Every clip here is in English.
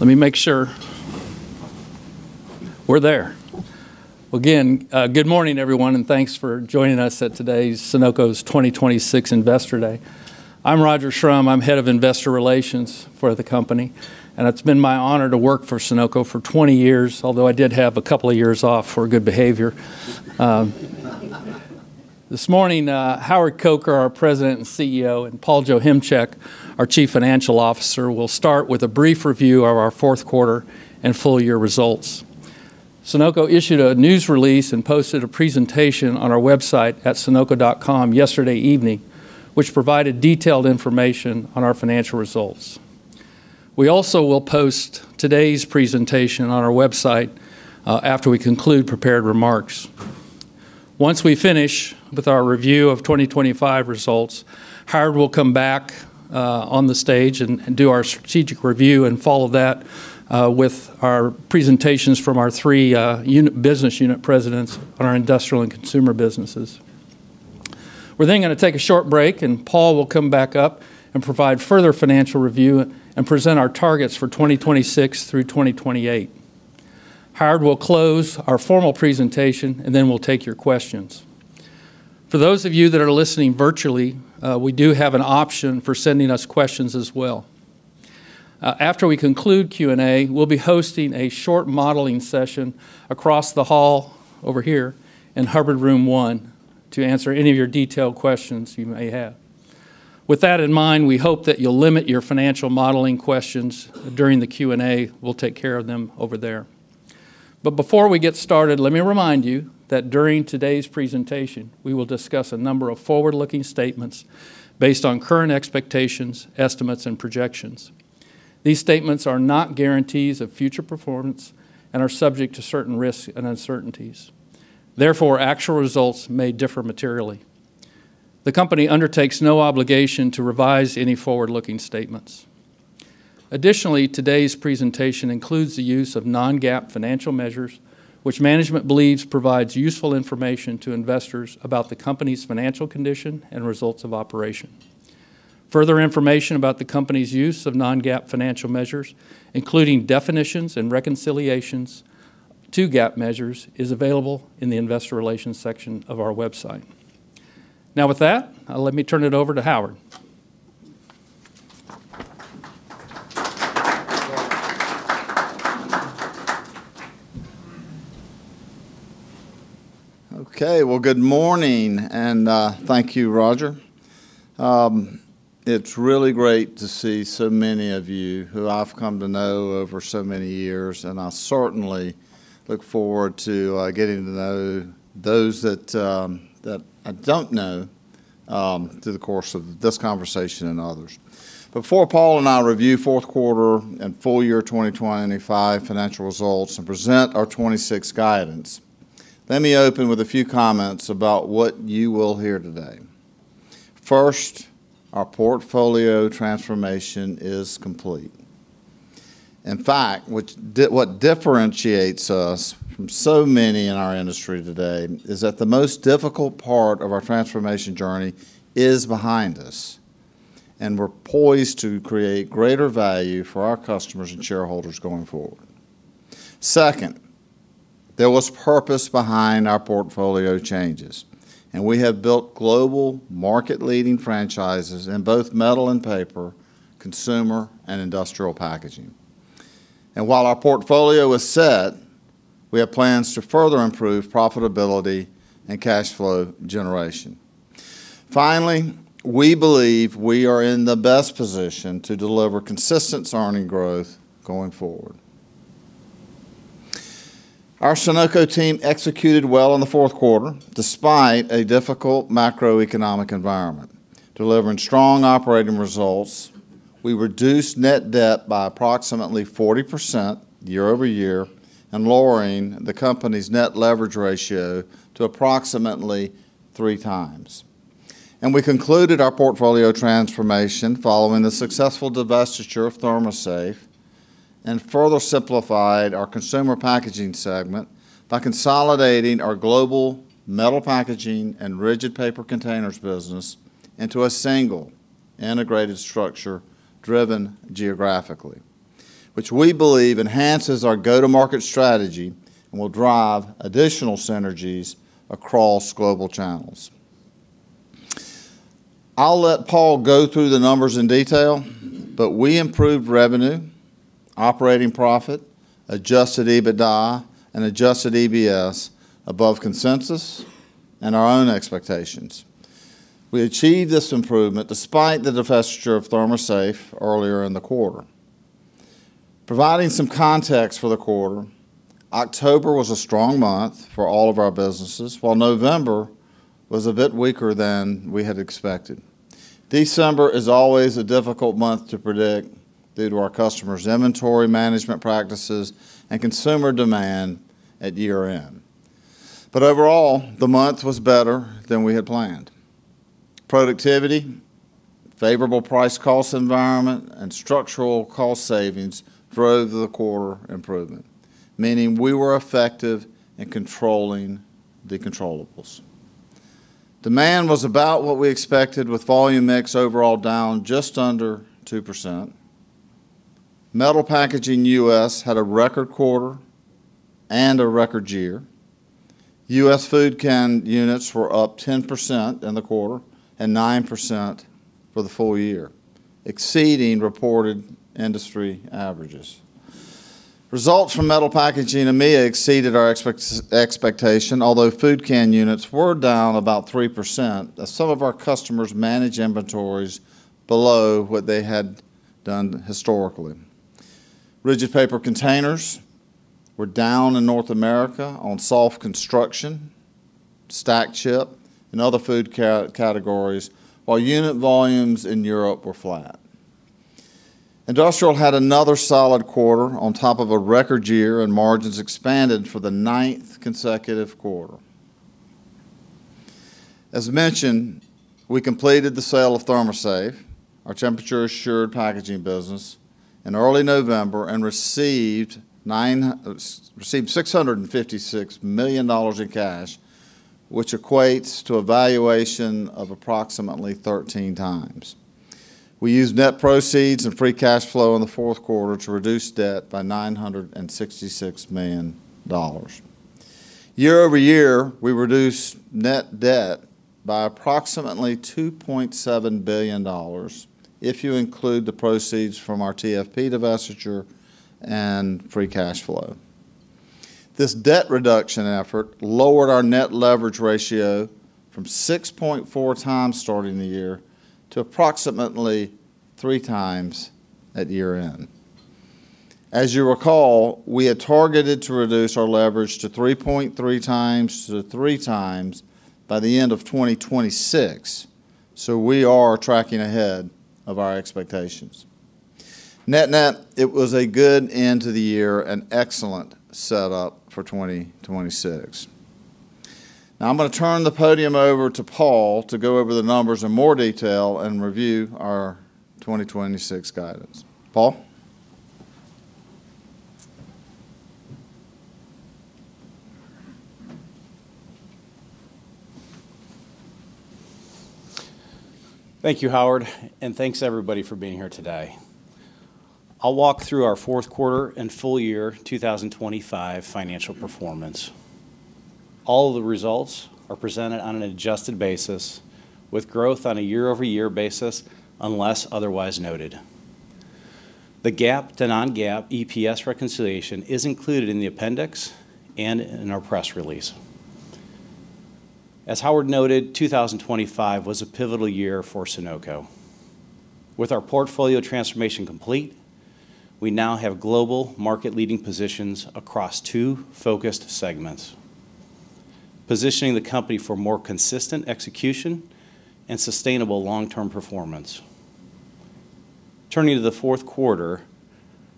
Let me make sure we're there. Again, good morning, everyone, and thanks for joining us at today's Sonoco's 2026 Investor Day. I'm Roger Schrum, I'm Head of Investor Relations for the company, and it's been my honor to work for Sonoco for 20 years, although I did have a couple of years off for good behavior. This morning, Howard Coker, our President and CEO, and Paul Joachimczyk, our Chief Financial Officer, will start with a brief review of our fourth quarter and full year results. Sonoco issued a news release and posted a presentation on our website at sonoco.com yesterday evening, which provided detailed information on our financial results. We also will post today's presentation on our website after we conclude prepared remarks. Once we finish with our review of 2025 results, Howard will come back on the stage and do our strategic review, and follow that with our presentations from our three business unit presidents on our industrial and consumer businesses. We're then gonna take a short break, and Paul will come back up and provide further financial review, and present our targets for 2026 through 2028. Howard will close our formal presentation, and then we'll take your questions. For those of you that are listening virtually, we do have an option for sending us questions as well. After we conclude Q&A, we'll be hosting a short modeling session across the hall over here in Hubbard Room One, to answer any of your detailed questions you may have. With that in mind, we hope that you'll limit your financial modeling questions during the Q&A. We'll take care of them over there. But before we get started, let me remind you that during today's presentation, we will discuss a number of forward-looking statements based on current expectations, estimates, and projections. These statements are not guarantees of future performance and are subject to certain risks and uncertainties. Therefore, actual results may differ materially. The company undertakes no obligation to revise any forward-looking statements. Additionally, today's presentation includes the use of non-GAAP financial measures, which management believes provides useful information to investors about the company's financial condition and results of operation. Further information about the company's use of non-GAAP financial measures, including definitions and reconciliations to GAAP measures, is available in the Investor Relations section of our website. Now, with that, let me turn it over to Howard. Okay. Well, good morning, and thank you, Roger. It's really great to see so many of you who I've come to know over so many years, and I certainly look forward to getting to know those that I don't know through the course of this conversation and others. Before Paul and I review fourth quarter and full year 2025 financial results and present our 2026 guidance, let me open with a few comments about what you will hear today. First, our portfolio transformation is complete. In fact, what differentiates us from so many in our industry today is that the most difficult part of our transformation journey is behind us, and we're poised to create greater value for our customers and shareholders going forward. Second, there was purpose behind our portfolio changes, and we have built global market-leading franchises in both metal and paper, consumer and industrial packaging. While our portfolio is set, we have plans to further improve profitability and cash flow generation. Finally, we believe we are in the best position to deliver consistent earning growth going forward. Our Sonoco team executed well in the fourth quarter, despite a difficult macroeconomic environment. Delivering strong operating results, we reduced net debt by approximately 40% year-over-year, and lowering the company's net leverage ratio to approximately 3x. We concluded our portfolio transformation following the successful divestiture of ThermoSafe, and further simplified our consumer packaging segment by consolidating our global metal packaging and rigid paper containers business into a single, integrated structure driven geographically, which we believe enhances our go-to-market strategy and will drive additional synergies across global channels. I'll let Paul go through the numbers in detail, but we improved revenue, operating profit, adjusted EBITDA, and adjusted EPS above consensus and our own expectations. We achieved this improvement despite the divestiture of ThermoSafe earlier in the quarter. Providing some context for the quarter, October was a strong month for all of our businesses, while November was a bit weaker than we had expected. December is always a difficult month to predict due to our customers' inventory management practices and consumer demand at year-end. But overall, the month was better than we had planned. Productivity, favorable price cost environment, and structural cost savings drove the quarter improvement, meaning we were effective in controlling the controllables.... Demand was about what we expected, with volume mix overall down just under 2%. Metal Packaging U.S. had a record quarter and a record year. U.S. food can units were up 10% in the quarter and 9% for the full year, exceeding reported industry averages. Results from Metal Packaging EMEA exceeded our expectation, although food can units were down about 3%, as some of our customers managed inventories below what they had done historically. Rigid paper containers were down in North America on soft construction, stack chip, and other food categories, while unit volumes in Europe were flat. Industrial had another solid quarter on top of a record year, and margins expanded for the ninth consecutive quarter. As mentioned, we completed the sale of ThermoSafe, our temperature-assured packaging business, in early November and received $656 million in cash, which equates to a valuation of approximately 13x. We used net proceeds and free cash flow in the fourth quarter to reduce debt by $966 million. Year-over-year, we reduced net debt by approximately $2.7 billion if you include the proceeds from our TFP divestiture and free cash flow. This debt reduction effort lowered our net leverage ratio from 6.4x starting the year to approximately 3x at year-end. As you recall, we had targeted to reduce our leverage to 3.3x-3x by the end of 2026, so we are tracking ahead of our expectations. Net-net, it was a good end to the year and excellent setup for 2026. Now, I'm gonna turn the podium over to Paul to go over the numbers in more detail and review our 2026 guidance. Paul? Thank you, Howard, and thanks, everybody, for being here today. I'll walk through our fourth quarter and full year 2025 financial performance. All the results are presented on an adjusted basis, with growth on a year-over-year basis, unless otherwise noted. The GAAP to non-GAAP EPS reconciliation is included in the appendix and in our press release. As Howard noted, 2025 was a pivotal year for Sonoco. With our portfolio transformation complete, we now have global market-leading positions across two focused segments, positioning the company for more consistent execution and sustainable long-term performance. Turning to the fourth quarter,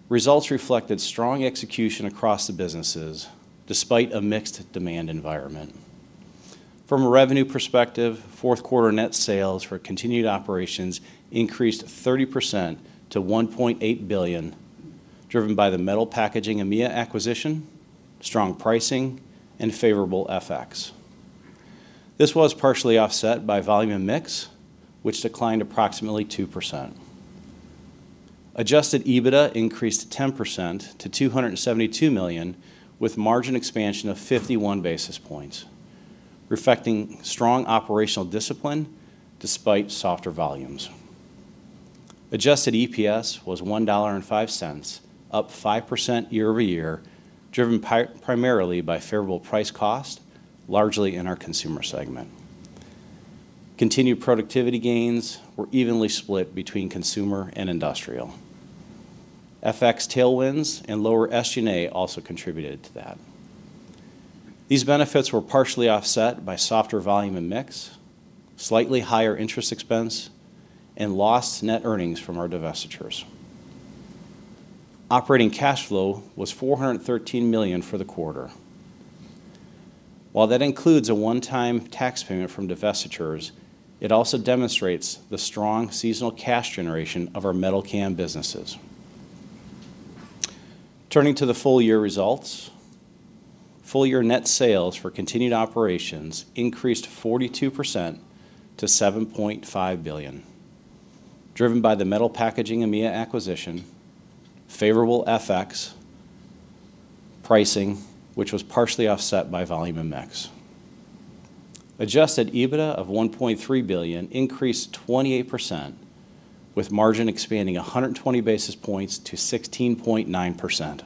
results reflected strong execution across the businesses, despite a mixed demand environment. From a revenue perspective, fourth quarter net sales for continued operations increased 30% to $1.8 billion, driven by the Metal Packaging EMEA acquisition, strong pricing, and favorable FX. This was partially offset by volume and mix, which declined approximately 2%. Adjusted EBITDA increased 10% to $272 million, with margin expansion of 51 basis points, reflecting strong operational discipline despite softer volumes. Adjusted EPS was $1.05, up 5% year-over-year, driven primarily by favorable price cost, largely in our consumer segment. Continued productivity gains were evenly split between consumer and industrial. FX tailwinds and lower SG&A also contributed to that. These benefits were partially offset by softer volume and mix, slightly higher interest expense, and lost net earnings from our divestitures. Operating cash flow was $413 million for the quarter. While that includes a one-time tax payment from divestitures, it also demonstrates the strong seasonal cash generation of our metal can businesses. Turning to the full year results, full year net sales for continued operations increased 42% to $7.5 billion, driven by the Metal Packaging EMEA acquisition, favorable FX, pricing, which was partially offset by volume and mix. Adjusted EBITDA of $1.3 billion increased 28%, with margin expanding 120 basis points to 16.9%.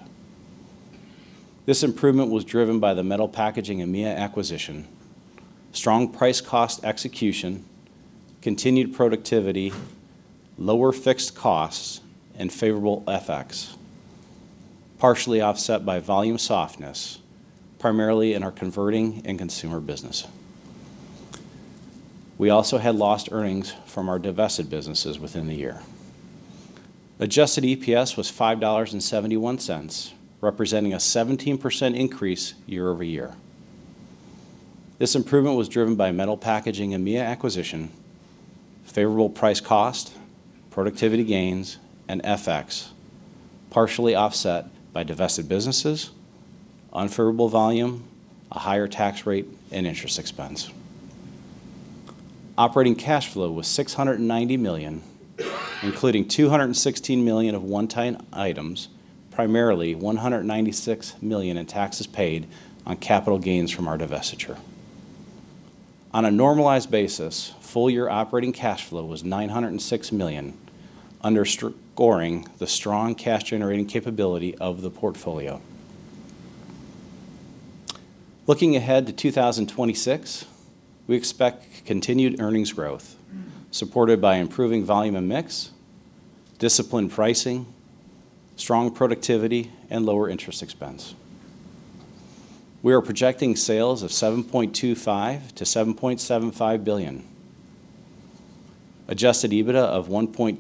This improvement was driven by the Metal Packaging EMEA acquisition, strong price cost execution, continued productivity, lower fixed costs, and favorable FX, partially offset by volume softness, primarily in our converting and consumer business. We also had lost earnings from our divested businesses within the year. Adjusted EPS was $5.71, representing a 17% increase year-over-year. This improvement was driven by Metal Packaging EMEA acquisition-... favorable price cost, productivity gains, and FX, partially offset by divested businesses, unfavorable volume, a higher tax rate, and interest expense. Operating cash flow was $690 million, including $216 million of one-time items, primarily $196 million in taxes paid on capital gains from our divestiture. On a normalized basis, full-year operating cash flow was $906 million, underscoring the strong cash-generating capability of the portfolio. Looking ahead to 2026, we expect continued earnings growth, supported by improving volume and mix, disciplined pricing, strong productivity, and lower interest expense. We are projecting sales of $7.25 billion-$7.75 billion, Adjusted EBITDA of $1.25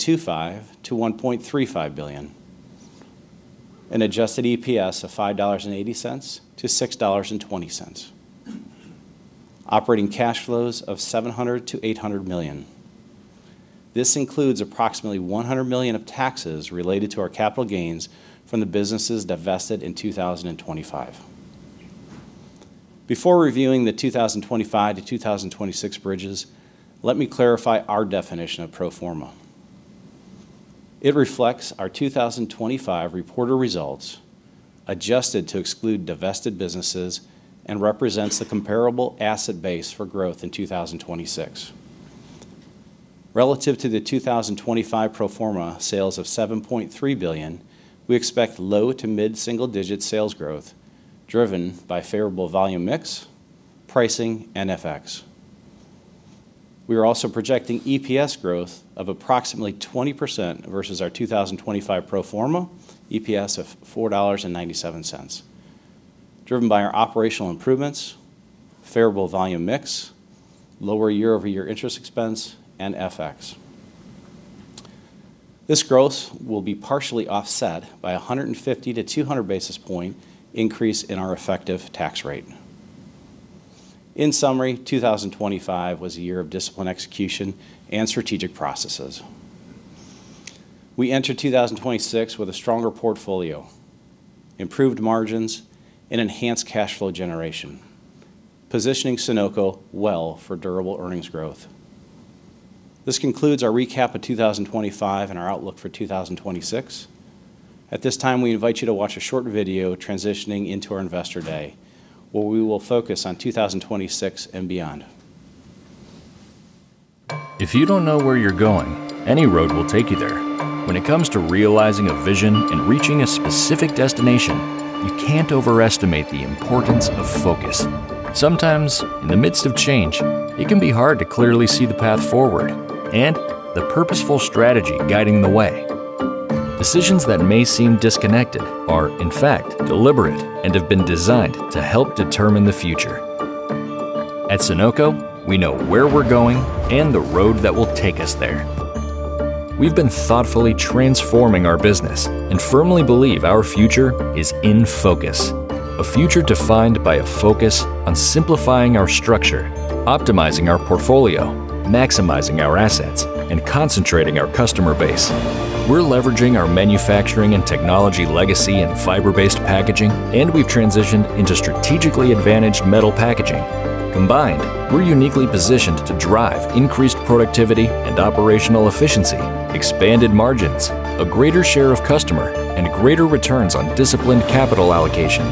billion-$1.35 billion, an Adjusted EPS of $5.80-$6.20, operating cash flows of $700 million-$800 million. This includes approximately $100 million of taxes related to our capital gains from the businesses divested in 2025. Before reviewing the 2025-2026 bridges, let me clarify our definition of pro forma. It reflects our 2025 reported results, adjusted to exclude divested businesses, and represents the comparable asset base for growth in 2026. Relative to the 2025 pro forma sales of $7.3 billion, we expect low- to mid-single-digit sales growth, driven by favorable volume mix, pricing, and FX. We are also projecting EPS growth of approximately 20% versus our 2025 pro forma EPS of $4.97, driven by our operational improvements, favorable volume mix, lower year-over-year interest expense, and FX. This growth will be partially offset by a 150-200 basis point increase in our effective tax rate. In summary, 2025 was a year of disciplined execution and strategic processes. We enter 2026 with a stronger portfolio, improved margins, and enhanced cash flow generation, positioning Sonoco well for durable earnings growth. This concludes our recap of 2025 and our outlook for 2026. At this time, we invite you to watch a short video transitioning into our Investor Day, where we will focus on 2026 and beyond. If you don't know where you're going, any road will take you there. When it comes to realizing a vision and reaching a specific destination, you can't overestimate the importance of focus. Sometimes, in the midst of change, it can be hard to clearly see the path forward and the purposeful strategy guiding the way. Decisions that may seem disconnected are, in fact, deliberate and have been designed to help determine the future. At Sonoco, we know where we're going and the road that will take us there. We've been thoughtfully transforming our business and firmly believe our future is in focus, a future defined by a focus on simplifying our structure, optimizing our portfolio, maximizing our assets, and concentrating our customer base. We're leveraging our manufacturing and technology legacy in fiber-based packaging, and we've transitioned into strategically advantaged metal packaging. Combined, we're uniquely positioned to drive increased productivity and operational efficiency, expanded margins, a greater share of customer, and greater returns on disciplined capital allocation.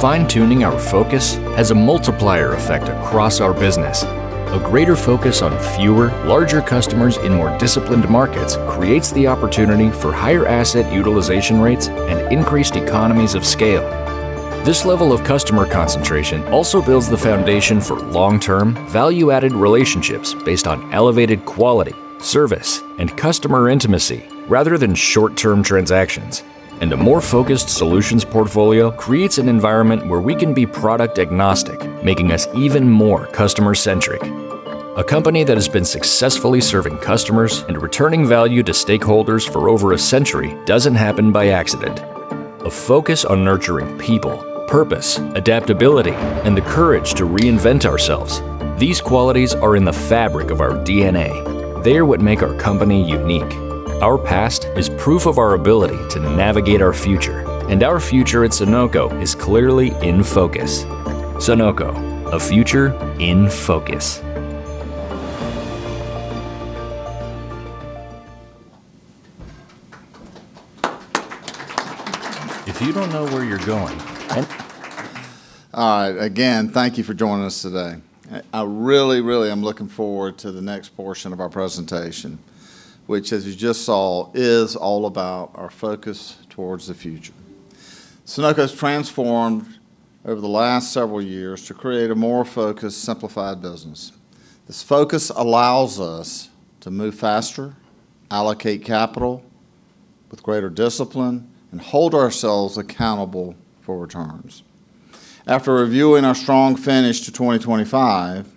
Fine-tuning our focus has a multiplier effect across our business. A greater focus on fewer, larger customers in more disciplined markets creates the opportunity for higher asset utilization rates and increased economies of scale. This level of customer concentration also builds the foundation for long-term, value-added relationships based on elevated quality, service, and customer intimacy, rather than short-term transactions. A more focused solutions portfolio creates an environment where we can be product-agnostic, making us even more customer-centric. A company that has been successfully serving customers and returning value to stakeholders for over a century doesn't happen by accident. A focus on nurturing people, purpose, adaptability, and the courage to reinvent ourselves, these qualities are in the fabric of our DNA. They are what make our company unique. Our past is proof of our ability to navigate our future, and our future at Sonoco is clearly in focus. Sonoco, a future in focus. If you don't know where you're going, and- All right. Again, thank you for joining us today. I, I really, really am looking forward to the next portion of our presentation, which, as you just saw, is all about our focus towards the future. Sonoco's transformed over the last several years to create a more focused, simplified business. This focus allows us to move faster, allocate capital with greater discipline, and hold ourselves accountable for returns. After reviewing our strong finish to 2025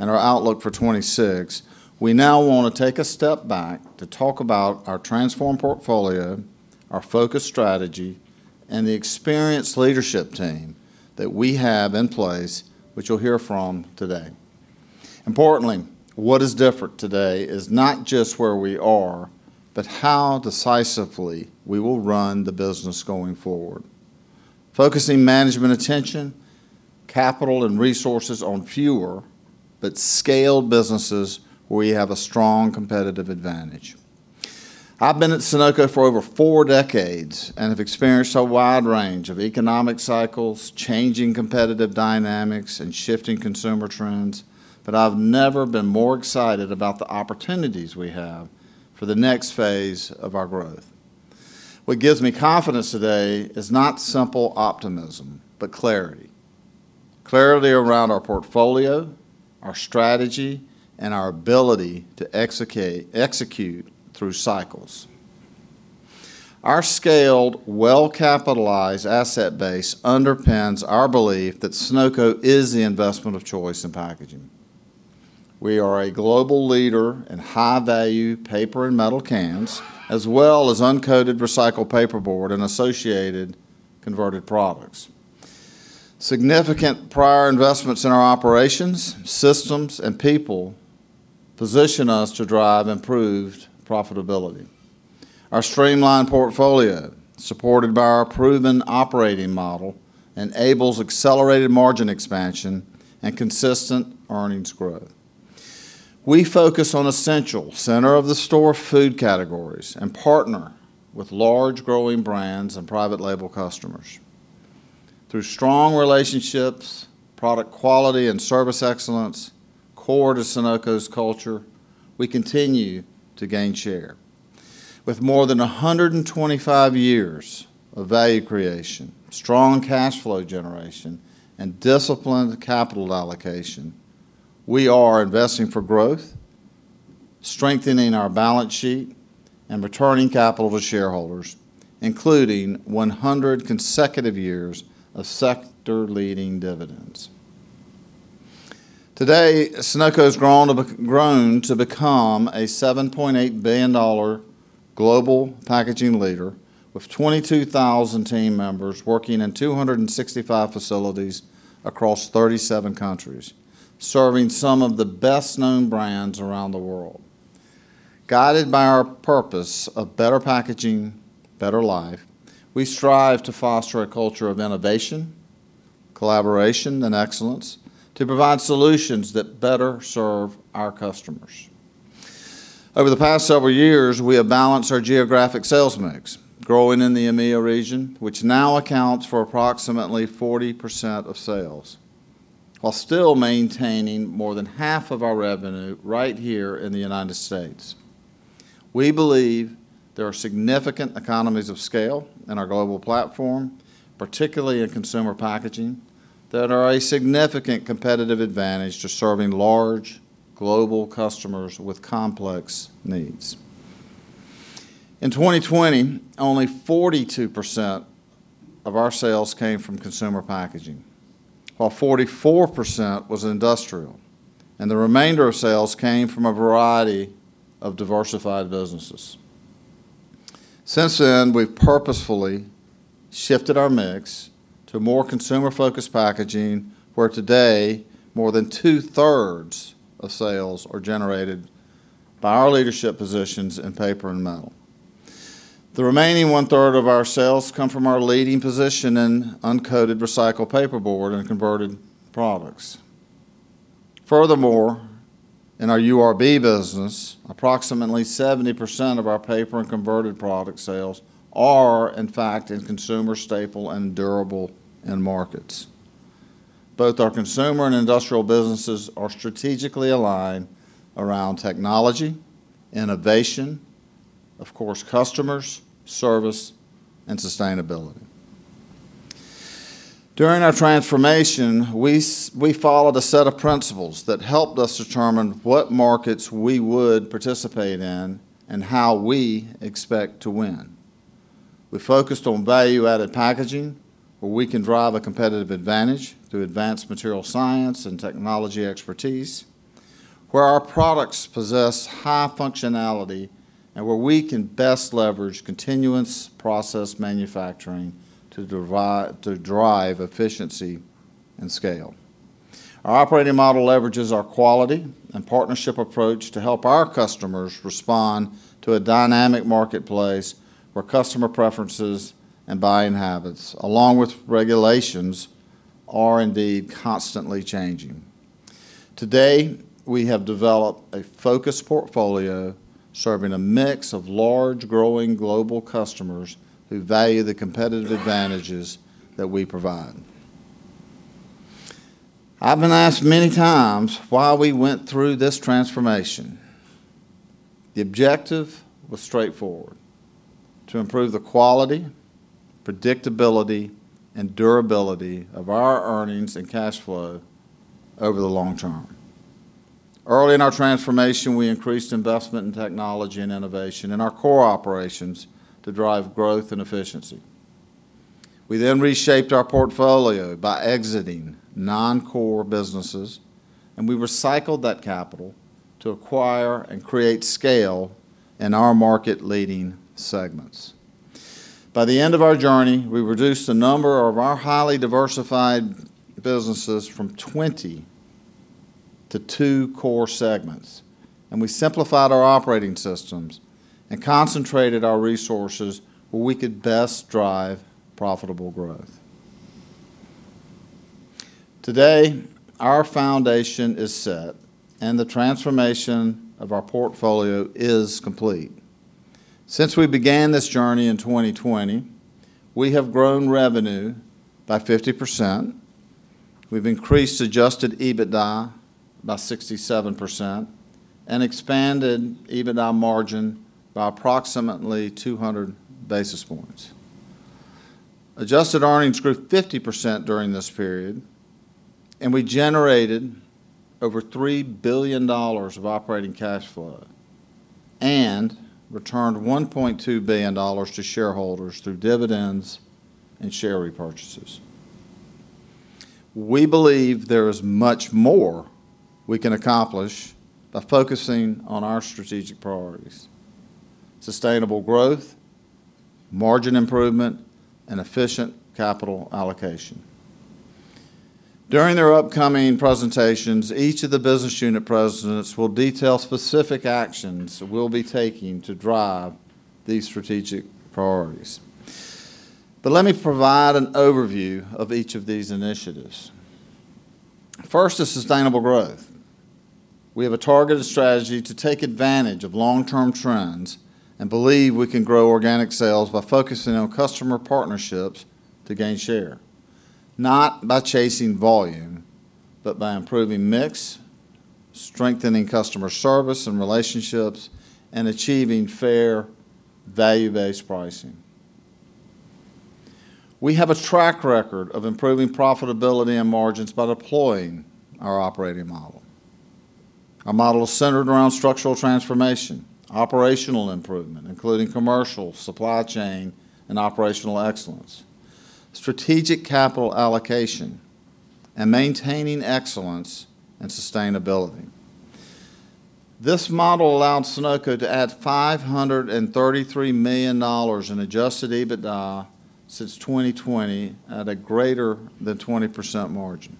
and our outlook for 2026, we now wanna take a step back to talk about our transformed portfolio, our focus strategy... and the experienced leadership team that we have in place, which you'll hear from today. Importantly, what is different today is not just where we are, but how decisively we will run the business going forward. Focusing management attention, capital, and resources on fewer but scaled businesses where we have a strong competitive advantage. I've been at Sonoco for over four decades and have experienced a wide range of economic cycles, changing competitive dynamics, and shifting consumer trends, but I've never been more excited about the opportunities we have for the next phase of our growth. What gives me confidence today is not simple optimism, but clarity. Clarity around our portfolio, our strategy, and our ability to execute through cycles. Our scaled, well-capitalized asset base underpins our belief that Sonoco is the investment of choice in packaging. We are a global leader in high-value paper and metal cans, as well as uncoated recycled paperboard and associated converted products. Significant prior investments in our operations, systems, and people position us to drive improved profitability. Our streamlined portfolio, supported by our proven operating model, enables accelerated margin expansion and consistent earnings growth. We focus on essential, center-of-the-store food categories and partner with large, growing brands and private label customers. Through strong relationships, product quality, and service excellence, core to Sonoco's culture, we continue to gain share. With more than 125 years of value creation, strong cash flow generation, and disciplined capital allocation, we are investing for growth, strengthening our balance sheet, and returning capital to shareholders, including 100 consecutive years of sector-leading dividends. Today, Sonoco has grown to become a $7.8 billion global packaging leader with 22,000 team members working in 265 facilities across 37 countries, serving some of the best-known brands around the world. Guided by our purpose of better packaging, better life, we strive to foster a culture of innovation, collaboration, and excellence to provide solutions that better serve our customers. Over the past several years, we have balanced our geographic sales mix, growing in the EMEA region, which now accounts for approximately 40% of sales, while still maintaining more than half of our revenue right here in the United States. We believe there are significant economies of scale in our global platform, particularly in consumer packaging, that are a significant competitive advantage to serving large, global customers with complex needs. In 2020, only 42% of our sales came from consumer packaging, while 44% was industrial, and the remainder of sales came from a variety of diversified businesses. Since then, we've purposefully shifted our mix to a more consumer-focused packaging, where today, more than two-thirds of sales are generated by our leadership positions in paper and metal. The remaining one-third of our sales come from our leading position in uncoated recycled paperboard and converted products. Furthermore, in our URB business, approximately 70% of our paper and converted product sales are, in fact, in consumer staple and durable end markets. Both our consumer and industrial businesses are strategically aligned around technology, innovation, of course, customers, service, and sustainability. During our transformation, we followed a set of principles that helped us determine what markets we would participate in and how we expect to win. We focused on value-added packaging, where we can drive a competitive advantage through advanced material science and technology expertise, where our products possess high functionality, and where we can best leverage continuous process manufacturing to drive efficiency and scale. Our operating model leverages our quality and partnership approach to help our customers respond to a dynamic marketplace where customer preferences and buying habits, along with regulations, are indeed constantly changing. Today, we have developed a focused portfolio serving a mix of large, growing global customers who value the competitive advantages that we provide. I've been asked many times why we went through this transformation. The objective was straightforward: to improve the quality, predictability, and durability of our earnings and cash flow over the long term. Early in our transformation, we increased investment in technology and innovation in our core operations to drive growth and efficiency. We then reshaped our portfolio by exiting non-core businesses... and we recycled that capital to acquire and create scale in our market-leading segments. By the end of our journey, we reduced the number of our highly diversified businesses from 20 to two core segments, and we simplified our operating systems and concentrated our resources where we could best drive profitable growth. Today, our foundation is set, and the transformation of our portfolio is complete. Since we began this journey in 2020, we have grown revenue by 50%. We've increased Adjusted EBITDA by 67% and expanded EBITDA margin by approximately 200 basis points. Adjusted earnings grew 50% during this period, and we generated over $3 billion of operating cash flow and returned $1.2 billion to shareholders through dividends and share repurchases. We believe there is much more we can accomplish by focusing on our strategic priorities: sustainable growth, margin improvement, and efficient capital allocation. During their upcoming presentations, each of the business unit presidents will detail specific actions we'll be taking to drive these strategic priorities. But let me provide an overview of each of these initiatives. First is sustainable growth. We have a targeted strategy to take advantage of long-term trends and believe we can grow organic sales by focusing on customer partnerships to gain share, not by chasing volume, but by improving mix, strengthening customer service and relationships, and achieving fair, value-based pricing. We have a track record of improving profitability and margins by deploying our operating model. Our model is centered around structural transformation, operational improvement, including commercial, supply chain, and operational excellence, strategic capital allocation, and maintaining excellence and sustainability. This model allowed Sonoco to add $533 million in Adjusted EBITDA since 2020 at a greater than 20% margin.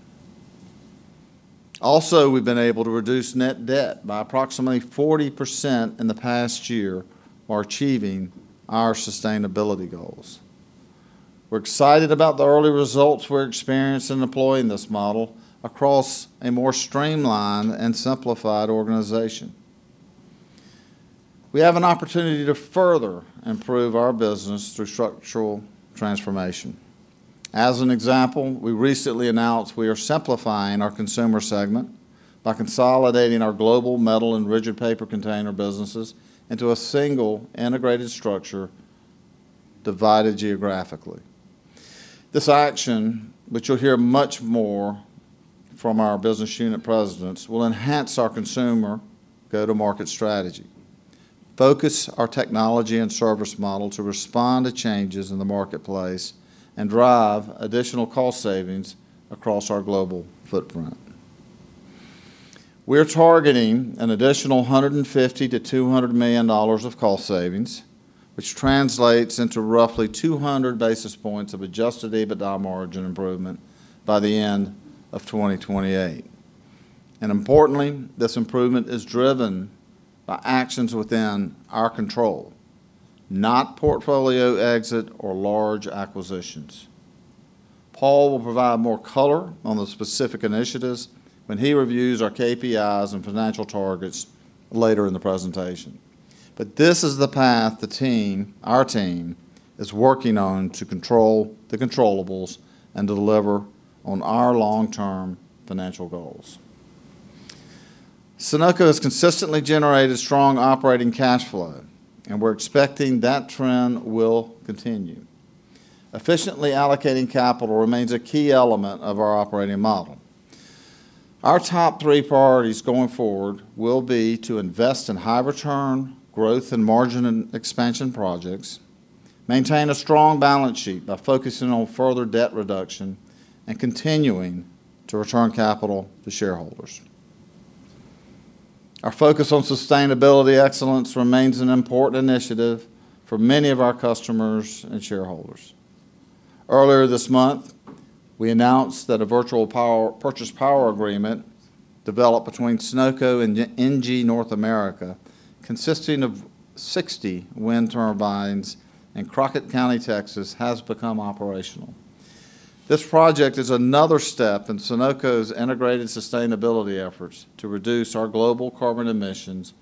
Also, we've been able to reduce net debt by approximately 40% in the past year while achieving our sustainability goals. We're excited about the early results we're experiencing in deploying this model across a more streamlined and simplified organization. We have an opportunity to further improve our business through structural transformation. As an example, we recently announced we are simplifying our consumer segment by consolidating our global metal and rigid paper container businesses into a single, integrated structure, divided geographically. This action, which you'll hear much more from our business unit presidents, will enhance our consumer go-to-market strategy, focus our technology and service model to respond to changes in the marketplace, and drive additional cost savings across our global footprint. We're targeting an additional $150 million-$200 million of cost savings, which translates into roughly 200 basis points of adjusted EBITDA margin improvement by the end of 2028. Importantly, this improvement is driven by actions within our control, not portfolio exit or large acquisitions. Paul will provide more color on the specific initiatives when he reviews our KPIs and financial targets later in the presentation. This is the path the team, our team, is working on to control the controllables and deliver on our long-term financial goals. Sonoco has consistently generated strong operating cash flow, and we're expecting that trend will continue. Efficiently allocating capital remains a key element of our operating model. Our top three priorities going forward will be to invest in high-return growth and margin expansion projects, maintain a strong balance sheet by focusing on further debt reduction, and continuing to return capital to shareholders. Our focus on sustainability excellence remains an important initiative for many of our customers and shareholders. Earlier this month, we announced that a virtual power purchase agreement developed between Sonoco and ENGIE North America, consisting of 60 wind turbines in Crockett County, Texas, has become operational. This project is another step in Sonoco's integrated sustainability efforts to reduce our global carbon emissions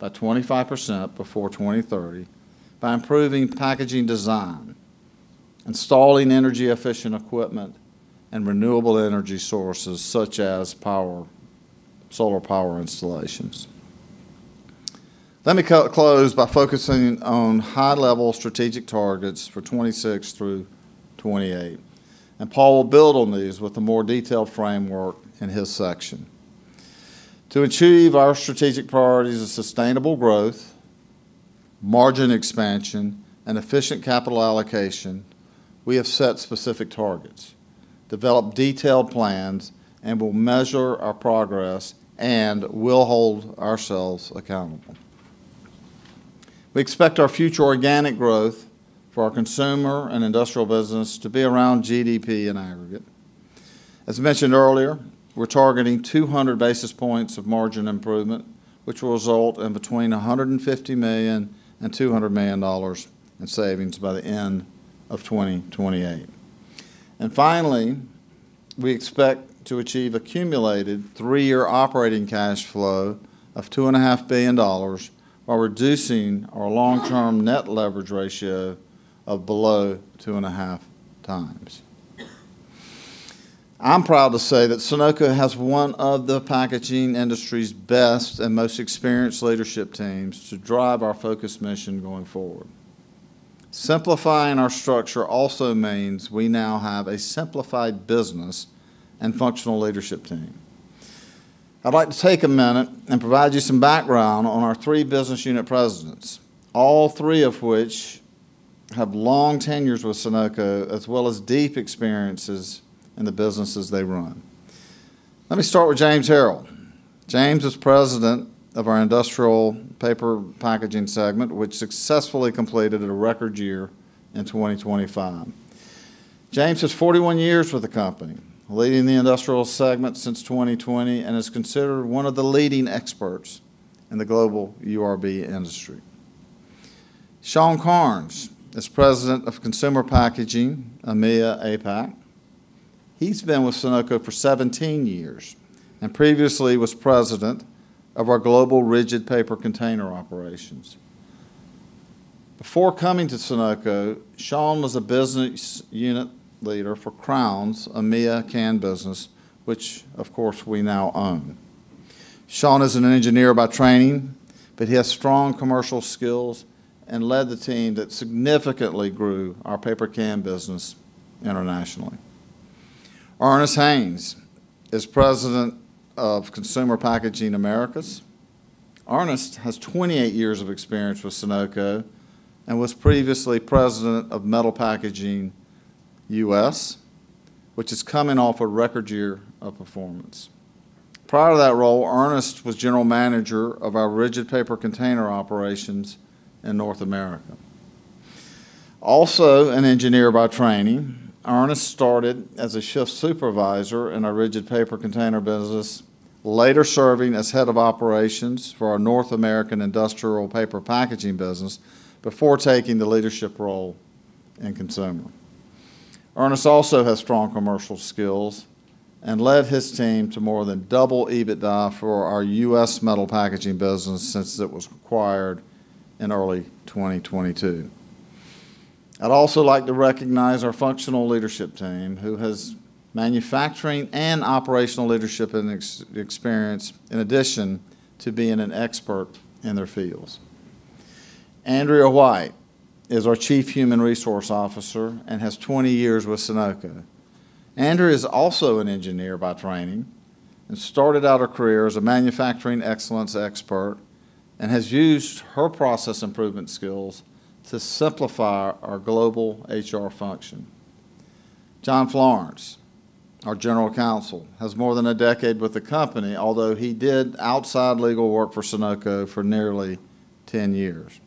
by 25% before 2030 by improving packaging design, installing energy-efficient equipment and renewable energy sources, such as solar power installations. Let me close by focusing on high-level strategic targets for 2026 through 2028, and Paul will build on these with a more detailed framework in his section. To achieve our strategic priorities of sustainable growth, margin expansion, and efficient capital allocation, we have set specific targets, developed detailed plans, and will measure our progress, and we'll hold ourselves accountable. We expect our future organic growth for our consumer and industrial business to be around GDP in aggregate. As mentioned earlier, we're targeting 200 basis points of margin improvement, which will result in between $150 million and $200 million in savings by the end of 2028. And finally, we expect to achieve accumulated three-year operating cash flow of $2.5 billion, while reducing our long-term net leverage ratio to below 2.5x. I'm proud to say that Sonoco has one of the packaging industry's best and most experienced leadership teams to drive our focused mission going forward. Simplifying our structure also means we now have a simplified business and functional leadership team. I'd like to take a minute and provide you some background on our three business unit presidents, all three of which have long tenures with Sonoco, as well as deep experiences in the businesses they run. Let me start with James Harrell. James is President of our Industrial Paper Packaging segment, which successfully completed a record year in 2025. James has 41 years with the company, leading the industrial segment since 2020, and is considered one of the leading experts in the global URB industry. Seàn Cairns is President of Consumer Packaging, EMEA, APAC. He's been with Sonoco for 17 years, and previously was President of our global rigid paper container operations. Before coming to Sonoco, Seàn was a business unit leader for Crown's EMEA can business, which of course, we now own. Sean is an engineer by training, but he has strong commercial skills and led the team that significantly grew our paper can business internationally. Ernest Haynes is President of Consumer Packaging Americas. Ernest has 28 years of experience with Sonoco and was previously president of Metal Packaging US, which is coming off a record year of performance. Prior to that role, Ernest was General Manager of our rigid paper container operations in North America. Also, an engineer by training, Ernest started as a shift supervisor in our rigid paper container business, later serving as Head of Operations for our North American industrial paper packaging business before taking the leadership role in consumer. Ernest also has strong commercial skills and led his team to more than double EBITDA for our US metal packaging business since it was acquired in early 2022. I'd also like to recognize our functional leadership team, who has manufacturing and operational leadership and experience, in addition to being an expert in their fields. Andrea White is our Chief Human Resource Officer and has 20 years with Sonoco. Andrea is also an engineer by training, and started out her career as a manufacturing excellence expert, and has used her process improvement skills to simplify our global HR function. John Florence, our General Counsel, has more than a decade with the company, although he did outside legal work for Sonoco for nearly 10 years.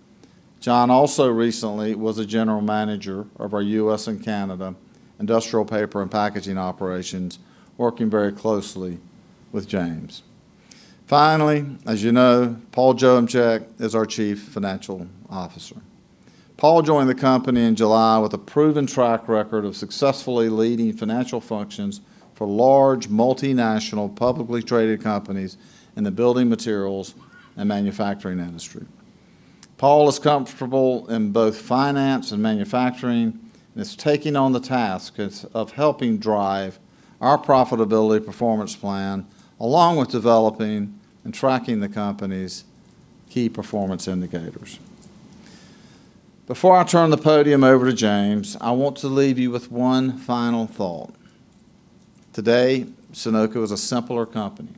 John also recently was a general manager of our US and Canada industrial paper and packaging operations, working very closely with James. Finally, as you know, Paul Joachimczyk is our Chief Financial Officer. Paul joined the company in July with a proven track record of successfully leading financial functions for large, multinational, publicly traded companies in the building materials and manufacturing industry. Paul is comfortable in both finance and manufacturing, and is taking on the task of helping drive our profitability performance plan, along with developing and tracking the company's key performance indicators. Before I turn the podium over to James, I want to leave you with one final thought. Today, Sonoco is a simpler company,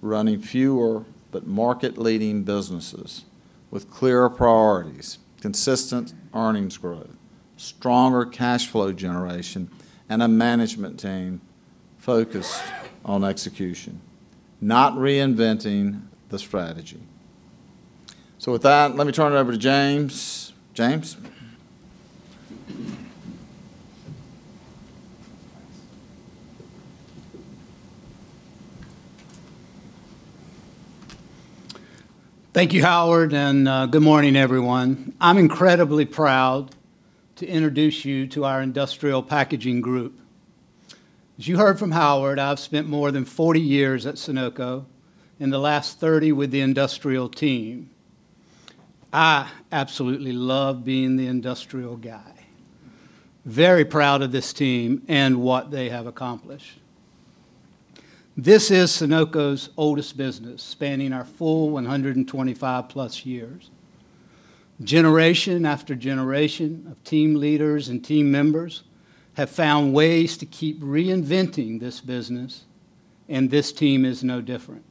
running fewer but market-leading businesses with clearer priorities, consistent earnings growth, stronger cash flow generation, and a management team focused on execution, not reinventing the strategy. So with that, let me turn it over to James. James? Thank you, Howard, and good morning, everyone. I'm incredibly proud to introduce you to our Industrial Packaging Group. As you heard from Howard, I've spent more than 40 years at Sonoco, and the last 30 with the industrial team. I absolutely love being the industrial guy. Very proud of this team and what they have accomplished. This is Sonoco's oldest business, spanning our full 125+ years. Generation after generation of team leaders and team members have found ways to keep reinventing this business and this team is no different.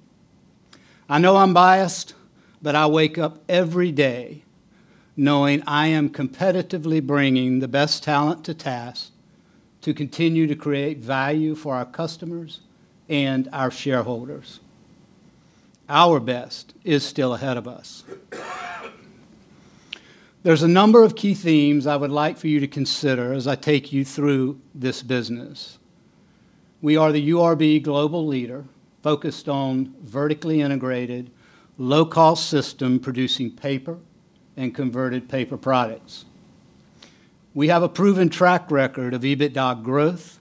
I know I'm biased, but I wake up every day knowing I am competitively bringing the best talent to task to continue to create value for our customers and our shareholders. Our best is still ahead of us. There's a number of key themes I would like for you to consider as I take you through this business. We are the URB global leader, focused on vertically integrated, low-cost system, producing paper and converted paper products. We have a proven track record of EBITDA growth,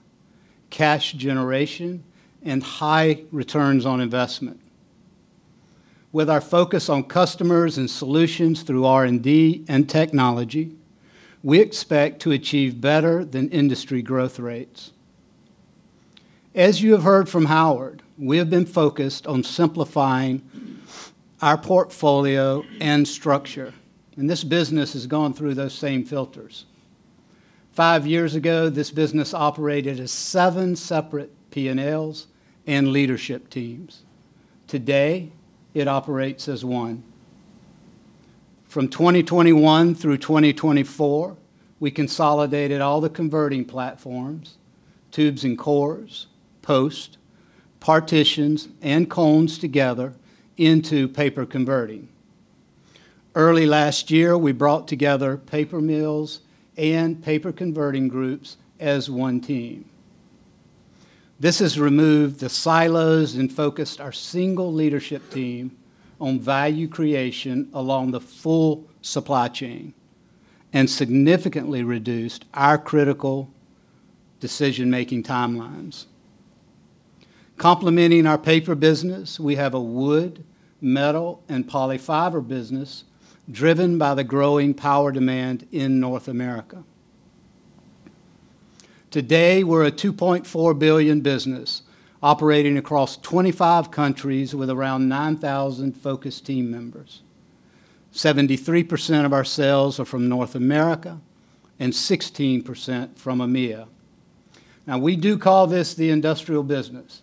cash generation, and high returns on investment. With our focus on customers and solutions through R&D and technology, we expect to achieve better than industry growth rates. As you have heard from Howard, we have been focused on simplifying our portfolio and structure, and this business has gone through those same filters. Five years ago, this business operated as seven separate PNLs and leadership teams. Today, it operates as one. From 2021 through 2024, we consolidated all the converting platforms, tubes and cores, post, partitions, and cones together into paper converting. Early last year, we brought together paper mills and paper converting groups as one team. This has removed the silos and focused our single leadership team on value creation along the full supply chain, and significantly reduced our critical decision-making timelines. Complementing our paper business, we have a wood, metal, and polyfiber business driven by the growing power demand in North America. Today, we're a $2.4 billion business, operating across 25 countries with around 9,000 focused team members. 73% of our sales are from North America, and 16% from EMEA. Now, we do call this the industrial business,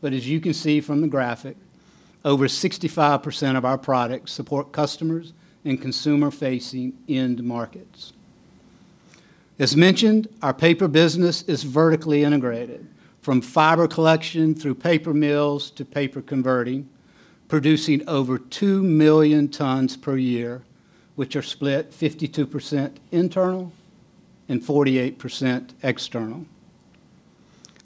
but as you can see from the graphic, over 65% of our products support customers and consumer-facing end markets. As mentioned, our paper business is vertically integrated, from fiber collection, through paper mills, to paper converting, producing over 2 million tons per year, which are split 52% internal and 48% external.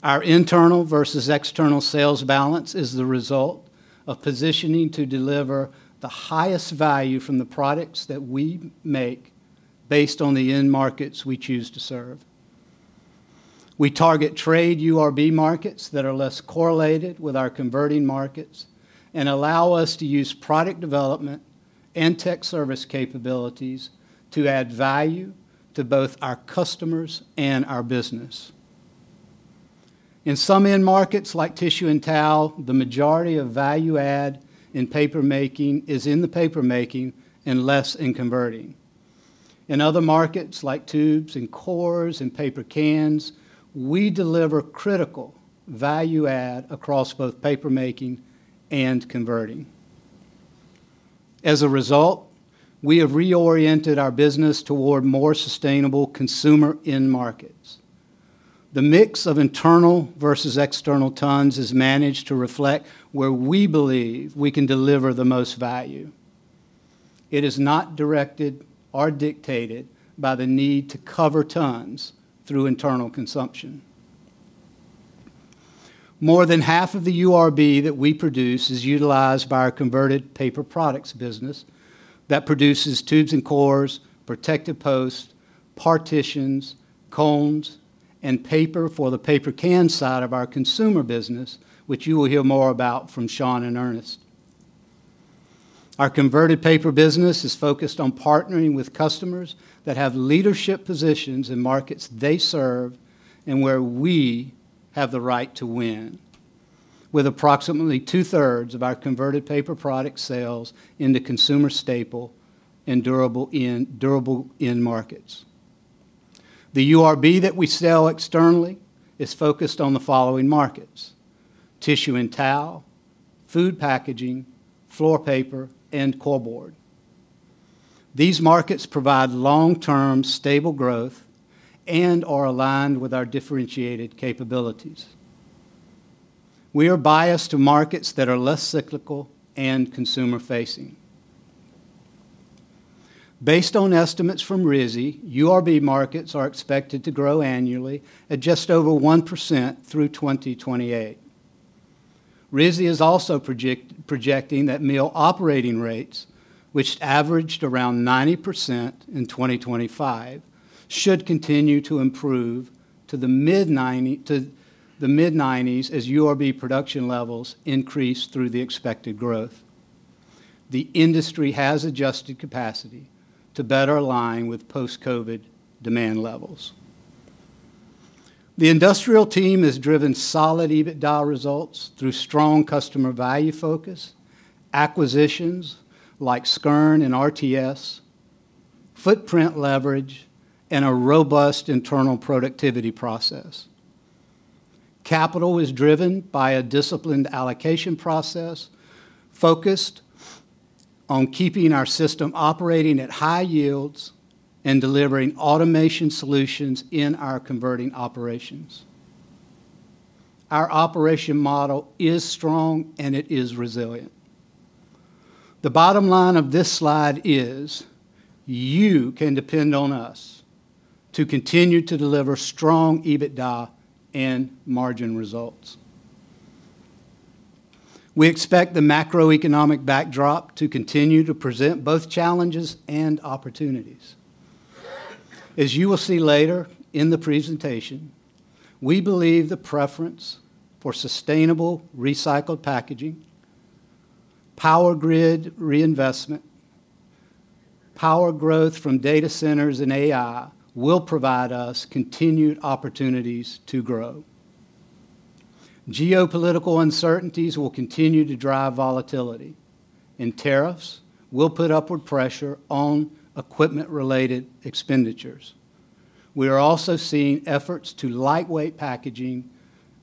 Our internal versus external sales balance is the result of positioning to deliver the highest value from the products that we make based on the end markets we choose to serve. We target trade URB markets that are less correlated with our converting markets, and allow us to use product development and tech service capabilities to add value to both our customers and our business. In some end markets, like tissue and towel, the majority of value add in paper making is in the paper making and less in converting. In other markets, like tubes and cores and paper cans, we deliver critical value add across both paper making and converting. As a result, we have reoriented our business toward more sustainable consumer end markets. The mix of internal versus external tons is managed to reflect where we believe we can deliver the most value. It is not directed or dictated by the need to cover tons through internal consumption. More than half of the URB that we produce is utilized by our converted paper products business, that produces tubes and cores, protective posts, partitions, cones, and paper for the paper can side of our consumer business, which you will hear more about from Sean and Ernest. Our converted paper business is focused on partnering with customers that have leadership positions in markets they serve, and where we have the right to win, with approximately two-thirds of our converted paper product sales in the consumer staple and durable end markets. The URB that we sell externally is focused on the following markets: tissue and towel, food packaging, floor paper, and core board. These markets provide long-term, stable growth and are aligned with our differentiated capabilities. We are biased to markets that are less cyclical and consumer-facing. Based on estimates from RISI, URB markets are expected to grow annually at just over 1% through 2028. RISI is also projecting that mill operating rates, which averaged around 90% in 2025, should continue to improve to the mid-90s as URB production levels increase through the expected growth. The industry has adjusted capacity to better align with post-COVID demand levels. The industrial team has driven solid EBITDA results through strong customer value focus, acquisitions like Skjern and RTS, footprint leverage, and a robust internal productivity process. Capital is driven by a disciplined allocation process, focused on keeping our system operating at high yields and delivering automation solutions in our converting operations. Our operation model is strong, and it is resilient. The bottom line of this slide is, you can depend on us to continue to deliver strong EBITDA and margin results. We expect the macroeconomic backdrop to continue to present both challenges and opportunities. As you will see later in the presentation, we believe the preference for sustainable recycled packaging, power grid reinvestment, power growth from data centers and AI will provide us continued opportunities to grow. Geopolitical uncertainties will continue to drive volatility, and tariffs will put upward pressure on equipment-related expenditures. We are also seeing efforts to lightweight packaging,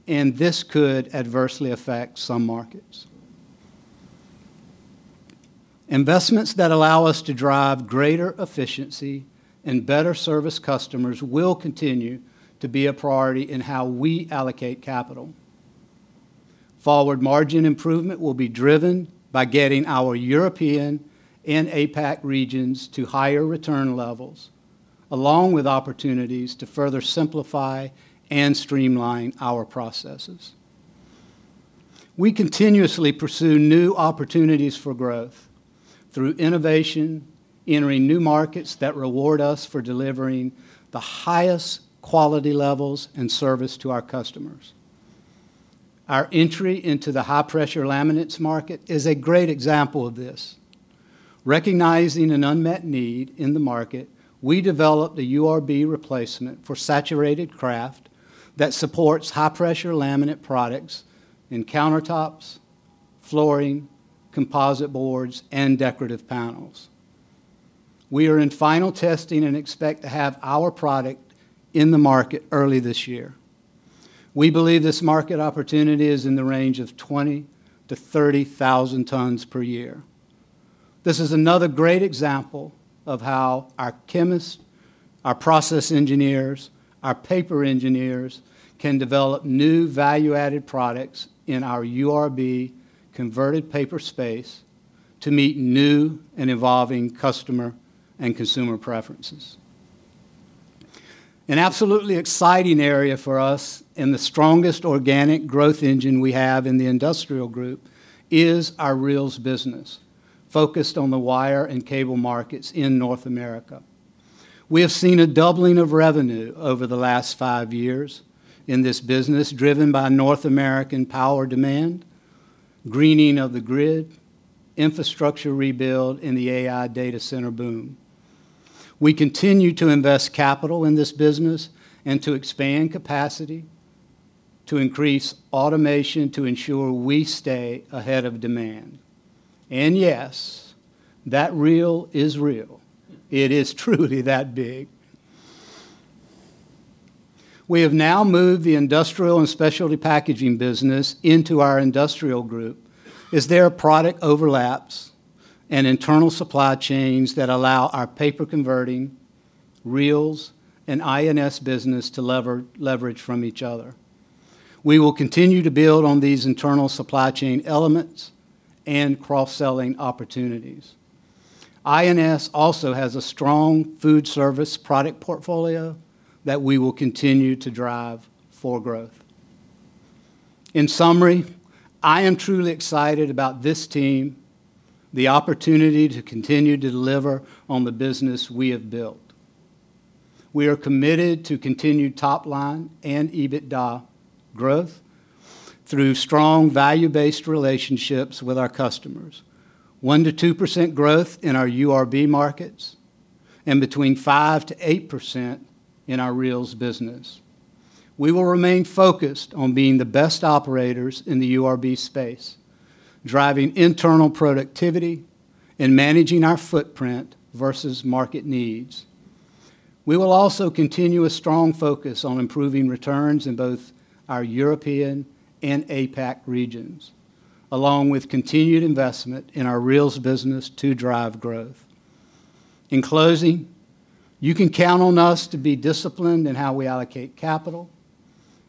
and this could adversely affect some markets. Investments that allow us to drive greater efficiency and better service customers will continue to be a priority in how we allocate capital. Forward margin improvement will be driven by getting our European and APAC regions to higher return levels, along with opportunities to further simplify and streamline our processes. We continuously pursue new opportunities for growth through innovation, entering new markets that reward us for delivering the highest quality levels and service to our customers. Our entry into the high-pressure laminates market is a great example of this. Recognizing an unmet need in the market, we developed a URB replacement for saturated kraft that supports high-pressure laminate products in countertops, flooring, composite boards, and decorative panels. We are in final testing and expect to have our product in the market early this year. We believe this market opportunity is in the range of 20,000-30,000 tons per year. This is another great example of how our chemists, our process engineers, our paper engineers, can develop new value-added products in our URB converted paper space to meet new and evolving customer and consumer preferences. An absolutely exciting area for us and the strongest organic growth engine we have in the industrial group is our reels business, focused on the wire and cable markets in North America. We have seen a doubling of revenue over the last five years in this business, driven by North American power demand, greening of the grid, infrastructure rebuild, and the AI data center boom. We continue to invest capital in this business and to expand capacity to increase automation to ensure we stay ahead of demand. And yes, that reel is real. It is truly that big. We have now moved the industrial and specialty packaging business into our industrial group, as there are product overlaps and internal supply chains that allow our paper-converting reels and I&S business to leverage from each other. We will continue to build on these internal supply chain elements and cross-selling opportunities. I&S also has a strong food service product portfolio that we will continue to drive for growth. In summary, I am truly excited about this team, the opportunity to continue to deliver on the business we have built. We are committed to continued top-line and EBITDA growth through strong value-based relationships with our customers. 1%-2% growth in our URB markets and between 5%-8% in our reels business. We will remain focused on being the best operators in the URB space, driving internal productivity and managing our footprint versus market needs. We will also continue a strong focus on improving returns in both our European and APAC regions, along with continued investment in our reels business to drive growth. In closing, you can count on us to be disciplined in how we allocate capital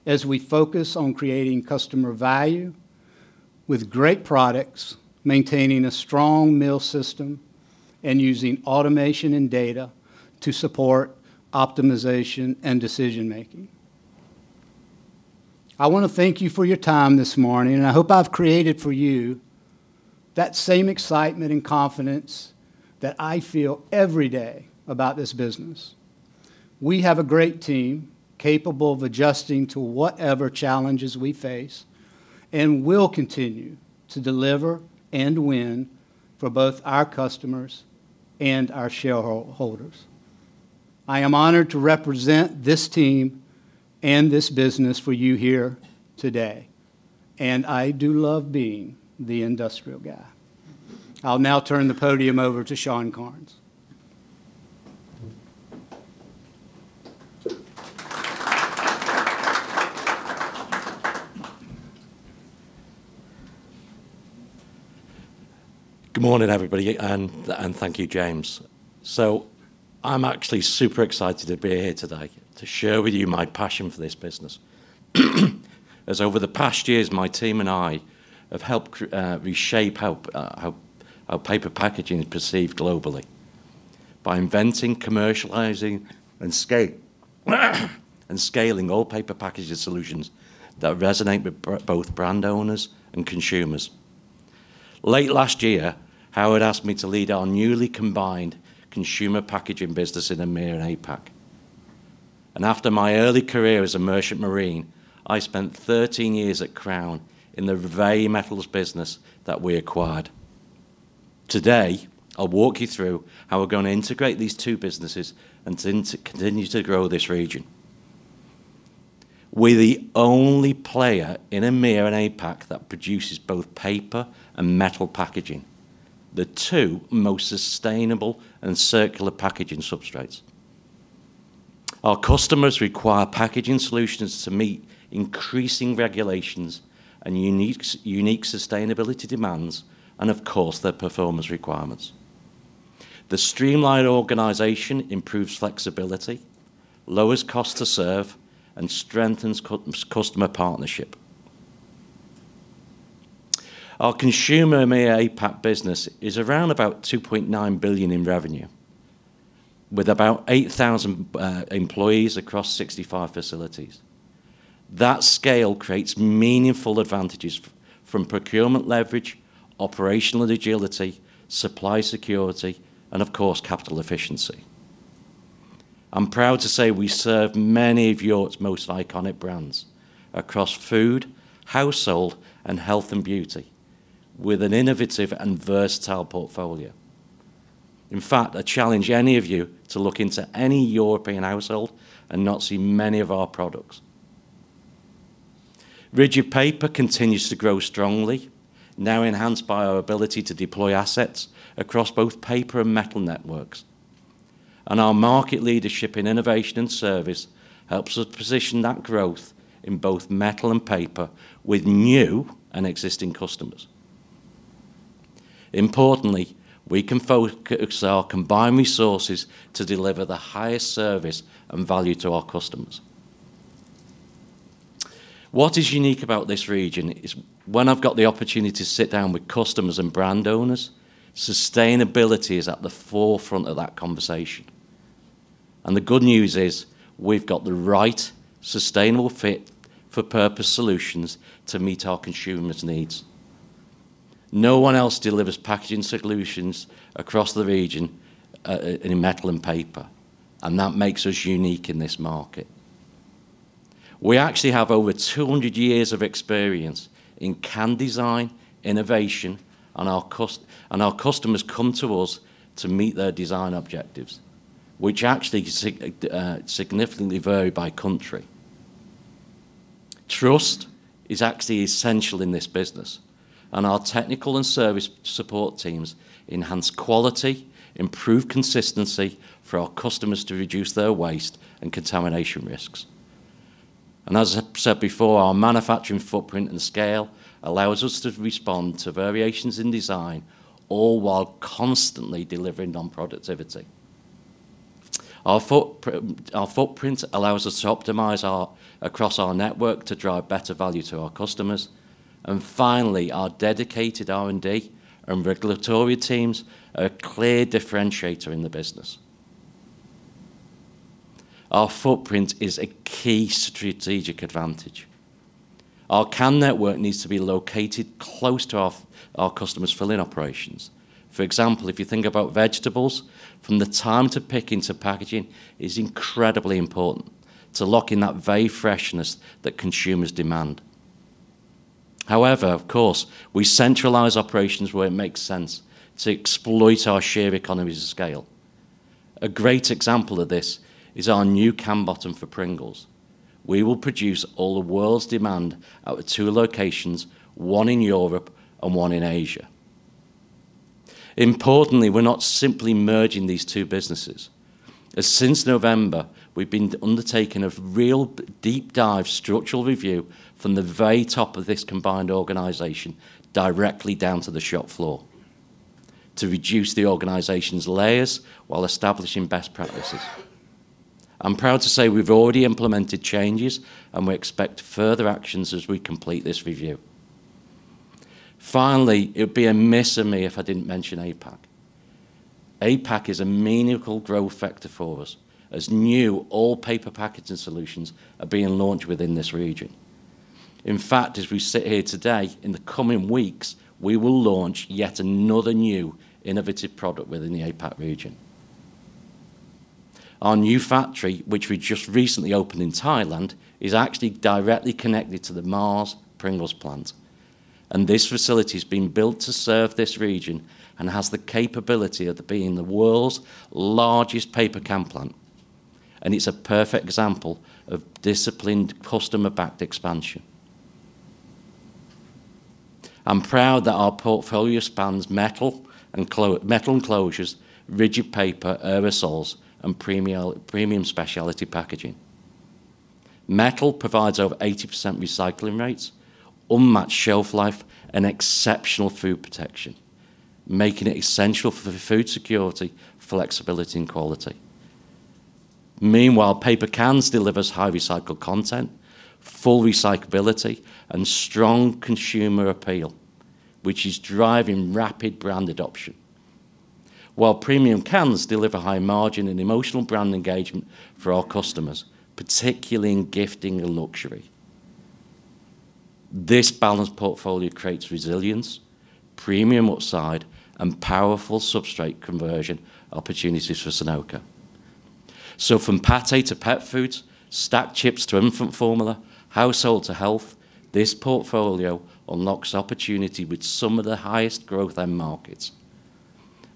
as we focus on creating customer value with great products, maintaining a strong mill system, and using automation and data to support optimization and decision-making. I want to thank you for your time this morning, and I hope I've created for you that same excitement and confidence that I feel every day about this business. We have a great team, capable of adjusting to whatever challenges we face, and we'll continue to deliver and win for both our customers and our shareholders... I am honored to represent this team and this business for you here today, and I do love being the industrial guy. I'll now turn the podium over to Seàn Cairns. Good morning, everybody, and thank you, James. So I'm actually super excited to be here today to share with you my passion for this business. As over the past years, my team and I have helped reshape how paper packaging is perceived globally by inventing, commercializing, and scaling all paper packaging solutions that resonate with both brand owners and consumers. Late last year, Howard asked me to lead our newly combined consumer packaging business in EMEA and APAC. And after my early career as a merchant marine, I spent 13 years at Crown in the very metals business that we acquired. Today, I'll walk you through how we're going to integrate these two businesses and continue to grow this region. We're the only player in EMEA and APAC that produces both paper and metal packaging, the two most sustainable and circular packaging substrates. Our customers require packaging solutions to meet increasing regulations and unique sustainability demands and, of course, their performance requirements. The streamlined organization improves flexibility, lowers cost to serve, and strengthens customer partnership. Our consumer EMEA-APAC business is around about $2.9 billion in revenue, with about 8,000 employees across 65 facilities. That scale creates meaningful advantages from procurement leverage, operational agility, supply security, and of course, capital efficiency. I'm proud to say we serve many of Europe's most iconic brands across food, household, and health and beauty with an innovative and versatile portfolio. In fact, I challenge any of you to look into any European household and not see many of our products. Rigid paper continues to grow strongly, now enhanced by our ability to deploy assets across both paper and metal networks. Our market leadership in innovation and service helps us position that growth in both metal and paper with new and existing customers. Importantly, we can focus our combined resources to deliver the highest service and value to our customers. What is unique about this region is when I've got the opportunity to sit down with customers and brand owners, sustainability is at the forefront of that conversation, and the good news is we've got the right sustainable fit-for-purpose solutions to meet our consumers' needs. No one else delivers packaging solutions across the region, in metal and paper, and that makes us unique in this market. We actually have over 200 years of experience in can design, innovation, and our customers come to us to meet their design objectives, which actually significantly vary by country. Trust is actually essential in this business, and our technical and service support teams enhance quality, improve consistency for our customers to reduce their waste and contamination risks. And as I've said before, our manufacturing footprint and scale allows us to respond to variations in design, all while constantly delivering on productivity. Our footprint allows us to optimize our, across our network to drive better value to our customers. And finally, our dedicated R&D and regulatory teams are a clear differentiator in the business. Our footprint is a key strategic advantage. Our can network needs to be located close to our, our customers' filling operations. For example, if you think about vegetables, from the time to pick into packaging is incredibly important to lock in that very freshness that consumers demand. However, of course, we centralize operations where it makes sense to exploit our shared economies of scale. A great example of this is our new can bottom for Pringles. We will produce all the world's demand at our two locations, one in Europe and one in Asia. Importantly, we're not simply merging these two businesses, as since November, we've been undertaking a real deep dive structural review from the very top of this combined organization, directly down to the shop floor, to reduce the organization's layers while establishing best practices. I'm proud to say we've already implemented changes, and we expect further actions as we complete this review. Finally, it would be amiss of me if I didn't mention APAC. APAC is a meaningful growth factor for us, as new all-paper packaging solutions are being launched within this region. In fact, as we sit here today, in the coming weeks, we will launch yet another new innovative product within the APAC region. Our new factory, which we just recently opened in Thailand, is actually directly connected to the Mars Pringles plant, and this facility has been built to serve this region and has the capability of being the world's largest paper can plant, and it's a perfect example of disciplined, customer-backed expansion. I'm proud that our portfolio spans metal and closures, metal enclosures, rigid paper, aerosols, and premium specialty packaging. Metal provides over 80% recycling rates, unmatched shelf life, and exceptional food protection, making it essential for food security, flexibility, and quality. Meanwhile, paper cans delivers high recycled content, full recyclability, and strong consumer appeal, which is driving rapid brand adoption. While premium cans deliver high margin and emotional brand engagement for our customers, particularly in gifting and luxury. This balanced portfolio creates resilience, premium upside, and powerful substrate conversion opportunities for Sonoco. So from pâté to pet foods, stacked chips to infant formula, household to health, this portfolio unlocks opportunity with some of the highest growth end markets.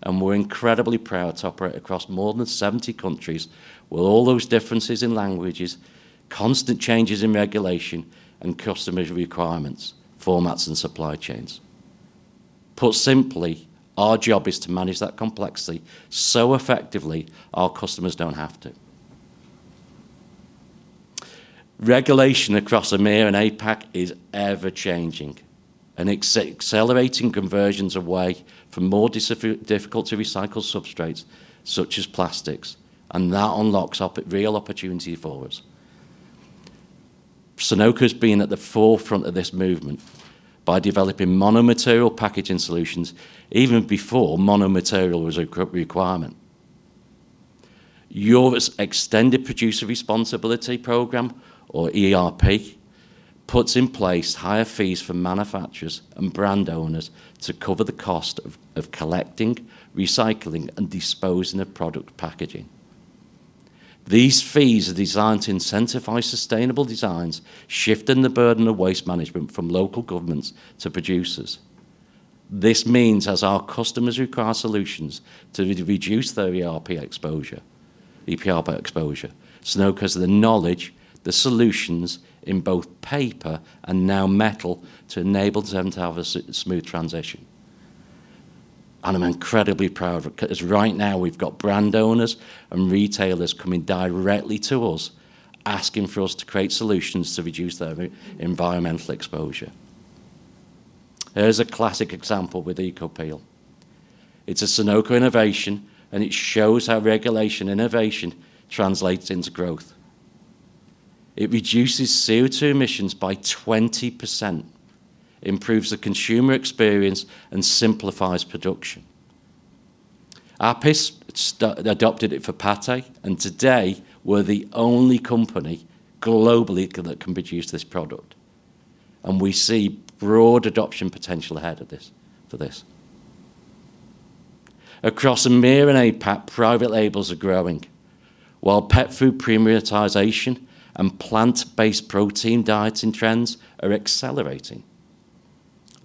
And we're incredibly proud to operate across more than 70 countries, with all those differences in languages, constant changes in regulation, and customer's requirements, formats, and supply chains. Put simply, our job is to manage that complexity so effectively, our customers don't have to. Regulation across EMEA and APAC is ever-changing and accelerating conversions away from more difficult-to-recycle substrates, such as plastics, and that unlocks real opportunity for us. Sonoco's been at the forefront of this movement by developing mono-material packaging solutions even before mono-material was a requirement. Europe's Extended Producer Responsibility program, or EPR, puts in place higher fees for manufacturers and brand owners to cover the cost of collecting, recycling, and disposing of product packaging. These fees are designed to incentivize sustainable designs, shifting the burden of waste management from local governments to producers. This means as our customers require solutions to reduce their EPR exposure, Sonoco has the knowledge, the solutions in both paper and now metal, to enable them to have a smooth transition. And I'm incredibly proud of it, 'cause right now, we've got brand owners and retailers coming directly to us, asking for us to create solutions to reduce their environmental exposure. Here's a classic example with EcoPeel. It's a Sonoco innovation, and it shows how regulation innovation translates into growth. It reduces CO2 emissions by 20%, improves the consumer experience, and simplifies production. Apis adopted it for pâté, and today we're the only company globally that can produce this product, and we see broad adoption potential ahead of this, for this. Across EMEA and APAC, private labels are growing, while pet food premiumization and plant-based protein dieting trends are accelerating.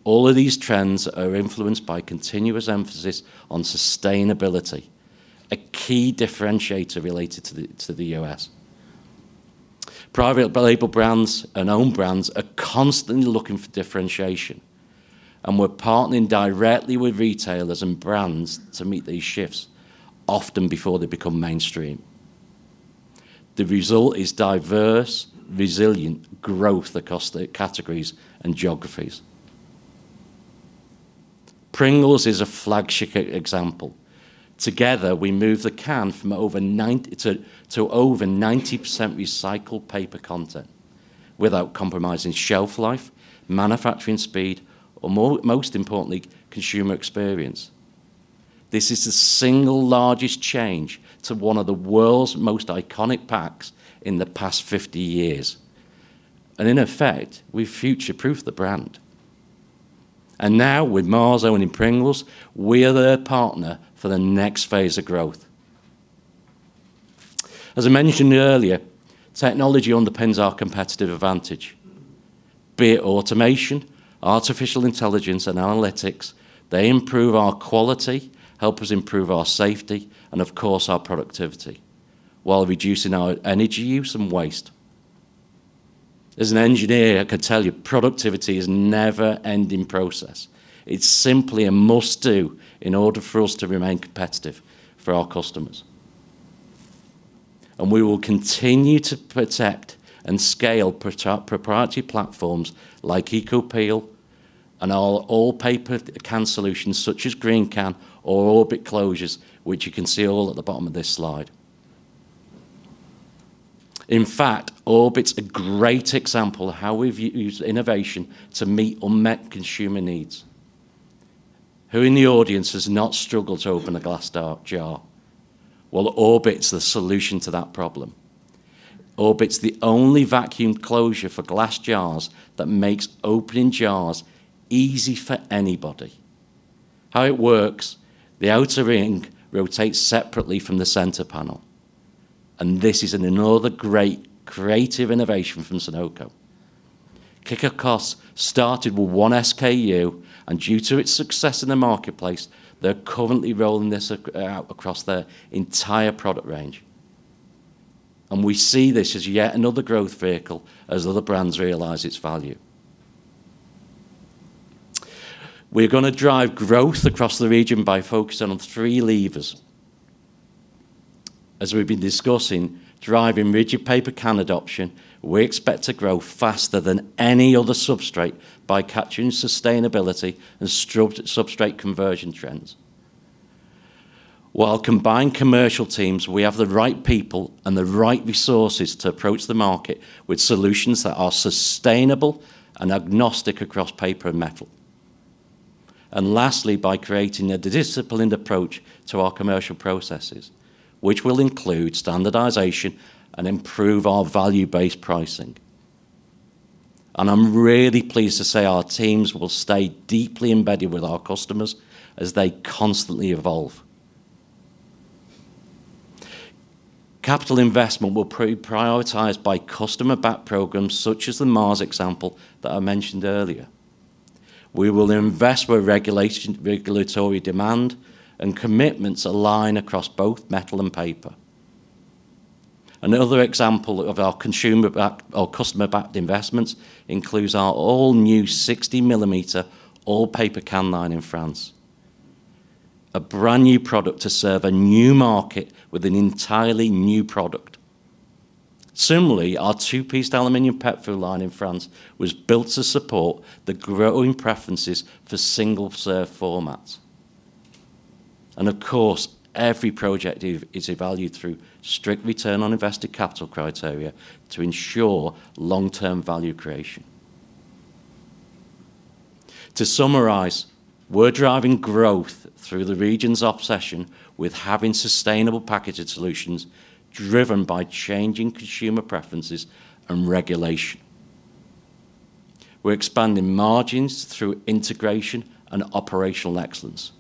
All of these trends are influenced by continuous emphasis on sustainability, a key differentiator related to the, to the US. Private label brands and own brands are constantly looking for differentiation, and we're partnering directly with retailers and brands to meet these shifts, often before they become mainstream. The result is diverse, resilient growth across the categories and geographies. Pringles is a flagship example. Together, we moved the can from over nine... to over 90% recycled paper content without compromising shelf life, manufacturing speed, or, more importantly, consumer experience. This is the single largest change to one of the world's most iconic packs in the past 50 years, and in effect, we've future-proofed the brand. And now, with Mars owning Pringles, we are their partner for the next phase of growth. As I mentioned earlier, technology underpins our competitive advantage, be it automation, artificial intelligence, and analytics. They improve our quality, help us improve our safety, and of course, our productivity, while reducing our energy use and waste. As an engineer, I can tell you, productivity is never-ending process. It's simply a must-do in order for us to remain competitive for our customers. We will continue to protect and scale proprietary platforms like EcoPeel and our all-paper can solutions such as GreenCan or Orbit closures, which you can see all at the bottom of this slide. In fact, Orbit's a great example of how we've used innovation to meet unmet consumer needs. Who in the audience has not struggled to open a glass jar? Well, Orbit's the solution to that problem. Orbit's the only vacuum closure for glass jars that makes opening jars easy for anybody. How it works: the outer ring rotates separately from the center panel and this is another great creative innovation from Sonoco. Kick started with one SKU, and due to its success in the marketplace, they're currently rolling this out across their entire product range. And we see this as yet another growth vehicle as other brands realize its value. We're gonna drive growth across the region by focusing on three levers. As we've been discussing, driving rigid paper can adoption, we expect to grow faster than any other substrate by capturing sustainability and substrate conversion trends. While combined commercial teams, we have the right people and the right resources to approach the market with solutions that are sustainable and agnostic across paper and metal. And lastly, by creating a disciplined approach to our commercial processes, which will include standardization and improve our value-based pricing. And I'm really pleased to say our teams will stay deeply embedded with our customers as they constantly evolve. Capital investment will pre-prioritized by customer-backed programs, such as the Mars example that I mentioned earlier. We will invest where regulation, regulatory demand and commitments align across both metal and paper. Another example of our consumer-backed or customer-backed investments includes our all-new 60-millimeter all-paper can line in France. A brand-new product to serve a new market with an entirely new product. Similarly, our two-piece aluminum pet food line in France was built to support the growing preferences for single-serve formats. Of course, every project is evaluated through strict return on invested capital criteria to ensure long-term value creation. To summarize, we're driving growth through the region's obsession with having sustainable packaging solutions, driven by changing consumer preferences and regulation. We're expanding margins through integration and operational excellence.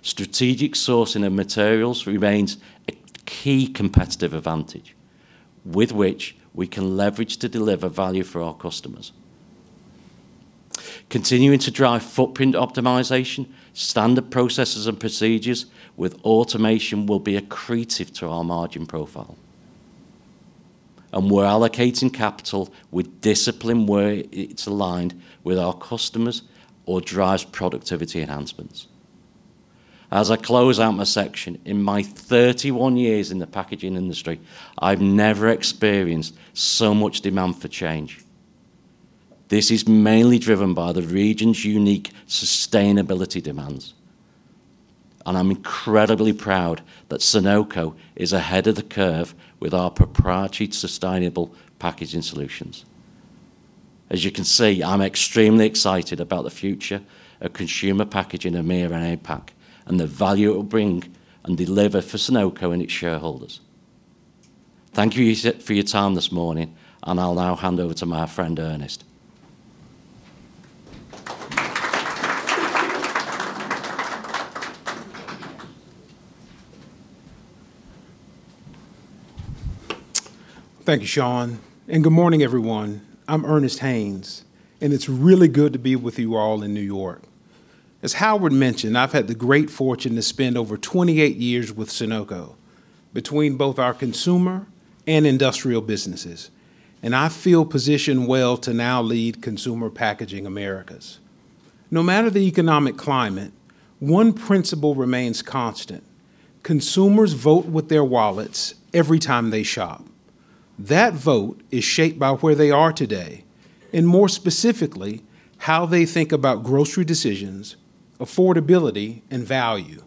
Strategic sourcing of materials remains a key competitive advantage, with which we can leverage to deliver value for our customers. Continuing to drive footprint optimization, standard processes and procedures with automation will be accretive to our margin profile. And we're allocating capital with discipline where it's aligned with our customers or drives productivity enhancements. As I close out my section, in my 31 years in the packaging industry, I've never experienced so much demand for change. This is mainly driven by the region's unique sustainability demands, and I'm incredibly proud that Sonoco is ahead of the curve with our proprietary sustainable packaging solutions. As you can see, I'm extremely excited about the future of consumer packaging, Americas and APAC, and the value it will bring and deliver for Sonoco and its shareholders. Thank you for your time this morning, and I'll now hand over to my friend, Ernest. Thank you, Seàn, and good morning, everyone. I'm Ernest Haynes, and it's really good to be with you all in New York. As Howard mentioned, I've had the great fortune to spend over 28 years with Sonoco, between both our consumer and industrial businesses, and I feel positioned well to now lead Consumer Packaging Americas. No matter the economic climate, one principle remains constant: consumers vote with their wallets every time they shop. That vote is shaped by where they are today, and more specifically, how they think about grocery decisions, affordability, and value.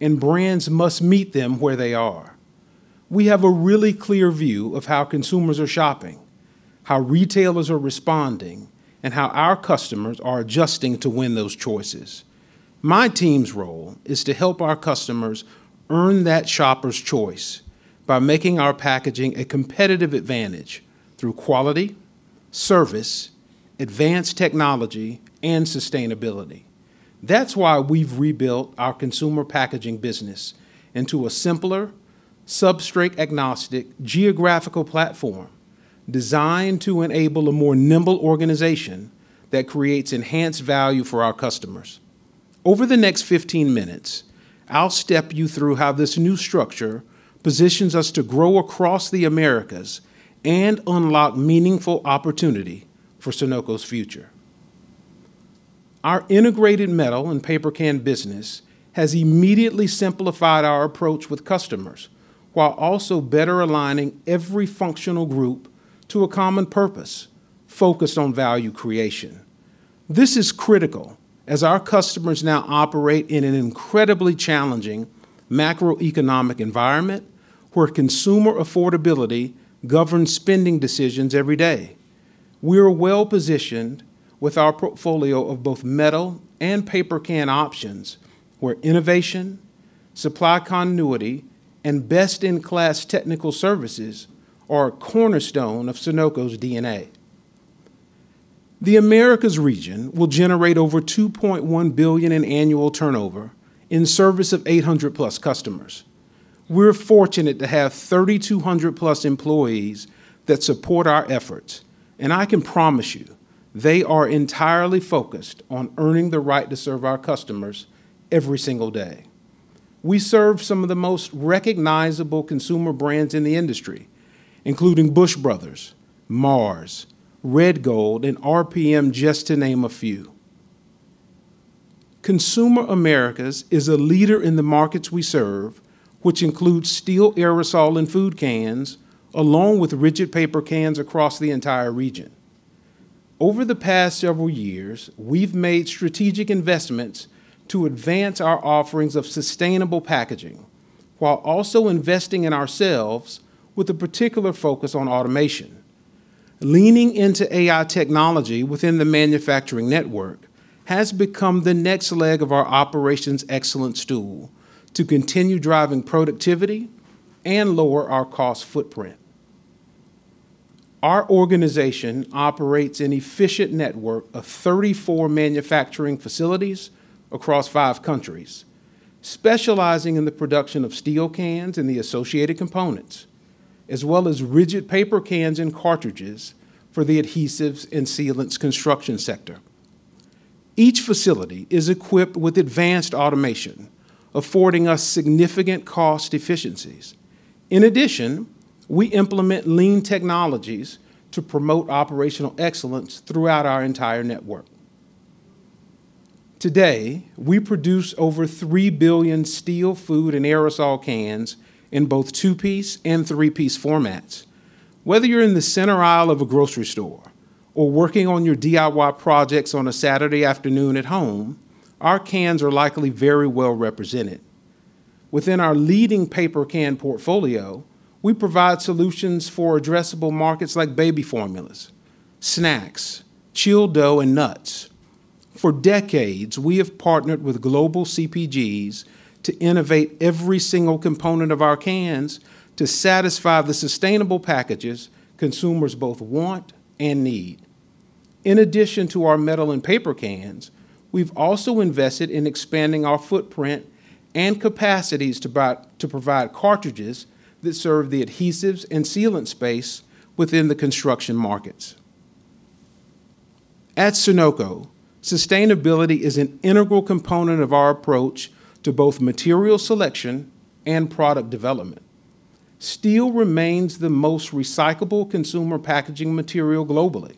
Brands must meet them where they are. We have a really clear view of how consumers are shopping, how retailers are responding, and how our customers are adjusting to win those choices. My team's role is to help our customers earn that shopper's choice by making our packaging a competitive advantage through quality, service, advanced technology, and sustainability. That's why we've rebuilt our consumer packaging business into a simpler, substrate-agnostic, geographical platform, designed to enable a more nimble organization that creates enhanced value for our customers. Over the next 15 minutes, I'll step you through how this new structure positions us to grow across the Americas and unlock meaningful opportunity for Sonoco's future. Our integrated metal and paper can business has immediately simplified our approach with customers, while also better aligning every functional group to a common purpose, focused on value creation. This is critical, as our customers now operate in an incredibly challenging macroeconomic environment, where consumer affordability governs spending decisions every day. We're well-positioned with our portfolio of both metal and paper can options, where innovation, supply continuity, and best-in-class technical services are a cornerstone of Sonoco's DNA.... The Americas region will generate over $2.1 billion in annual turnover in service of 800+ customers. We're fortunate to have 3,200+ employees that support our efforts, and I can promise you, they are entirely focused on earning the right to serve our customers every single day. We serve some of the most recognizable consumer brands in the industry, including Bush Brothers, Mars, Red Gold, and RPM, just to name a few. Consumer Americas is a leader in the markets we serve, which includes steel, aerosol, and food cans, along with rigid paper cans across the entire region. Over the past several years, we've made strategic investments to advance our offerings of sustainable packaging, while also investing in ourselves with a particular focus on automation. Leaning into AI technology within the manufacturing network has become the next leg of our operations excellence stool to continue driving productivity and lower our cost footprint. Our organization operates an efficient network of 34 manufacturing facilities across five countries, specializing in the production of steel cans and the associated components, as well as rigid paper cans and cartridges for the adhesives and sealants construction sector. Each facility is equipped with advanced automation, affording us significant cost efficiencies. In addition, we implement lean technologies to promote operational excellence throughout our entire network. Today, we produce over 3 billion steel, food, and aerosol cans in both two-piece and three-piece formats. Whether you're in the center aisle of a grocery store or working on your DIY projects on a Saturday afternoon at home, our cans are likely very well represented. Within our leading paper can portfolio, we provide solutions for addressable markets like baby formulas, snacks, chilled dough, and nuts. For decades, we have partnered with global CPGs to innovate every single component of our cans to satisfy the sustainable packages consumers both want and need. In addition to our metal and paper cans, we've also invested in expanding our footprint and capacities to provide cartridges that serve the adhesives and sealant space within the construction markets. At Sonoco, sustainability is an integral component of our approach to both material selection and product development. Steel remains the most recyclable consumer packaging material globally.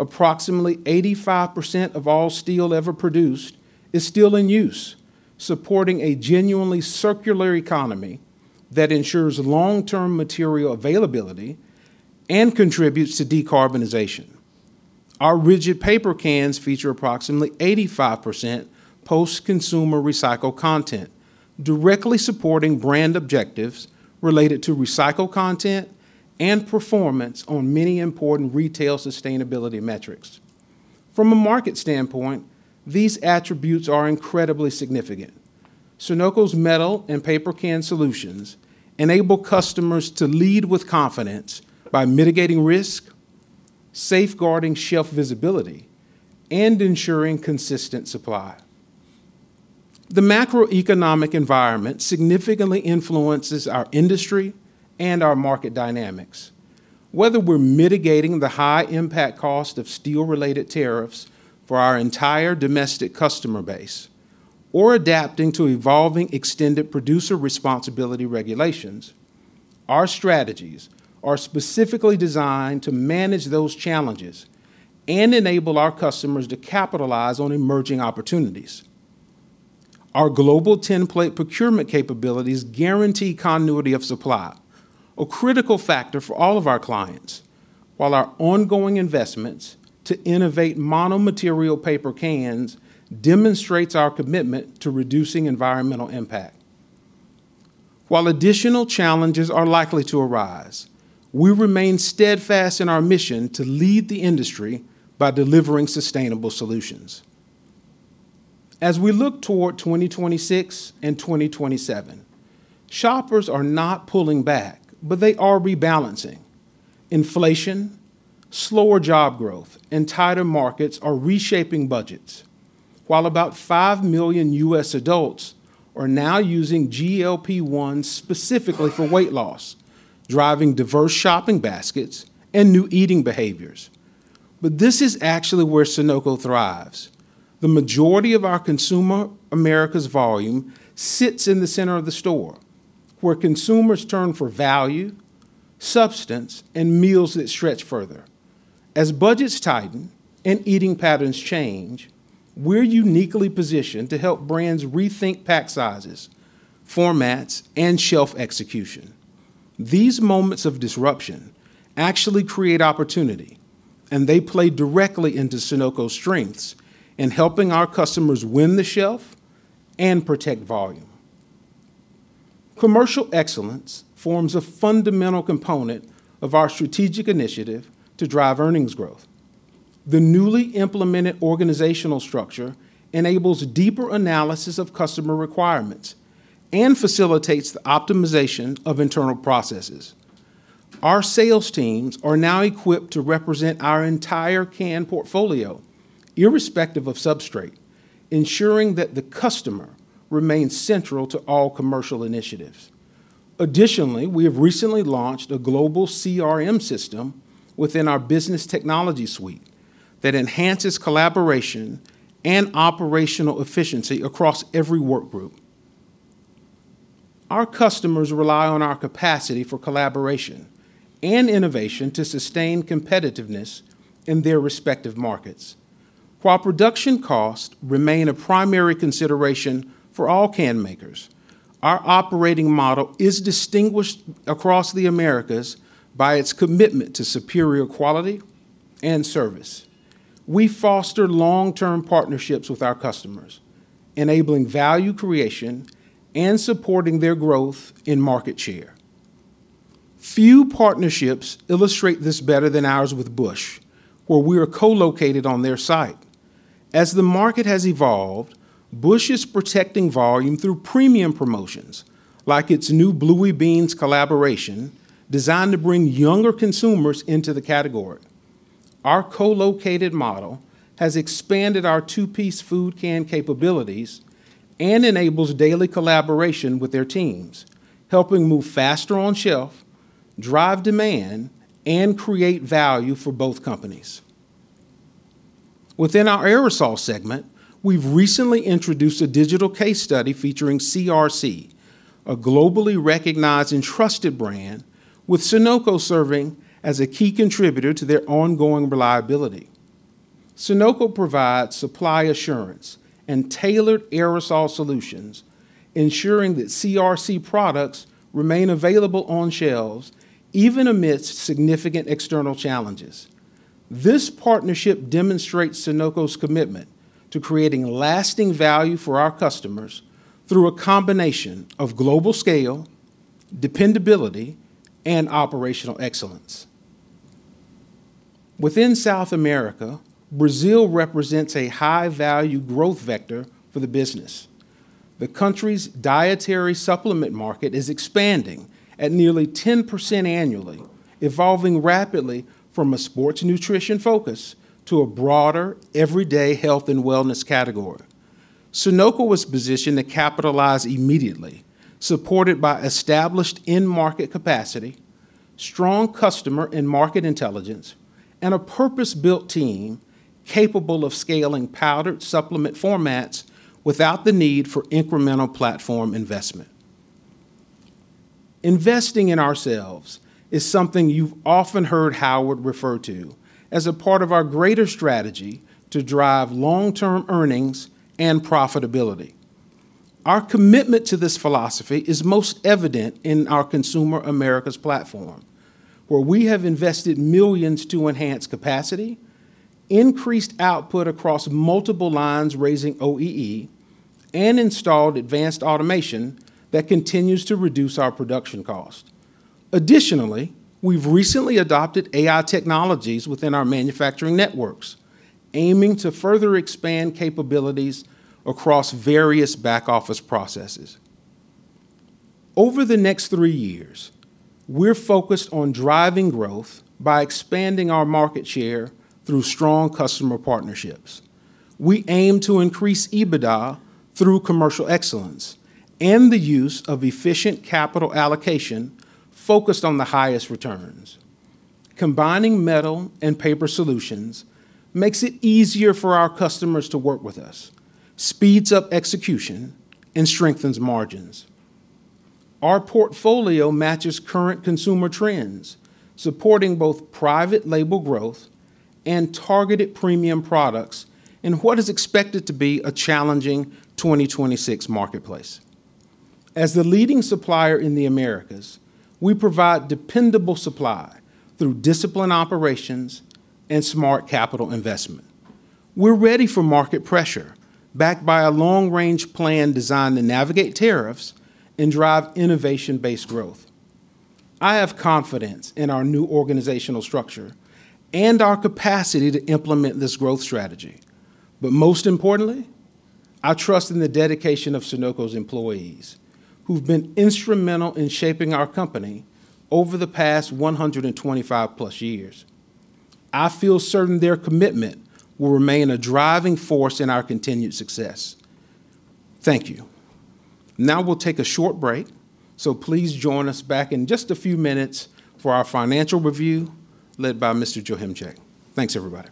Approximately 85% of all steel ever produced is still in use, supporting a genuinely circular economy that ensures long-term material availability and contributes to decarbonization. Our rigid paper cans feature approximately 85% post-consumer recycled content, directly supporting brand objectives related to recycled content and performance on many important retail sustainability metrics. From a market standpoint, these attributes are incredibly significant. Sonoco's metal and paper can solutions enable customers to lead with confidence by mitigating risk, safeguarding shelf visibility, and ensuring consistent supply. The macroeconomic environment significantly influences our industry and our market dynamics. Whether we're mitigating the high impact cost of steel-related tariffs for our entire domestic customer base, or adapting to evolving Extended Producer Responsibility regulations, our strategies are specifically designed to manage those challenges and enable our customers to capitalize on emerging opportunities. Our global tinplate procurement capabilities guarantee continuity of supply, a critical factor for all of our clients, while our ongoing investments to innovate mono-material paper cans demonstrates our commitment to reducing environmental impact. While additional challenges are likely to arise, we remain steadfast in our mission to lead the industry by delivering sustainable solutions. As we look toward 2026 and 2027, shoppers are not pulling back, but they are rebalancing. Inflation, slower job growth, and tighter markets are reshaping budgets, while about 5 million U.S. adults are now using GLP-1 specifically for weight loss, driving diverse shopping baskets and new eating behaviors. But this is actually where Sonoco thrives. The majority of our Consumer Americas volume sits in the center of the store, where consumers turn for value, substance, and meals that stretch further. As budgets tighten and eating patterns change, we're uniquely positioned to help brands rethink pack sizes, formats, and shelf execution. These moments of disruption actually create opportunity, and they play directly into Sonoco's strengths in helping our customers win the shelf and protect volume. Commercial excellence forms a fundamental component of our strategic initiative to drive earnings growth. The newly implemented organizational structure enables deeper analysis of customer requirements and facilitates the optimization of internal processes. Our sales teams are now equipped to represent our entire can portfolio, irrespective of substrate, ensuring that the customer remains central to all commercial initiatives. Additionally, we have recently launched a global CRM system within our business technology suite that enhances collaboration and operational efficiency across every work group. Our customers rely on our capacity for collaboration and innovation to sustain competitiveness in their respective markets. While production costs remain a primary consideration for all can makers, our operating model is distinguished across the Americas by its commitment to superior quality and service. We foster long-term partnerships with our customers, enabling value creation and supporting their growth in market share. Few partnerships illustrate this better than ours with Bush, where we are co-located on their site. As the market has evolved, Bush is protecting volume through premium promotions, like its new Bluey Beans collaboration, designed to bring younger consumers into the category. Our co-located model has expanded our two-piece food can capabilities and enables daily collaboration with their teams, helping move faster on shelf, drive demand, and create value for both companies. Within our aerosol segment, we've recently introduced a digital case study featuring CRC, a globally recognized and trusted brand, with Sonoco serving as a key contributor to their ongoing reliability. Sonoco provides supply assurance and tailored aerosol solutions, ensuring that CRC products remain available on shelves, even amidst significant external challenges. This partnership demonstrates Sonoco's commitment to creating lasting value for our customers through a combination of global scale, dependability, and operational excellence. Within South America, Brazil represents a high-value growth vector for the business. The country's dietary supplement market is expanding at nearly 10% annually, evolving rapidly from a sports nutrition focus to a broader, everyday health and wellness category. Sonoco was positioned to capitalize immediately, supported by established in-market capacity, strong customer and market intelligence, and a purpose-built team capable of scaling powdered supplement formats without the need for incremental platform investment. Investing in ourselves is something you've often heard Howard refer to as a part of our greater strategy to drive long-term earnings and profitability. Our commitment to this philosophy is most evident in our Consumer Americas platform, where we have invested millions to enhance capacity, increased output across multiple lines, raising OEE, and installed advanced automation that continues to reduce our production cost. Additionally, we've recently adopted AI technologies within our manufacturing networks, aiming to further expand capabilities across various back office processes. Over the next three years, we're focused on driving growth by expanding our market share through strong customer partnerships. We aim to increase EBITDA through commercial excellence and the use of efficient capital allocation focused on the highest returns. Combining metal and paper solutions makes it easier for our customers to work with us, speeds up execution, and strengthens margins. Our portfolio matches current consumer trends, supporting both private label growth and targeted premium products in what is expected to be a challenging 2026 marketplace. As the leading supplier in the Americas, we provide dependable supply through disciplined operations and smart capital investment. We're ready for market pressure, backed by a long-range plan designed to navigate tariffs and drive innovation-based growth. I have confidence in our new organizational structure and our capacity to implement this growth strategy. But most importantly, I trust in the dedication of Sonoco's employees, who've been instrumental in shaping our company over the past 125+ years. I feel certain their commitment will remain a driving force in our continued success. Thank you. Now, we'll take a short break, so please join us back in just a few minutes for our financial review, led by Mr. Paul Joachimczyk. Thanks, everybody.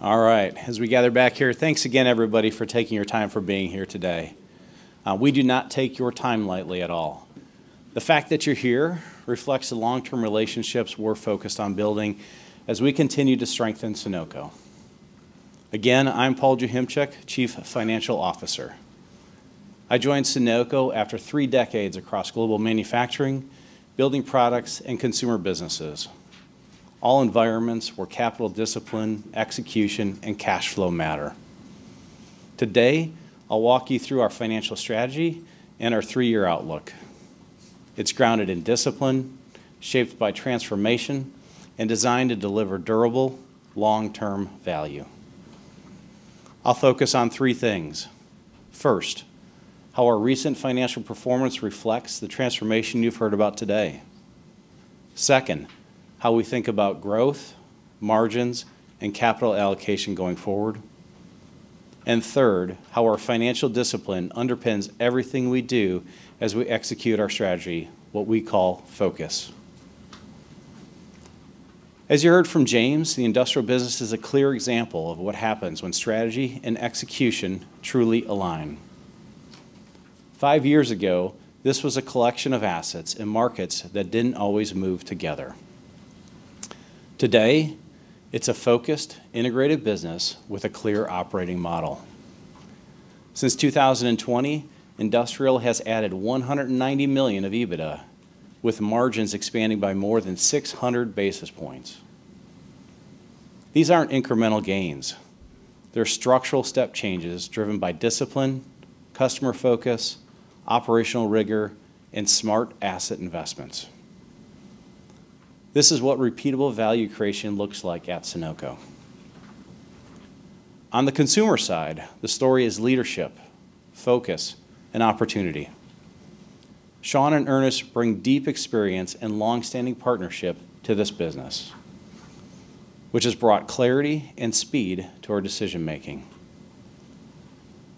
All right, as we gather back here, thanks again, everybody, for taking your time for being here today. We do not take your time lightly at all. The fact that you're here reflects the long-term relationships we're focused on building as we continue to strengthen Sonoco. Again, I'm Paul Joachimczyk, Chief Financial Officer. I joined Sonoco after three decades across global manufacturing, building products, and consumer businesses, all environments where capital discipline, execution, and cash flow matter. Today, I'll walk you through our financial strategy and our three-year outlook. It's grounded in discipline, shaped by transformation, and designed to deliver durable, long-term value. I'll focus on three things: First, how our recent financial performance reflects the transformation you've heard about today. Second, how we think about growth, margins, and capital allocation going forward. And third, how our financial discipline underpins everything we do as we execute our strategy, what we call focus. As you heard from James, the industrial business is a clear example of what happens when strategy and execution truly align. Five years ago, this was a collection of assets in markets that didn't always move together. Today, it's a focused, integrated business with a clear operating model. Since 2020, industrial has added $190 million of EBITDA, with margins expanding by more than 600 basis points. These aren't incremental gains. They're structural step changes driven by discipline, customer focus, operational rigor, and smart asset investments. This is what repeatable value creation looks like at Sonoco. On the consumer side, the story is leadership, focus, and opportunity. Seàn and Ernest bring deep experience and long-standing partnership to this business, which has brought clarity and speed to our decision-making.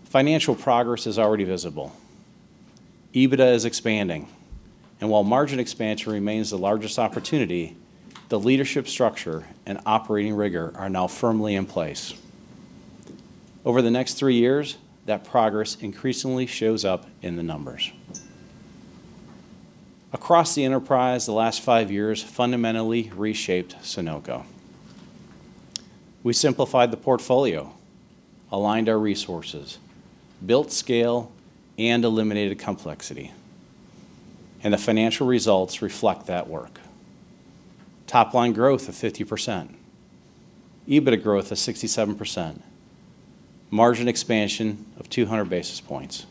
Financial progress is already visible. EBITDA is expanding, and while margin expansion remains the largest opportunity, the leadership structure and operating rigor are now firmly in place. Over the next three years, that progress increasingly shows up in the numbers. Across the enterprise, the last five years fundamentally reshaped Sonoco. We simplified the portfolio, aligned our resources, built scale, and eliminated complexity, and the financial results reflect that work. Top-line growth of 50%, EBITDA growth of 67%, margin expansion of 200 basis points.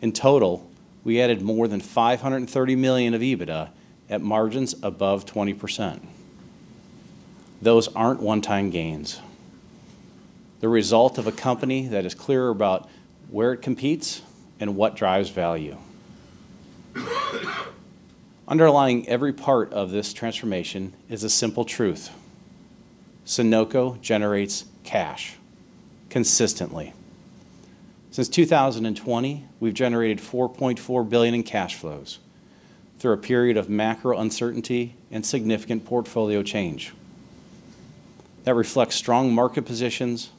In total, we added more than $530 million of EBITDA at margins above 20%. Those aren't one-time gains. The result of a company that is clear about where it competes and what drives value. Underlying every part of this transformation is a simple truth: Sonoco generates cash, consistently. Since 2020, we've generated $4.4 billion in cash flows through a period of macro uncertainty and significant portfolio change. That reflects strong market positions,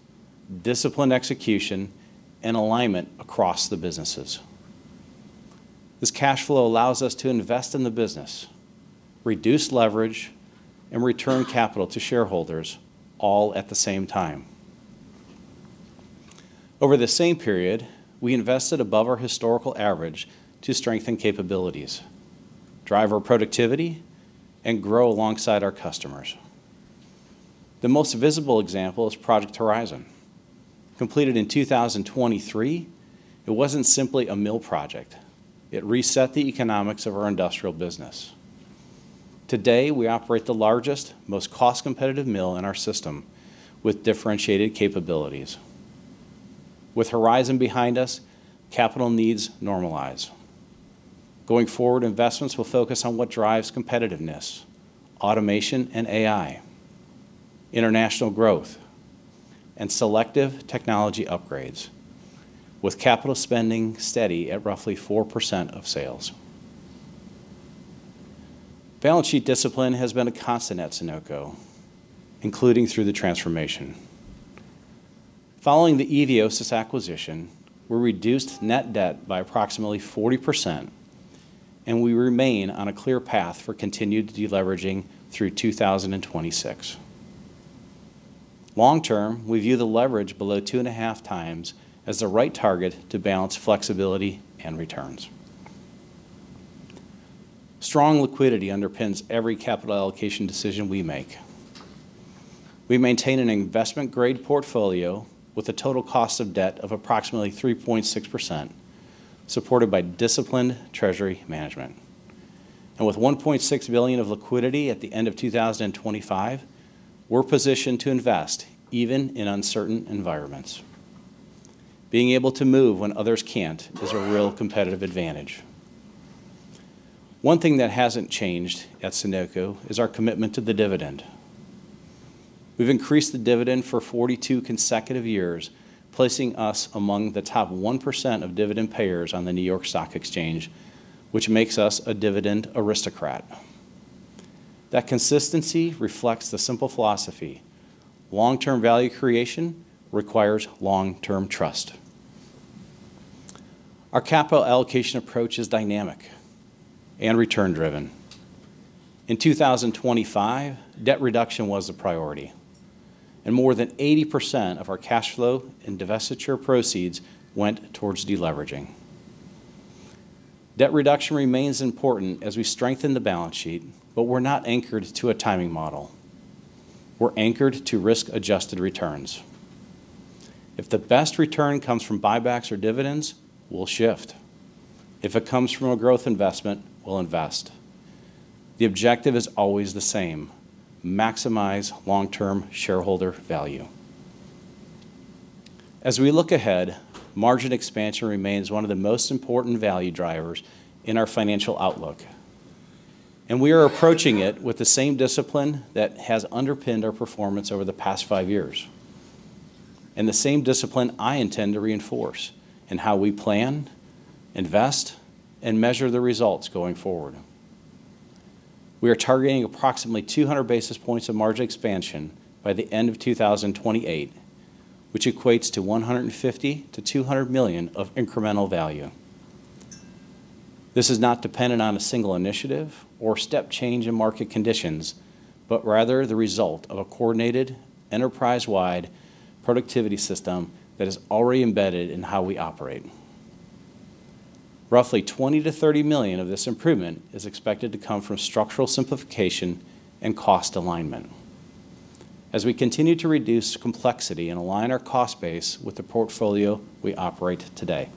disciplined execution, and alignment across the businesses. This cash flow allows us to invest in the business, reduce leverage, and return capital to shareholders, all at the same time. Over the same period, we invested above our historical average to strengthen capabilities, drive our productivity, and grow alongside our customers. The most visible example is Project Horizon. Completed in 2023, it wasn't simply a mill project. It reset the economics of our industrial business.... Today, we operate the largest, most cost-competitive mill in our system, with differentiated capabilities. With Horizon behind us, capital needs normalize. Going forward, investments will focus on what drives competitiveness, automation and AI, international growth, and selective technology upgrades, with capital spending steady at roughly 4% of sales. Balance sheet discipline has been a constant at Sonoco, including through the transformation. Following the Eviosys acquisition, we reduced net debt by approximately 40%, and we remain on a clear path for continued deleveraging through 2026. Long term, we view the leverage below 2.5x as the right target to balance flexibility and returns. Strong liquidity underpins every capital allocation decision we make. We maintain an investment-grade portfolio with a total cost of debt of approximately 3.6%, supported by disciplined treasury management. With $1.6 billion of liquidity at the end of 2025, we're positioned to invest even in uncertain environments. Being able to move when others can't is a real competitive advantage. One thing that hasn't changed at Sonoco is our commitment to the dividend. We've increased the dividend for 42 consecutive years, placing us among the top 1% of dividend payers on the New York Stock Exchange, which makes us a Dividend Aristocrat. That consistency reflects the simple philosophy: long-term value creation requires long-term trust. Our capital allocation approach is dynamic and return-driven. In 2025, debt reduction was a priority, and more than 80% of our cash flow and divestiture proceeds went towards deleveraging. Debt reduction remains important as we strengthen the balance sheet, but we're not anchored to a timing model. We're anchored to risk-adjusted returns. If the best return comes from buybacks or dividends, we'll shift. If it comes from a growth investment, we'll invest. The objective is always the same: maximize long-term shareholder value. As we look ahead, margin expansion remains one of the most important value drivers in our financial outlook, and we are approaching it with the same discipline that has underpinned our performance over the past five years, and the same discipline I intend to reinforce in how we plan, invest, and measure the results going forward. We are targeting approximately 200 basis points of margin expansion by the end of 2028, which equates to $150 million-$200 million of incremental value. This is not dependent on a single initiative or step change in market conditions, but rather the result of a coordinated, enterprise-wide productivity system that is already embedded in how we operate. Roughly $20 million-$30 million of this improvement is expected to come from structural simplification and cost alignment as we continue to reduce complexity and align our cost base with the portfolio we operate today.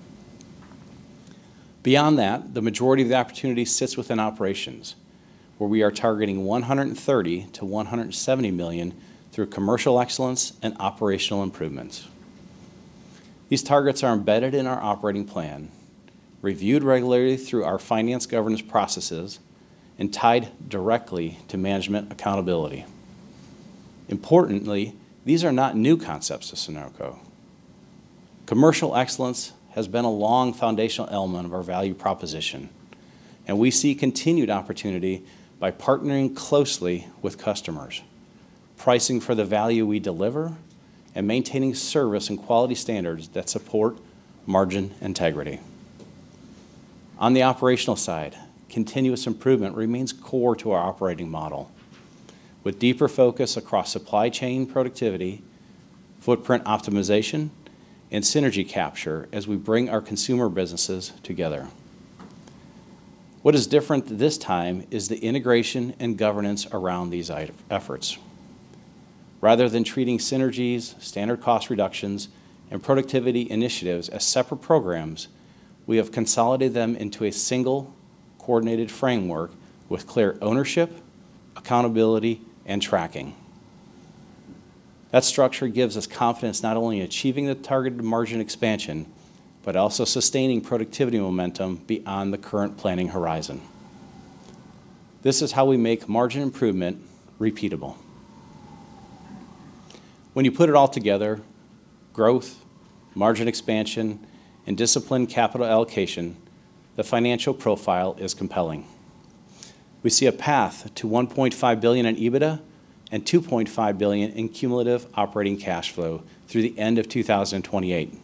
Beyond that, the majority of the opportunity sits within operations, where we are targeting $130 million-$170 million through commercial excellence and operational improvements. These targets are embedded in our operating plan, reviewed regularly through our finance governance processes, and tied directly to management accountability. Importantly, these are not new concepts to Sonoco. Commercial excellence has been a long foundational element of our value proposition, and we see continued opportunity by partnering closely with customers, pricing for the value we deliver, and maintaining service and quality standards that support margin integrity. On the operational side, continuous improvement remains core to our operating model, with deeper focus across supply chain productivity, footprint optimization, and synergy capture as we bring our consumer businesses together. What is different this time is the integration and governance around these efforts. Rather than treating synergies, standard cost reductions, and productivity initiatives as separate programs, we have consolidated them into a single, coordinated framework with clear ownership, accountability, and tracking. That structure gives us confidence not only in achieving the targeted margin expansion, but also sustaining productivity momentum beyond the current planning horizon. This is how we make margin improvement repeatable. When you put it all together, growth, margin expansion, and disciplined capital allocation, the financial profile is compelling. We see a path to $1.5 billion in EBITDA and $2.5 billion in cumulative operating cash flow through the end of 2028.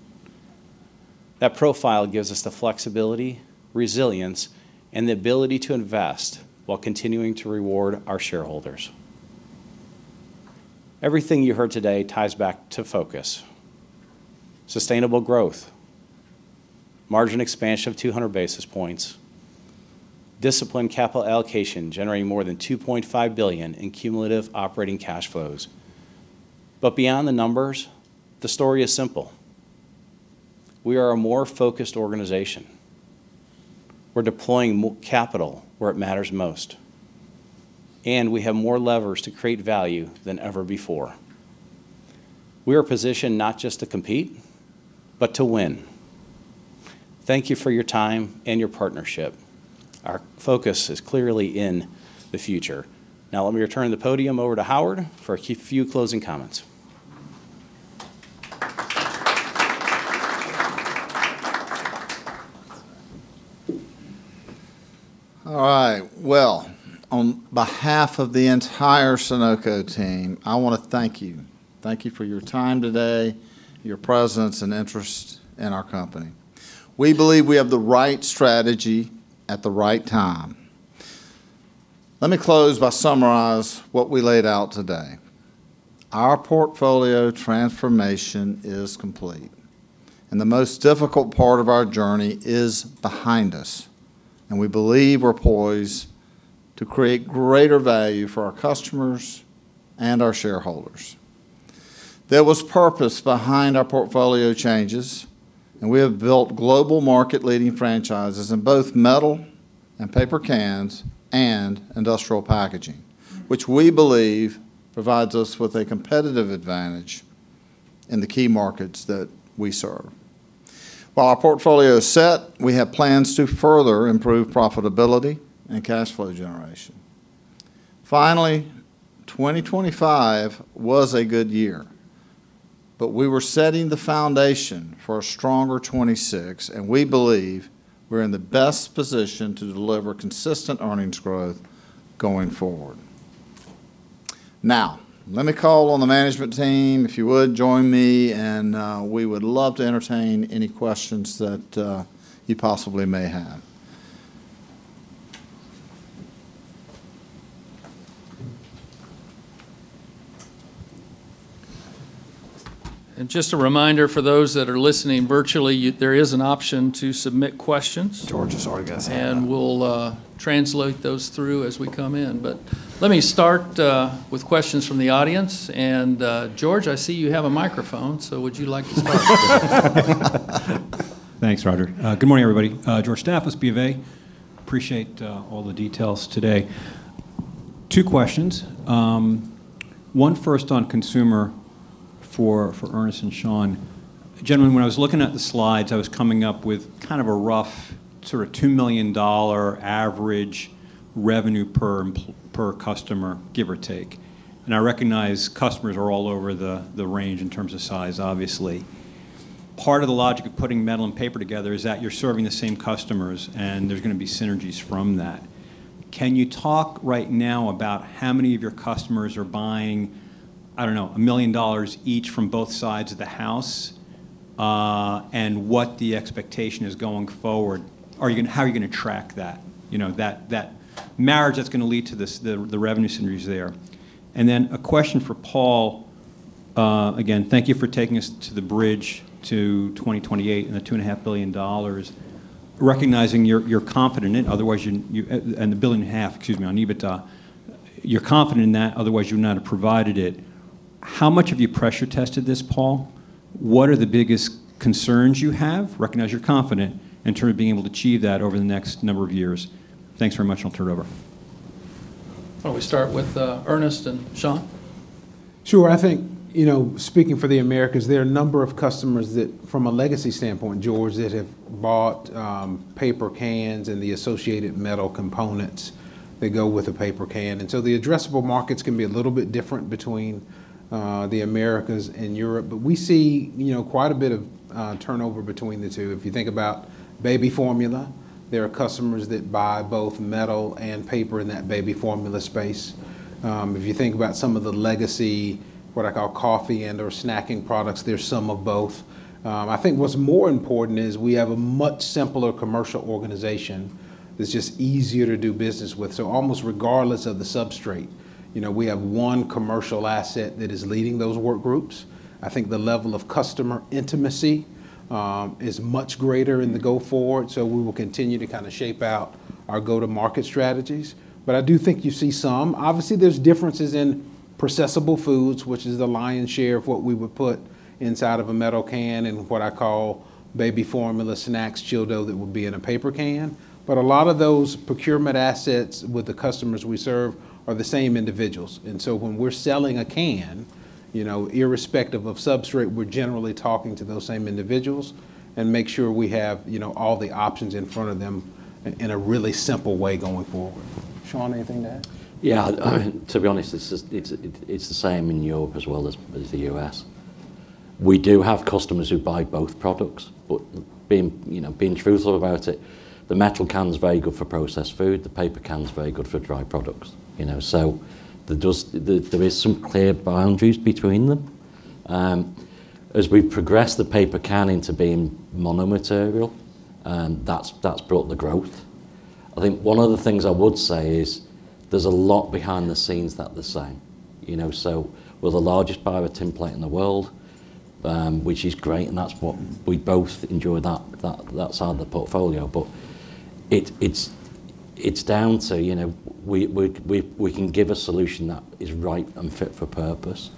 That profile gives us the flexibility, resilience, and the ability to invest while continuing to reward our shareholders. Everything you heard today ties back to focus. Sustainable growth, margin expansion of 200 basis points, disciplined capital allocation generating more than $2.5 billion in cumulative operating cash flows. But beyond the numbers, the story is simple:... We are a more focused organization. We're deploying capital where it matters most, and we have more levers to create value than ever before. We are positioned not just to compete, but to win. Thank you for your time and your partnership. Our focus is clearly in the future. Now, let me turn the podium over to Howard for a few closing comments. All right. Well, on behalf of the entire Sonoco team, I wanna thank you. Thank you for your time today, your presence, and interest in our company. We believe we have the right strategy at the right time. Let me close by summarize what we laid out today. Our portfolio transformation is complete, and the most difficult part of our journey is behind us, and we believe we're poised to create greater value for our customers and our shareholders. There was purpose behind our portfolio changes, and we have built global market-leading franchises in both metal and paper cans and industrial packaging, which we believe provides us with a competitive advantage in the key markets that we serve. While our portfolio is set, we have plans to further improve profitability and cash flow generation. Finally, 2025 was a good year, but we were setting the foundation for a stronger 2026, and we believe we're in the best position to deliver consistent earnings growth going forward. Now, let me call on the management team, if you would join me, and we would love to entertain any questions that you possibly may have. Just a reminder for those that are listening virtually, there is an option to submit questions. George is already gonna stand. And we'll translate those through as we come in. But let me start with questions from the audience. And George, I see you have a microphone, so would you like to start? Thanks, Roger. Good morning, everybody. George Staphos, BofA. Appreciate all the details today. Two questions. One first on consumer for Ernest and Seàn. Gentlemen, when I was looking at the slides, I was coming up with kind of a rough, sort of, $2 million average revenue per customer, give or take. And I recognize customers are all over the range in terms of size, obviously. Part of the logic of putting metal and paper together is that you're serving the same customers, and there's gonna be synergies from that. Can you talk right now about how many of your customers are buying, I don't know, $1 million each from both sides of the house, and what the expectation is going forward? Are you gonna how are you gonna track that? You know, that, that marriage that's gonna lead to this, the, the revenue synergies there. And then a question for Paul. Again, thank you for taking us to the bridge to 2028 and the $2.5 billion. Recognizing you're, you're confident in it, otherwise, you, you-- and the $1.5 billion, excuse me, on EBITDA. You're confident in that, otherwise, you would not have provided it. How much have you pressure tested this, Paul? What are the biggest concerns you have, recognize you're confident, in terms of being able to achieve that over the next number of years? Thanks very much, and I'll turn it over. Why don't we start with Ernest and Seàn? Sure. I think, you know, speaking for the Americas, there are a number of customers that, from a legacy standpoint, George, that have bought paper cans and the associated metal components that go with a paper can. And so the addressable markets can be a little bit different between the Americas and Europe, but we see, you know, quite a bit of turnover between the two. If you think about baby formula, there are customers that buy both metal and paper in that baby formula space. I think what's more important is we have a much simpler commercial organization that's just easier to do business with. So almost regardless of the substrate, you know, we have one commercial asset that is leading those work groups. I think the level of customer intimacy is much greater in the go forward, so we will continue to kinda shape out our go-to-market strategies. But I do think you see some. Obviously, there's differences in processed foods, which is the lion's share of what we would put inside of a metal can, and what I call baby formula, snacks, chilled dough, that would be in a paper can. But a lot of those procurement assets with the customers we serve are the same individuals. And so when we're selling a can, you know, irrespective of substrate, we're generally talking to those same individuals and make sure we have, you know, all the options in front of them in a really simple way going forward. Sean, anything to add? Yeah. I mean, to be honest, it's just, it's the same in Europe as well as the U.S. We do have customers who buy both products, but, you know, being truthful about it, the metal can is very good for processed food, the paper can is very good for dry products, you know? So there is some clear boundaries between them. As we progress the paper can into being mono material, and that's brought the growth. I think one of the things I would say is, there's a lot behind the scenes that are the same, you know? So we're the largest buyer of tinplate in the world, which is great, and that's what we both enjoy, that side of the portfolio. But it's down to, you know, we can give a solution that is right and fit for purpose.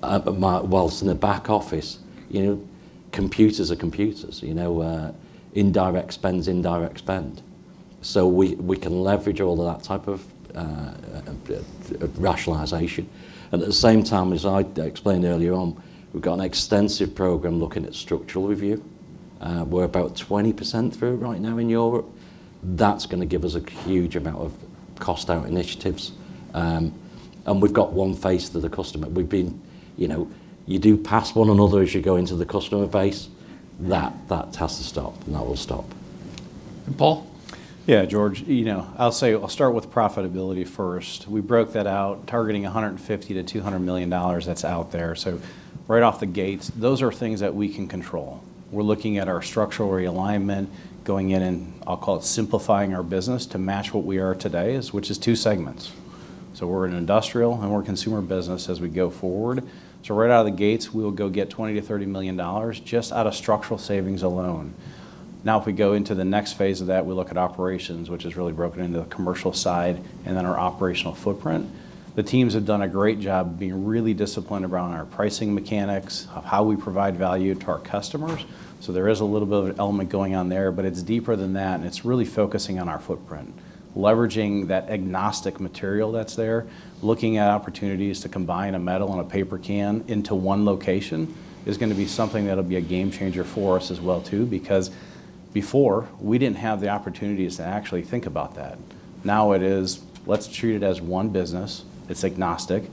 But whilst in the back office, you know, computers are computers, you know, indirect spend's indirect spend. So we can leverage all of that type of rationalization. And at the same time, as I explained earlier on, we've got an extensive program looking at structural review. We're about 20% through it right now in Europe. That's gonna give us a huge amount of cost-out initiatives. And we've got one face to the customer. We've been, you know, you do pass one another as you go into the customer base. That has to stop, and that will stop. Paul? Yeah, George, you know, I'll say, I'll start with profitability first. We broke that out, targeting $150-$200 million that's out there. So right off the gates, those are things that we can control. We're looking at our structural realignment, going in and, I'll call it, simplifying our business to match what we are today, is, which is two segments. So we're an industrial and we're a consumer business as we go forward. So right out of the gates, we'll go get $20 million-$30 million just out of structural savings alone. Now, if we go into the next phase of that, we look at operations, which is really broken into the commercial side, and then our operational footprint. The teams have done a great job of being really disciplined around our pricing mechanics, of how we provide value to our customers. So there is a little bit of an element going on there, but it's deeper than that, and it's really focusing on our footprint. Leveraging that agnostic material that's there, looking at opportunities to combine a metal and a paper can into one location, is gonna be something that'll be a game changer for us as well, too, because before, we didn't have the opportunities to actually think about that. Now, it is, let's treat it as one business. It's agnostic,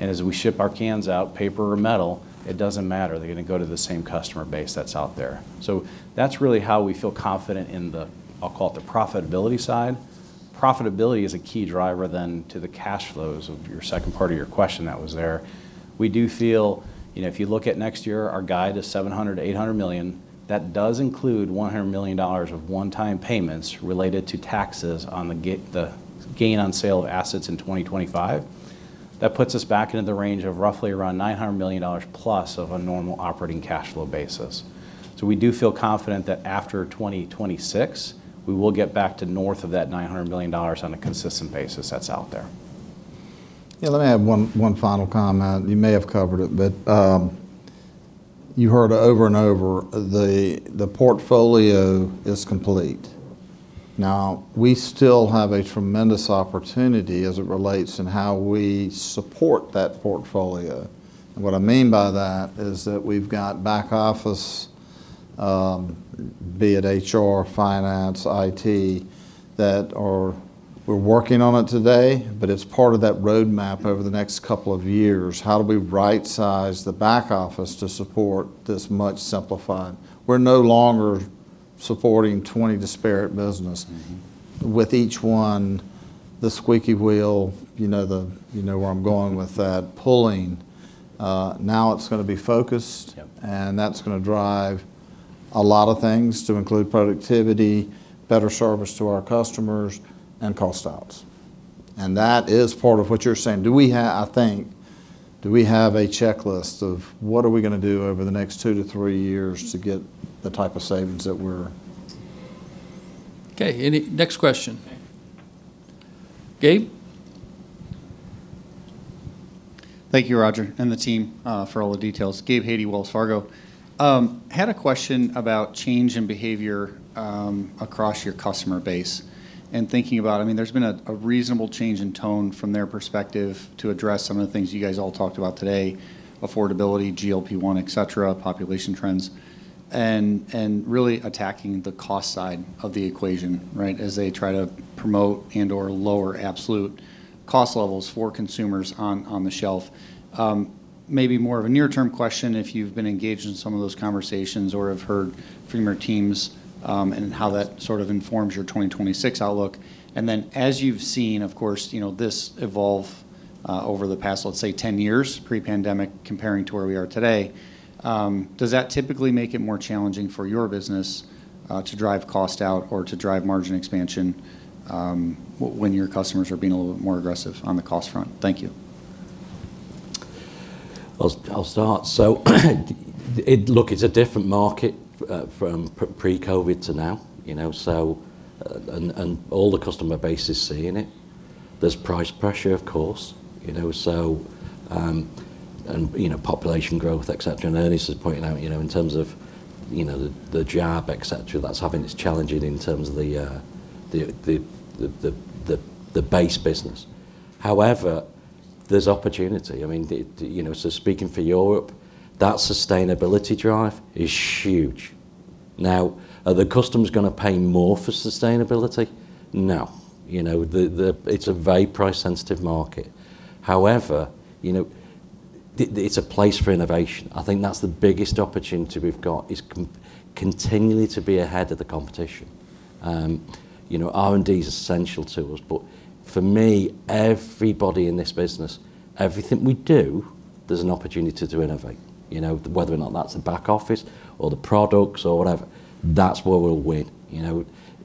and as we ship our cans out, paper or metal, it doesn't matter, they're gonna go to the same customer base that's out there. So that's really how we feel confident in the, I'll call it, the profitability side. Profitability is a key driver, then, to the cash flows of your second part of your question that was there. We do feel, you know, if you look at next year, our guide is $700 million-$800 million. That does include $100 million of one-time payments related to taxes on the gain on sale of assets in 2025. That puts us back into the range of roughly around $900 million+ of a normal operating cash flow basis. So we do feel confident that after 2026, we will get back to north of that $900 million on a consistent basis that's out there. Yeah, let me add one final comment. You may have covered it, but you heard over and over, the portfolio is complete. Now, we still have a tremendous opportunity as it relates in how we support that portfolio. And what I mean by that is that we've got back office, be it HR, finance, IT, that are... We're working on it today, but it's part of that roadmap over the next couple of years. How do we rightsize the back office to support this much simplified? We're no longer supporting 20 disparate business- Mm-hmm... with each one, the squeaky wheel, you know the, you know where I'm going with that, pulling. Now it's gonna be focused- Yep... and that's gonna drive a lot of things, to include productivity, better service to our customers, and cost outs. And that is part of what you're saying. Do we have, I think, do we have a checklist of what are we gonna do over the next 2 years-3 years to get the type of savings that we're... Okay. Next question. Gabe? Thank you, Roger, and the team, for all the details. Gabe Hajde, Wells Fargo. Had a question about change in behavior across your customer base and thinking about, I mean, there's been a reasonable change in tone from their perspective to address some of the things you guys all talked about today: affordability, GLP-1, et cetera, population trends, and really attacking the cost side of the equation, right, as they try to promote and/or lower absolute cost levels for consumers on the shelf. Maybe more of a near-term question, if you've been engaged in some of those conversations or have heard from your teams, and how that sort of informs your 2026 outlook. And then, as you've seen, of course, you know, this evolve over the past, let's say, 10 years, pre-pandemic, comparing to where we are today, does that typically make it more challenging for your business to drive cost out or to drive margin expansion, when your customers are being a little bit more aggressive on the cost front? Thank you. I'll start. So, look, it's a different market from pre-COVID to now, you know, so and all the customer base is seeing it. There's price pressure, of course, you know, so and you know, population growth, et cetera. And Ernest was pointing out, you know, in terms of you know, the job, et cetera, that's having its challenging in terms of the base business. However, there's opportunity. I mean, you know, so speaking for Europe, that sustainability drive is huge. Now, are the customers gonna pay more for sustainability? No. You know, it's a very price-sensitive market. However, you know, it's a place for innovation. I think that's the biggest opportunity we've got, is continually to be ahead of the competition. You know, R&D is essential to us, but for me, everybody in this business, everything we do, there's an opportunity to innovate. You know, whether or not that's the back office, or the products, or whatever, that's where we'll win. You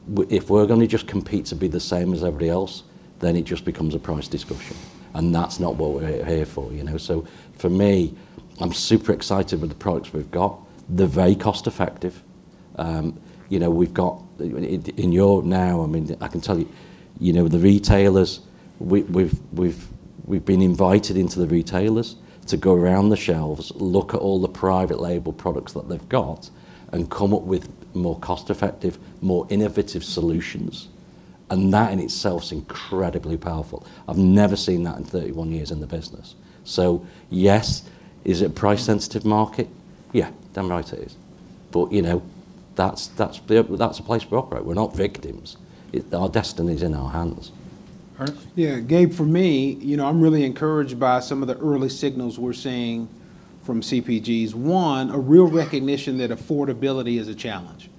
know, if we're gonna just compete to be the same as everybody else, then it just becomes a price discussion, and that's not what we're here for, you know? So for me, I'm super excited with the products we've got. They're very cost-effective. You know, we've got, in Europe now, I mean, I can tell you, you know, the retailers, we've been invited into the retailers to go around the shelves, look at all the private label products that they've got, and come up with more cost-effective, more innovative solutions. And that, in itself, is incredibly powerful. I've never seen that in 31 years in the business. So yes, is it a price-sensitive market? Yeah, damn right it is. But, you know, that's, that's, that's the place we operate. We're not victims. It, our destiny is in our hands. Ernest? Yeah, Gabe, for me, you know, I'm really encouraged by some of the early signals we're seeing from CPGs. One, a real recognition that affordability is a challenge,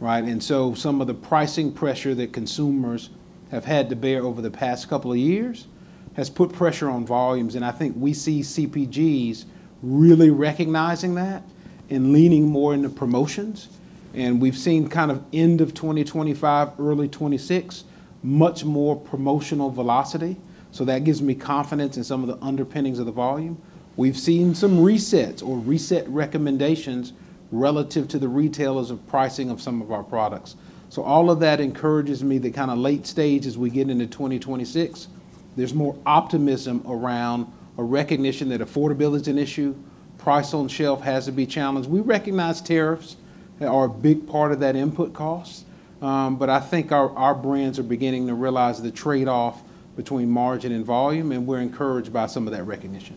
right? And so some of the pricing pressure that consumers have had to bear over the past couple of years has put pressure on volumes, and I think we see CPGs really recognizing that and leaning more into promotions. And we've seen kind of end of 2025, early 2026, much more promotional velocity, so that gives me confidence in some of the underpinnings of the volume. We've seen some resets or reset recommendations relative to the retailers of pricing of some of our products. So all of that encourages me the kind of late stage as we get into 2026. There's more optimism around a recognition that affordability is an issue. Price on shelf has to be challenged. We recognize tariffs are a big part of that input cost, but I think our brands are beginning to realize the trade-off between margin and volume, and we're encouraged by some of that recognition.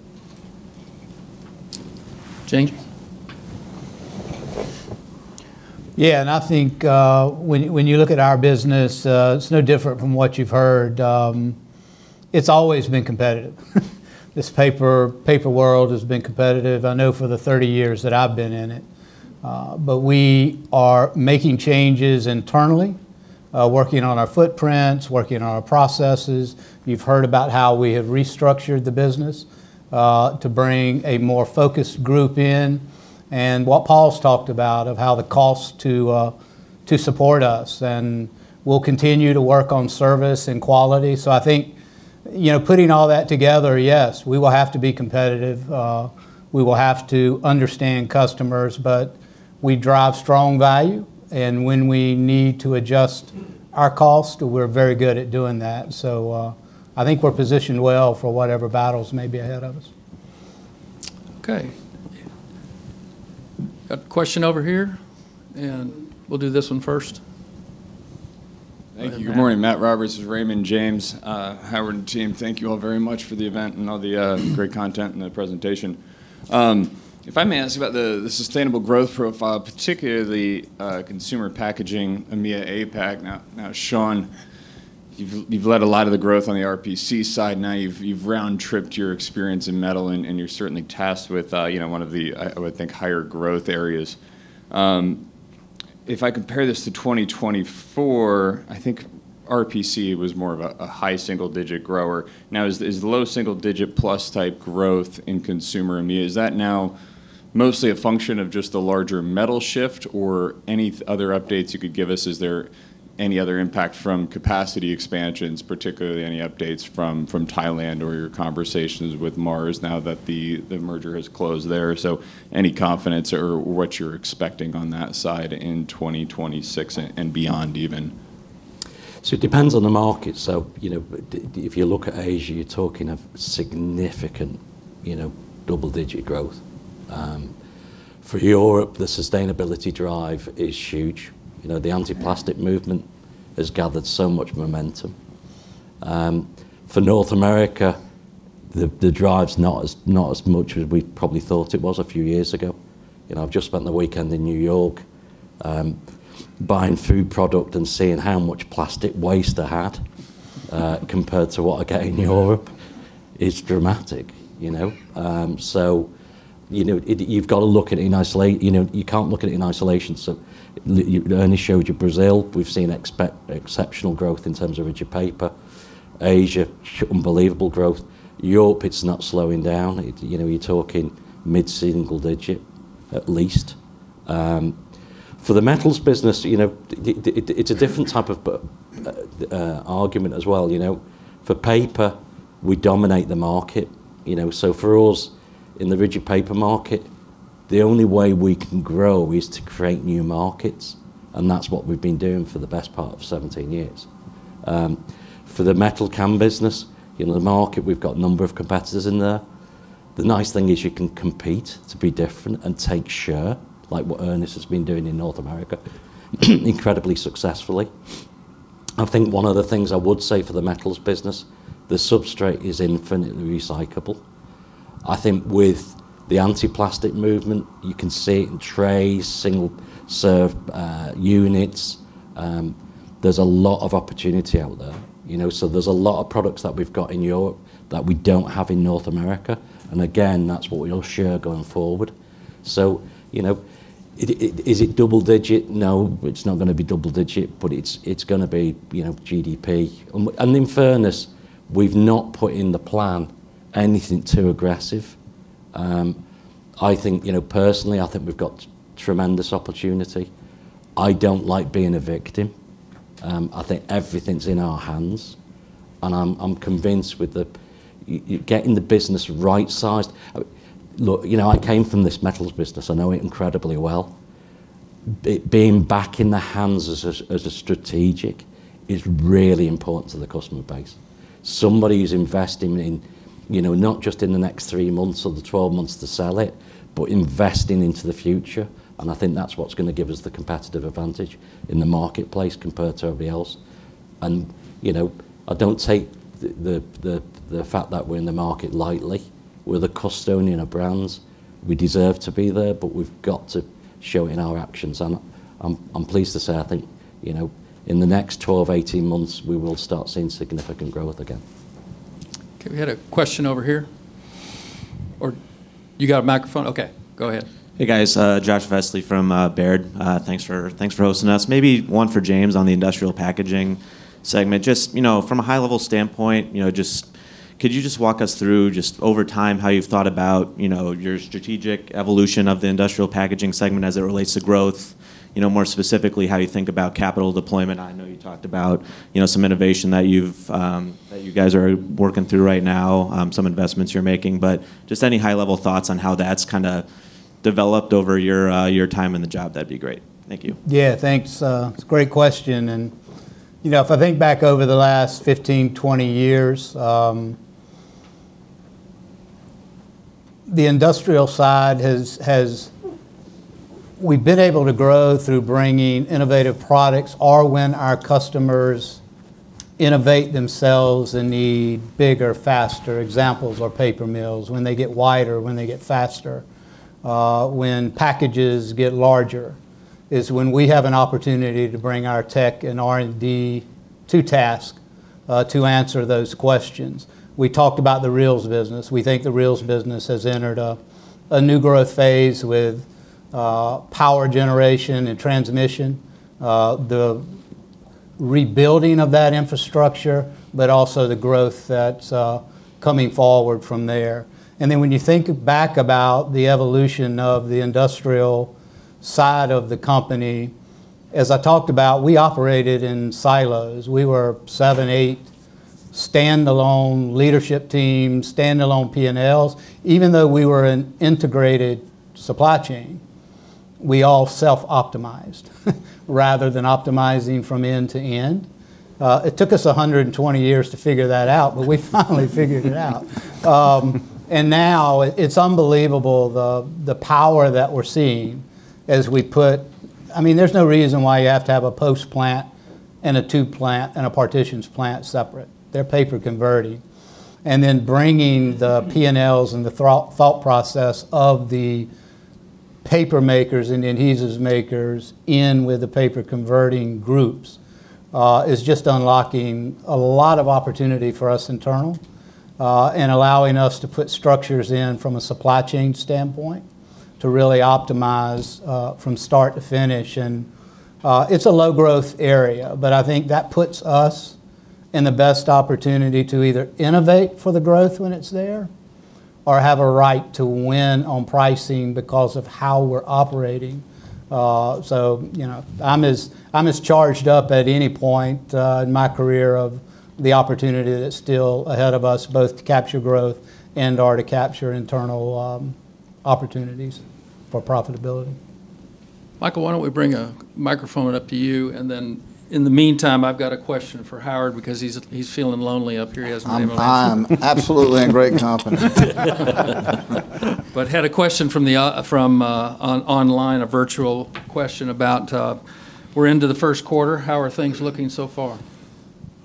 James? Yeah, and I think, when you look at our business, it's no different from what you've heard. It's always been competitive. This paper world has been competitive, I know, for the 30 years that I've been in it. But we are making changes internally, working on our footprints, working on our processes. You've heard about how we have restructured the business, to bring a more focused group in, and what Paul's talked about, of how the cost to support us, and we'll continue to work on service and quality. So I think, you know, putting all that together, yes, we will have to be competitive, we will have to understand customers, but we drive strong value, and when we need to adjust our cost, we're very good at doing that. I think we're positioned well for whatever battles may be ahead of us. Okay. Got a question over here, and we'll do this one first. Thank you. Good morning, Matt Roberts. This is Raymond James. Howard and team, thank you all very much for the event and all the great content and the presentation. If I may ask you about the sustainable growth profile, particularly consumer packaging, EMEA, APAC. Now, Seàn, you've led a lot of the growth on the RPC side. Now, you've round-tripped your experience in metal and you're certainly tasked with you know, one of the, I would think, higher growth areas. If I compare this to 2024, I think RPC was more of a high single-digit grower. Now, is the low single-digit plus type growth in consumer EMEA, is that now mostly a function of just the larger metal shift, or any other updates you could give us? Is there any other impact from capacity expansions, particularly any updates from Thailand or your conversations with Mars now that the merger has closed there? So any confidence or what you're expecting on that side in 2026 and beyond even? So it depends on the market. So, you know, if you look at Asia, you're talking of significant, you know, double-digit growth. For Europe, the sustainability drive is huge. You know, the anti-plastic movement has gathered so much momentum. For North America, the drive's not as, not as much as we probably thought it was a few years ago. You know, I've just spent the weekend in New York, buying food product and seeing how much plastic waste I had, compared to what I get in Europe. It's dramatic, you know? So, you know, you've got to look at it in isolation. You know, you can't look at it in isolation. So you, Ernie showed you Brazil. We've seen exceptional growth in terms of rigid paper. Asia, unbelievable growth. Europe, it's not slowing down. You know, you're talking mid-single digit, at least. For the metals business, you know, the, the it's a different type of argument as well, you know. For paper, we dominate the market, you know, so for us, in the rigid paper market, the only way we can grow is to create new markets, and that's what we've been doing for the best part of 17 years. For the metal can business, in the market, we've got a number of competitors in there. The nice thing is you can compete to be different and take share, like what Ernest has been doing in North America, incredibly successfully. I think one of the things I would say for the metals business, the substrate is infinitely recyclable. I think with the anti-plastic movement, you can see it in trays, single serve units. There's a lot of opportunity out there, you know. So there's a lot of products that we've got in Europe that we don't have in North America, and again, that's what we all share going forward. So, you know, is it double digit? No, it's not gonna be double digit, but it's gonna be, you know, GDP. And in fairness, we've not put in the plan anything too aggressive. I think, you know, personally, I think we've got tremendous opportunity.... I don't like being a victim. I think everything's in our hands, and I'm convinced with the getting the business right-sized. Look, you know, I came from this metals business. I know it incredibly well. It being back in the hands as a strategic is really important to the customer base. Somebody who's investing in, you know, not just in the next 3 months or the 12 months to sell it, but investing into the future, and I think that's what's gonna give us the competitive advantage in the marketplace compared to everybody else. And, you know, I don't take the fact that we're in the market lightly. We're the custodian of brands. We deserve to be there, but we've got to show it in our actions, and I'm pleased to say I think, you know, in the next 12 months, 18 months, we will start seeing significant growth again. Okay, we had a question over here. Or you got a microphone? Okay, go ahead. Hey, guys, Josh Vestley from Baird. Thanks for, thanks for hosting us. Maybe one for James on the industrial packaging segment. Just, you know, from a high-level standpoint, you know, just could you just walk us through just over time, how you've thought about, you know, your strategic evolution of the industrial packaging segment as it relates to growth? You know, more specifically, how you think about capital deployment. I know you talked about, you know, some innovation that you've, that you guys are working through right now, some investments you're making, but just any high-level thoughts on how that's kinda developed over your, your time on the job, that'd be great. Thank you. Yeah, thanks. It's a great question, and, you know, if I think back over the last 15 years-20 years, the industrial side has... We've been able to grow through bringing innovative products or when our customers innovate themselves and need bigger, faster examples or paper mills, when they get wider, when they get faster, when packages get larger, is when we have an opportunity to bring our tech and R&D to task, to answer those questions. We talked about the reels business. We think the reels business has entered a new growth phase with power generation and transmission, the rebuilding of that infrastructure, but also the growth that's coming forward from there. And then when you think back about the evolution of the industrial side of the company, as I talked about, we operated in silos. We were 7, 8 standalone leadership teams, standalone PNLs. Even though we were an integrated supply chain, we all self-optimized rather than optimizing from end to end. It took us 120 years to figure that out, but we finally figured it out. And now it, it's unbelievable the, the power that we're seeing as we put... I mean, there's no reason why you have to have a posts plant and a tubes plant and a partitions plant separate. They're paper converting. And then bringing the PNLs and the thought process of the paper makers and the adhesives makers in with the paper-converting groups is just unlocking a lot of opportunity for us internal and allowing us to put structures in from a supply chain standpoint to really optimize from start to finish. And, it's a low-growth area, but I think that puts us in the best opportunity to either innovate for the growth when it's there or have a right to win on pricing because of how we're operating. So, you know, I'm as charged up at any point in my career of the opportunity that's still ahead of us, both to capture growth and/or to capture internal opportunities for profitability. Michael, why don't we bring a microphone up to you? And then in the meantime, I've got a question for Howard, because he's, he's feeling lonely up here. He hasn't been- I am absolutely in great company. Had a question from the online, a virtual question about we're into the first quarter, how are things looking so far?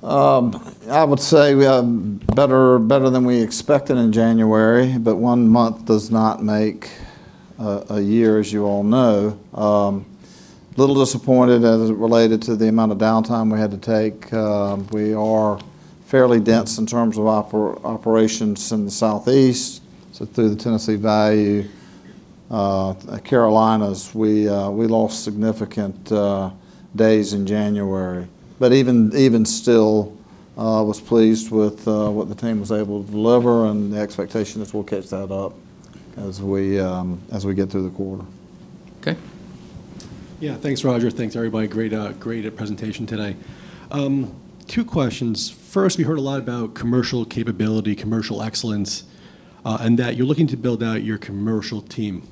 I would say we are better than we expected in January, but one month does not make a year, as you all know. A little disappointed as it related to the amount of downtime we had to take. We are fairly dense in terms of operations in the Southeast, so through the Tennessee Valley, Carolinas, we lost significant days in January. But even still, was pleased with what the team was able to deliver, and the expectation is we'll catch that up as we get through the quarter. Okay. Yeah, thanks, Roger. Thanks, everybody. Great, great presentation today. Two questions. First, we heard a lot about commercial capability, commercial excellence, and that you're looking to build out your commercial team.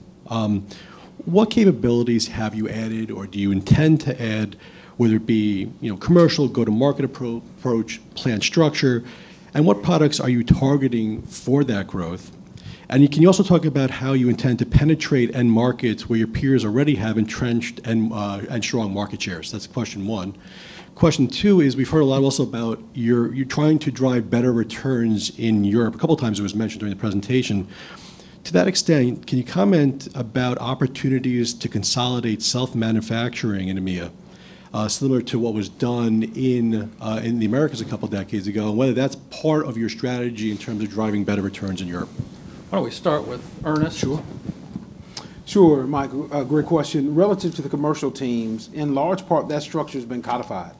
What capabilities have you added or do you intend to add, whether it be, you know, commercial, go-to-market approach, plan structure, and what products are you targeting for that growth? And can you also talk about how you intend to penetrate end markets where your peers already have entrenched and strong market shares? That's question one. Question two is, we've heard a lot also about you're trying to drive better returns in Europe. A couple of times it was mentioned during the presentation. To that extent, can you comment about opportunities to consolidate self-manufacturing in EMEA, similar to what was done in the Americas a couple decades ago, and whether that's part of your strategy in terms of driving better returns in Europe? Why don't we start with Ernest? Sure. Sure, Mike, great question. Relative to the commercial teams, in large part, that structure's been codified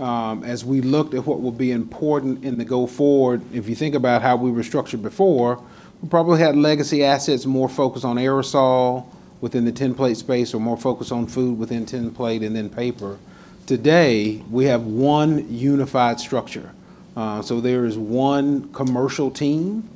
as we looked at what would be important in the go forward, if you think about how we were structured before, we probably had legacy assets more focused on aerosol within the tinplate space, or more focused on food within tinplate, and then paper. Today, we have one unified structure. So there is one commercial team,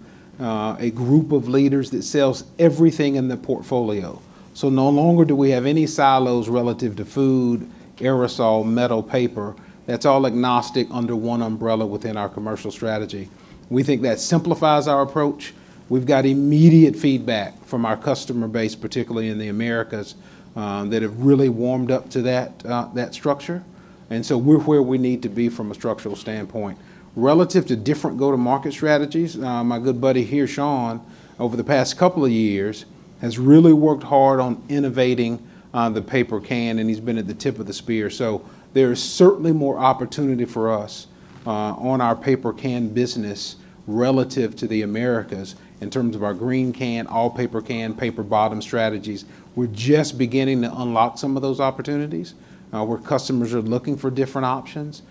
a group of leaders that sells everything in the portfolio. So no longer do we have any silos relative to food, aerosol, metal, paper. That's all agnostic under one umbrella within our commercial strategy. We think that simplifies our approach. We've got immediate feedback from our customer base, particularly in the Americas, that have really warmed up to that, that structure. And so we're where we need to be from a structural standpoint. Relative to different go-to-market strategies, my good buddy here, Seàn, over the past couple of years, has really worked hard on innovating the paper can, and he's been at the tip of the spear. So there is certainly more opportunity for us on our paper can business relative to the Americas in terms of our green can, all-paper can, paper-bottom strategies. We're just beginning to unlock some of those opportunities where customers are looking for different options.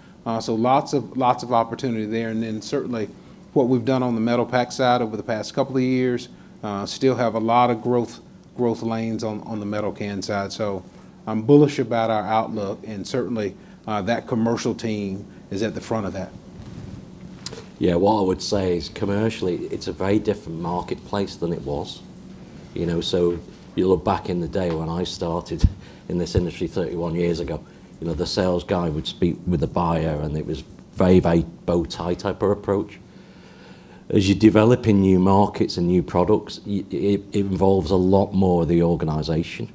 So lots of, lots of opportunity there, and then certainly what we've done on the metal pack side over the past couple of years still have a lot of growth, growth lanes on, on the metal can side. So I'm bullish about our outlook, and certainly, that commercial team is at the front of that. Yeah, what I would say is commercially, it's a very different marketplace than it was. You know, so you look back in the day when I started in this industry 31 years ago, you know, the sales guy would speak with the buyer, and it was very, very bow tie type of approach. As you're developing new markets and new products, it involves a lot more of the organization.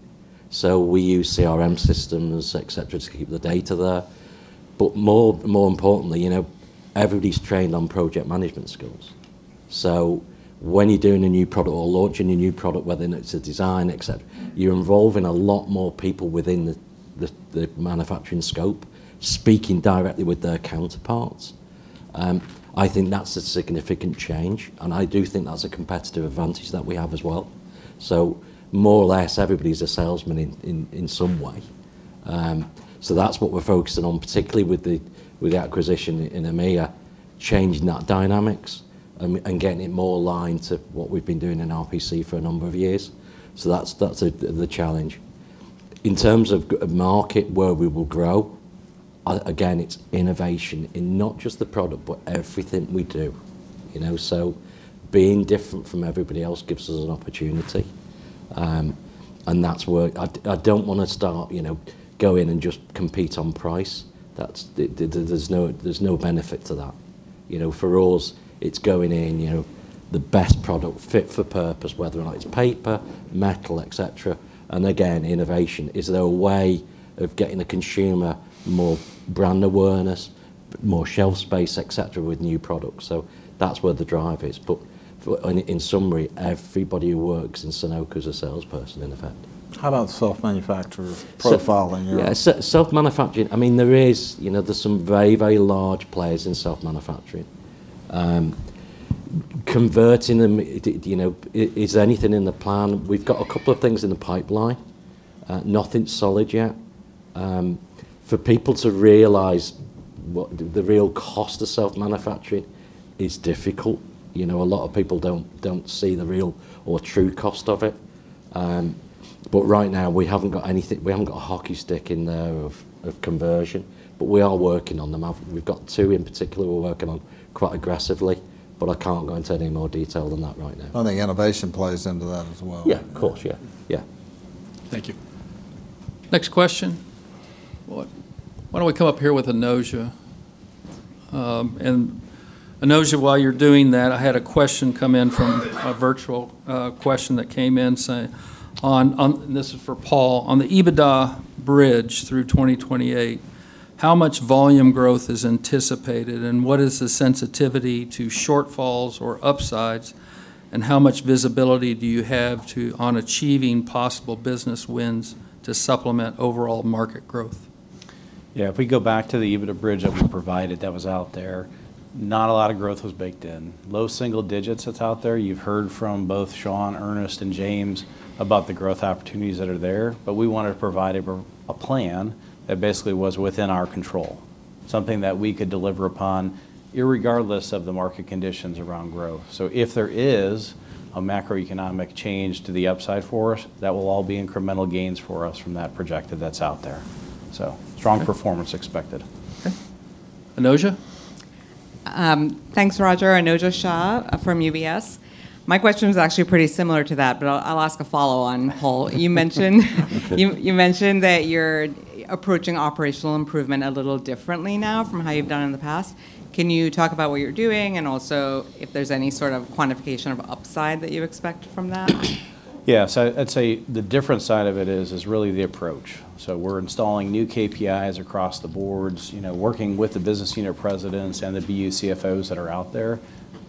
So we use CRM systems, et cetera, to keep the data there. But more importantly, you know, everybody's trained on project management skills. So when you're doing a new product or launching a new product, whether it's a design, et cetera, you're involving a lot more people within the manufacturing scope, speaking directly with their counterparts. I think that's a significant change, and I do think that's a competitive advantage that we have as well. So more or less, everybody's a salesman in some way. So that's what we're focusing on, particularly with the acquisition in EMEA, changing that dynamics and getting it more aligned to what we've been doing in RPC for a number of years. So that's the challenge. In terms of growth of market, where we will grow, again, it's innovation in not just the product, but everything we do, you know? So being different from everybody else gives us an opportunity. And that's where... I don't wanna start, you know, go in and just compete on price. That's the, there's no benefit to that. You know, for us, it's going in, you know, the best product fit for purpose, whether or not it's paper, metal, et cetera. And again, innovation. Is there a way of getting the consumer more brand awareness, more shelf space, et cetera, with new products? So that's where the drive is. But for, in summary, everybody who works in Sonoco is a salesperson, in effect. How about self-manufacturer profiling your- Yeah, self-manufacturing, I mean, there is, you know, there's some very, very large players in self-manufacturing. Converting them, it, you know, is there anything in the plan? We've got a couple of things in the pipeline, nothing solid yet. For people to realize what the real cost of self-manufacturing is difficult. You know, a lot of people don't, don't see the real or true cost of it. But right now, we haven't got anything. We haven't got a hockey stick in there of conversion, but we are working on them. We've got two in particular we're working on quite aggressively, but I can't go into any more detail than that right now. I think innovation plays into that as well. Yeah, of course. Yeah. Yeah. Thank you. Next question, why don't we come up here with Anuja? And Anuja, while you're doing that, I had a question come in from a virtual question that came in, say, on, on, this is for Paul. "On the EBITDA bridge through 2028, how much volume growth is anticipated, and what is the sensitivity to shortfalls or upsides, and how much visibility do you have to, on achieving possible business wins to supplement overall market growth? Yeah, if we go back to the EBITDA bridge that we provided, that was out there, not a lot of growth was baked in. Low single digits, that's out there. You've heard from both Seàn, Ernest, and James about the growth opportunities that are there, but we wanted to provide a plan that basically was within our control, something that we could deliver upon, irregardless of the market conditions around growth. So if there is a macroeconomic change to the upside for us, that will all be incremental gains for us from that projected that's out there. So strong performance expected. Okay. Anuja? Thanks, Roger. Anuja Shah from UBS. My question is actually pretty similar to that, but I'll ask a follow-on poll. You mentioned that you're approaching operational improvement a little differently now from how you've done in the past. Can you talk about what you're doing, and also if there's any sort of quantification of upside that you expect from that? Yeah, so I'd say the different side of it is, is really the approach. So we're installing new KPIs across the boards, you know, working with the business unit presidents and the BU CFOs that are out there,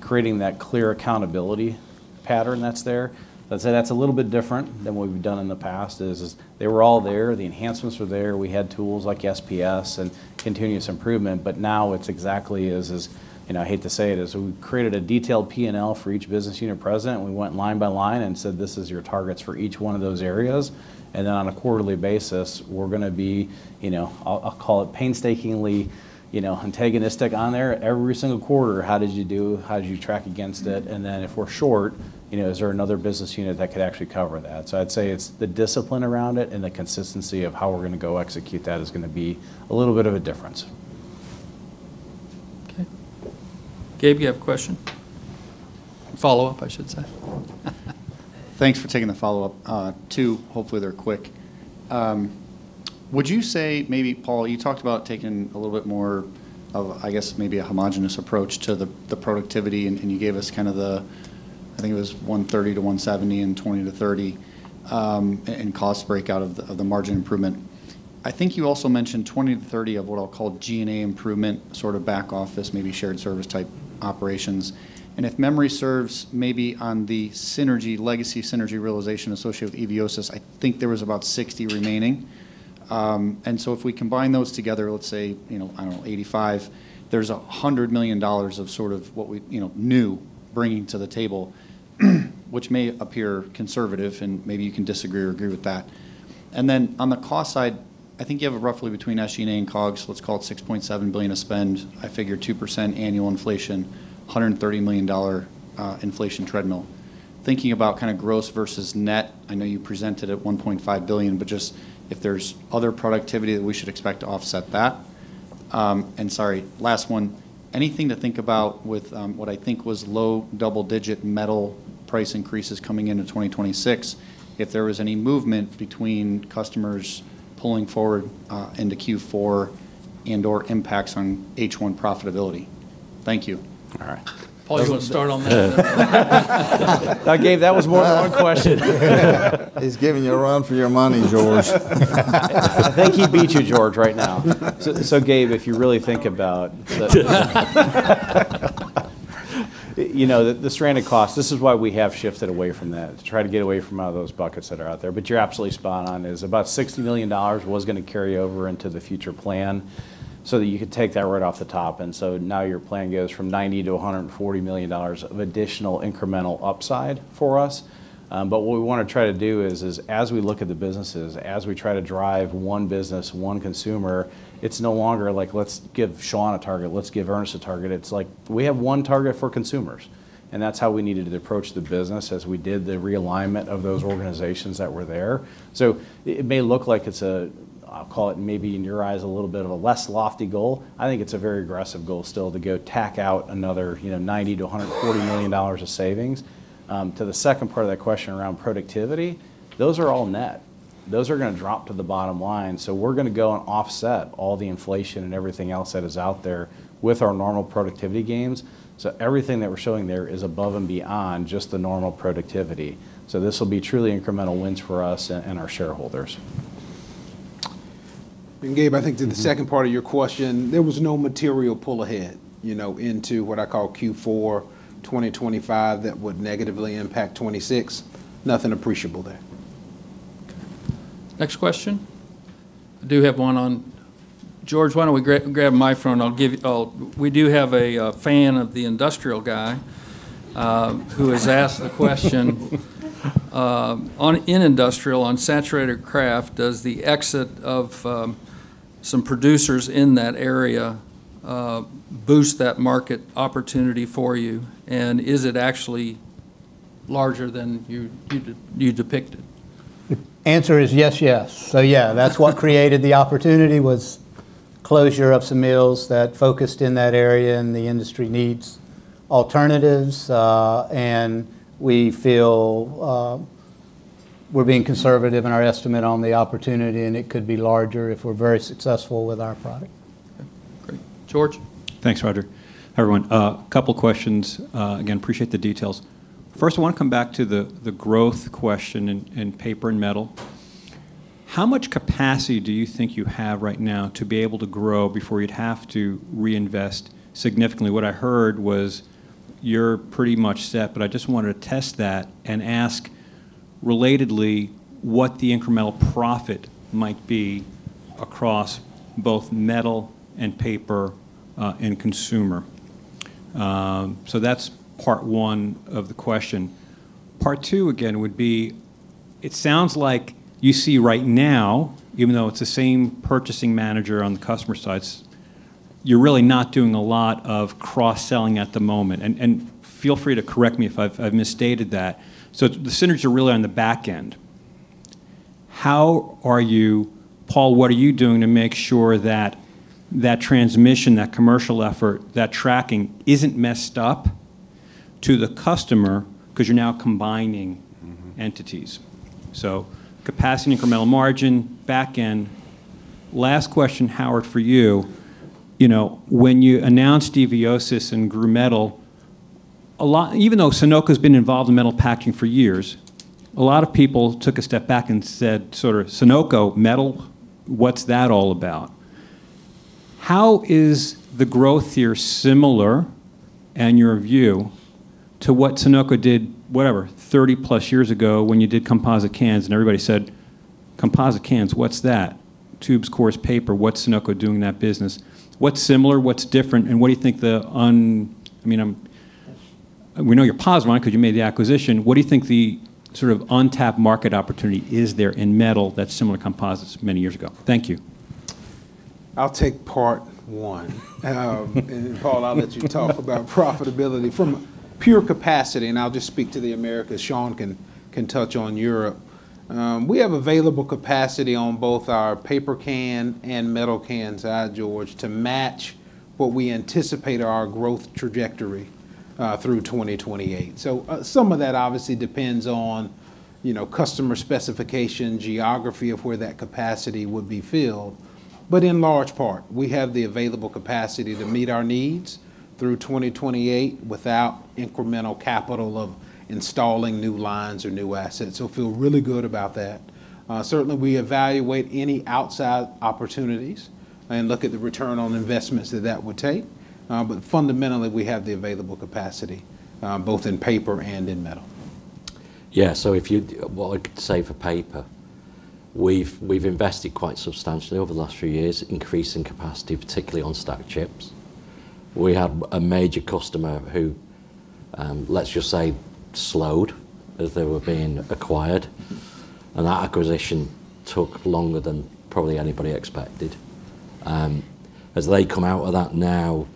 creating that clear accountability pattern that's there. I'd say that's a little bit different than what we've done in the past, is, is they were all there, the enhancements were there. We had tools like SPS and continuous improvement, but now it's exactly as is, you know, I hate to say it, is we've created a detailed P&L for each business unit president, and we went line by line and said, "This is your targets for each one of those areas." And then on a quarterly basis, we're gonna be, you know, I'll, I'll call it painstakingly, you know, antagonistic on there every single quarter: "How did you do? How did you track against it?" Then if we're short, you know, is there another business unit that could actually cover that? So I'd say it's the discipline around it and the consistency of how we're gonna go execute that is gonna be a little bit of a difference. Okay. Gabe, you have a question? Follow-up, I should say. Thanks for taking the follow-up. Two, hopefully they're quick. Would you say maybe, Paul, you talked about taking a little bit more of, I guess, maybe a homogenous approach to the, the productivity, and, and you gave us kind of the, I think it was $130-$170 and $20-$30, and cost breakout of the, of the margin improvement. I think you also mentioned $20-$30 of what I'll call G&A improvement, sort of back office, maybe shared service type operations. And if memory serves, maybe on the synergy, legacy synergy realization associated with Eviosys, I think there was about $60 remaining. And so if we combine those together, let's say, you know, I don't know, 85, there's $100 million of sort of what we, you know, new bringing to the table, which may appear conservative, and maybe you can disagree or agree with that. And then on the cost side, I think you have a roughly between SG&A and COGS, let's call it $6.7 billion of spend. I figure 2% annual inflation, $130 million inflation treadmill. Thinking about kind of gross versus net, I know you presented at $1.5 billion, but just if there's other productivity that we should expect to offset that. Sorry, last one: Anything to think about with what I think was low double-digit metal price increases coming into 2026, if there was any movement between customers pulling forward into Q4 and/or impacts on H1 profitability? Thank you. All right. Paul, you want to start on that? Now, Gabe, that was more than one question. He's giving you a run for your money, George. I think he beat you, George, right now. So, Gabe, if you really think about the you know, the stranded cost, this is why we have shifted away from that, to try to get away from out of those buckets that are out there. But you're absolutely spot on, is about $60 million was gonna carry over into the future plan, so that you could take that right off the top. And so now your plan goes from $90 million-$140 million of additional incremental upside for us. But what we want to try to do is as we look at the businesses, as we try to drive one business, one consumer, it's no longer like, "Let's give Seàn a target, let's give Ernest a target." It's like, we have one target for consumers, and that's how we needed to approach the business as we did the realignment of those organizations that were there. So it may look like it's a, I'll call it maybe in your eyes, a little bit of a less lofty goal. I think it's a very aggressive goal still to go take out another, you know, $90 million-$140 million of savings. To the second part of that question around productivity, those are all net. Those are gonna drop to the bottom line, so we're gonna go and offset all the inflation and everything else that is out there with our normal productivity gains. So everything that we're showing there is above and beyond just the normal productivity. So this will be truly incremental wins for us and our shareholders. Gabe, I think to the second part of your question, there was no material pull ahead, you know, into what I call Q4 2025 that would negatively impact 2026. Nothing appreciable there. Okay. Next question? I do have one on... George, why don't we grab a microphone, I'll give you- Oh, we do have a fan of the industrial guy, who has asked a question-... on, in industrial, on saturated kraft, does the exit of some producers in that area boost that market opportunity for you? And is it actually larger than you depicted? Answer is yes, yes. So yeah, that's what created the opportunity, was closure of some mills that focused in that area, and the industry needs alternatives, and we feel, we're being conservative in our estimate on the opportunity, and it could be larger if we're very successful with our product. Okay, great. George? Thanks, Roger. Hi, everyone. Couple questions. Again, appreciate the details. First, I want to come back to the growth question in paper and metal. How much capacity do you think you have right now to be able to grow before you'd have to reinvest significantly? What I heard was, you're pretty much set, but I just wanted to test that and ask, relatedly, what the incremental profit might be across both metal and paper and consumer. So that's part one of the question. Part two, again, would be, it sounds like you see right now, even though it's the same purchasing manager on the customer sides, you're really not doing a lot of cross-selling at the moment. And feel free to correct me if I've misstated that. So the synergies are really on the back end. How are you, Paul, what are you doing to make sure that that transmission, that commercial effort, that tracking isn't messed up to the customer because you're now combining- Mm-hmm... entities? So capacity, incremental margin, back end. Last question, Howard, for you. You know, when you announced Eviosys and grew metal, a lot-even though Sonoco's been involved in metal packaging for years, a lot of people took a step back and said, sort of, "Sonoco, metal? What's that all about?"... How is the growth here similar, and your view, to what Sonoco did, whatever, 30+ years ago when you did composite cans and everybody said, "Composite cans, what's that? Tubes, cores, paper. What's Sonoco doing in that business?" What's similar, what's different, and what do you think the un-I mean, I'm-We know you're positive on it 'cause you made the acquisition. What do you think the sort of untapped market opportunity is there in metal that's similar to composites many years ago? Thank you. I'll take part one. And then, Paul, I'll let you talk about profitability. From pure capacity, and I'll just speak to the Americas, Seàn can touch on Europe. We have available capacity on both our paper can and metal cans, George, to match what we anticipate are our growth trajectory through 2028. So, some of that obviously depends on, you know, customer specification, geography of where that capacity would be filled. But in large part, we have the available capacity to meet our needs through 2028 without incremental capital of installing new lines or new assets, so feel really good about that. Certainly, we evaluate any outside opportunities and look at the return on investments that that would take, but fundamentally, we have the available capacity both in paper and in metal. Yeah, so if you... Well, I could say for paper, we've invested quite substantially over the last few years, increasing capacity, particularly on stack chips. We had a major customer who, let's just say, slowed as they were being acquired, and that acquisition took longer than probably anybody expected. As they come out of that now,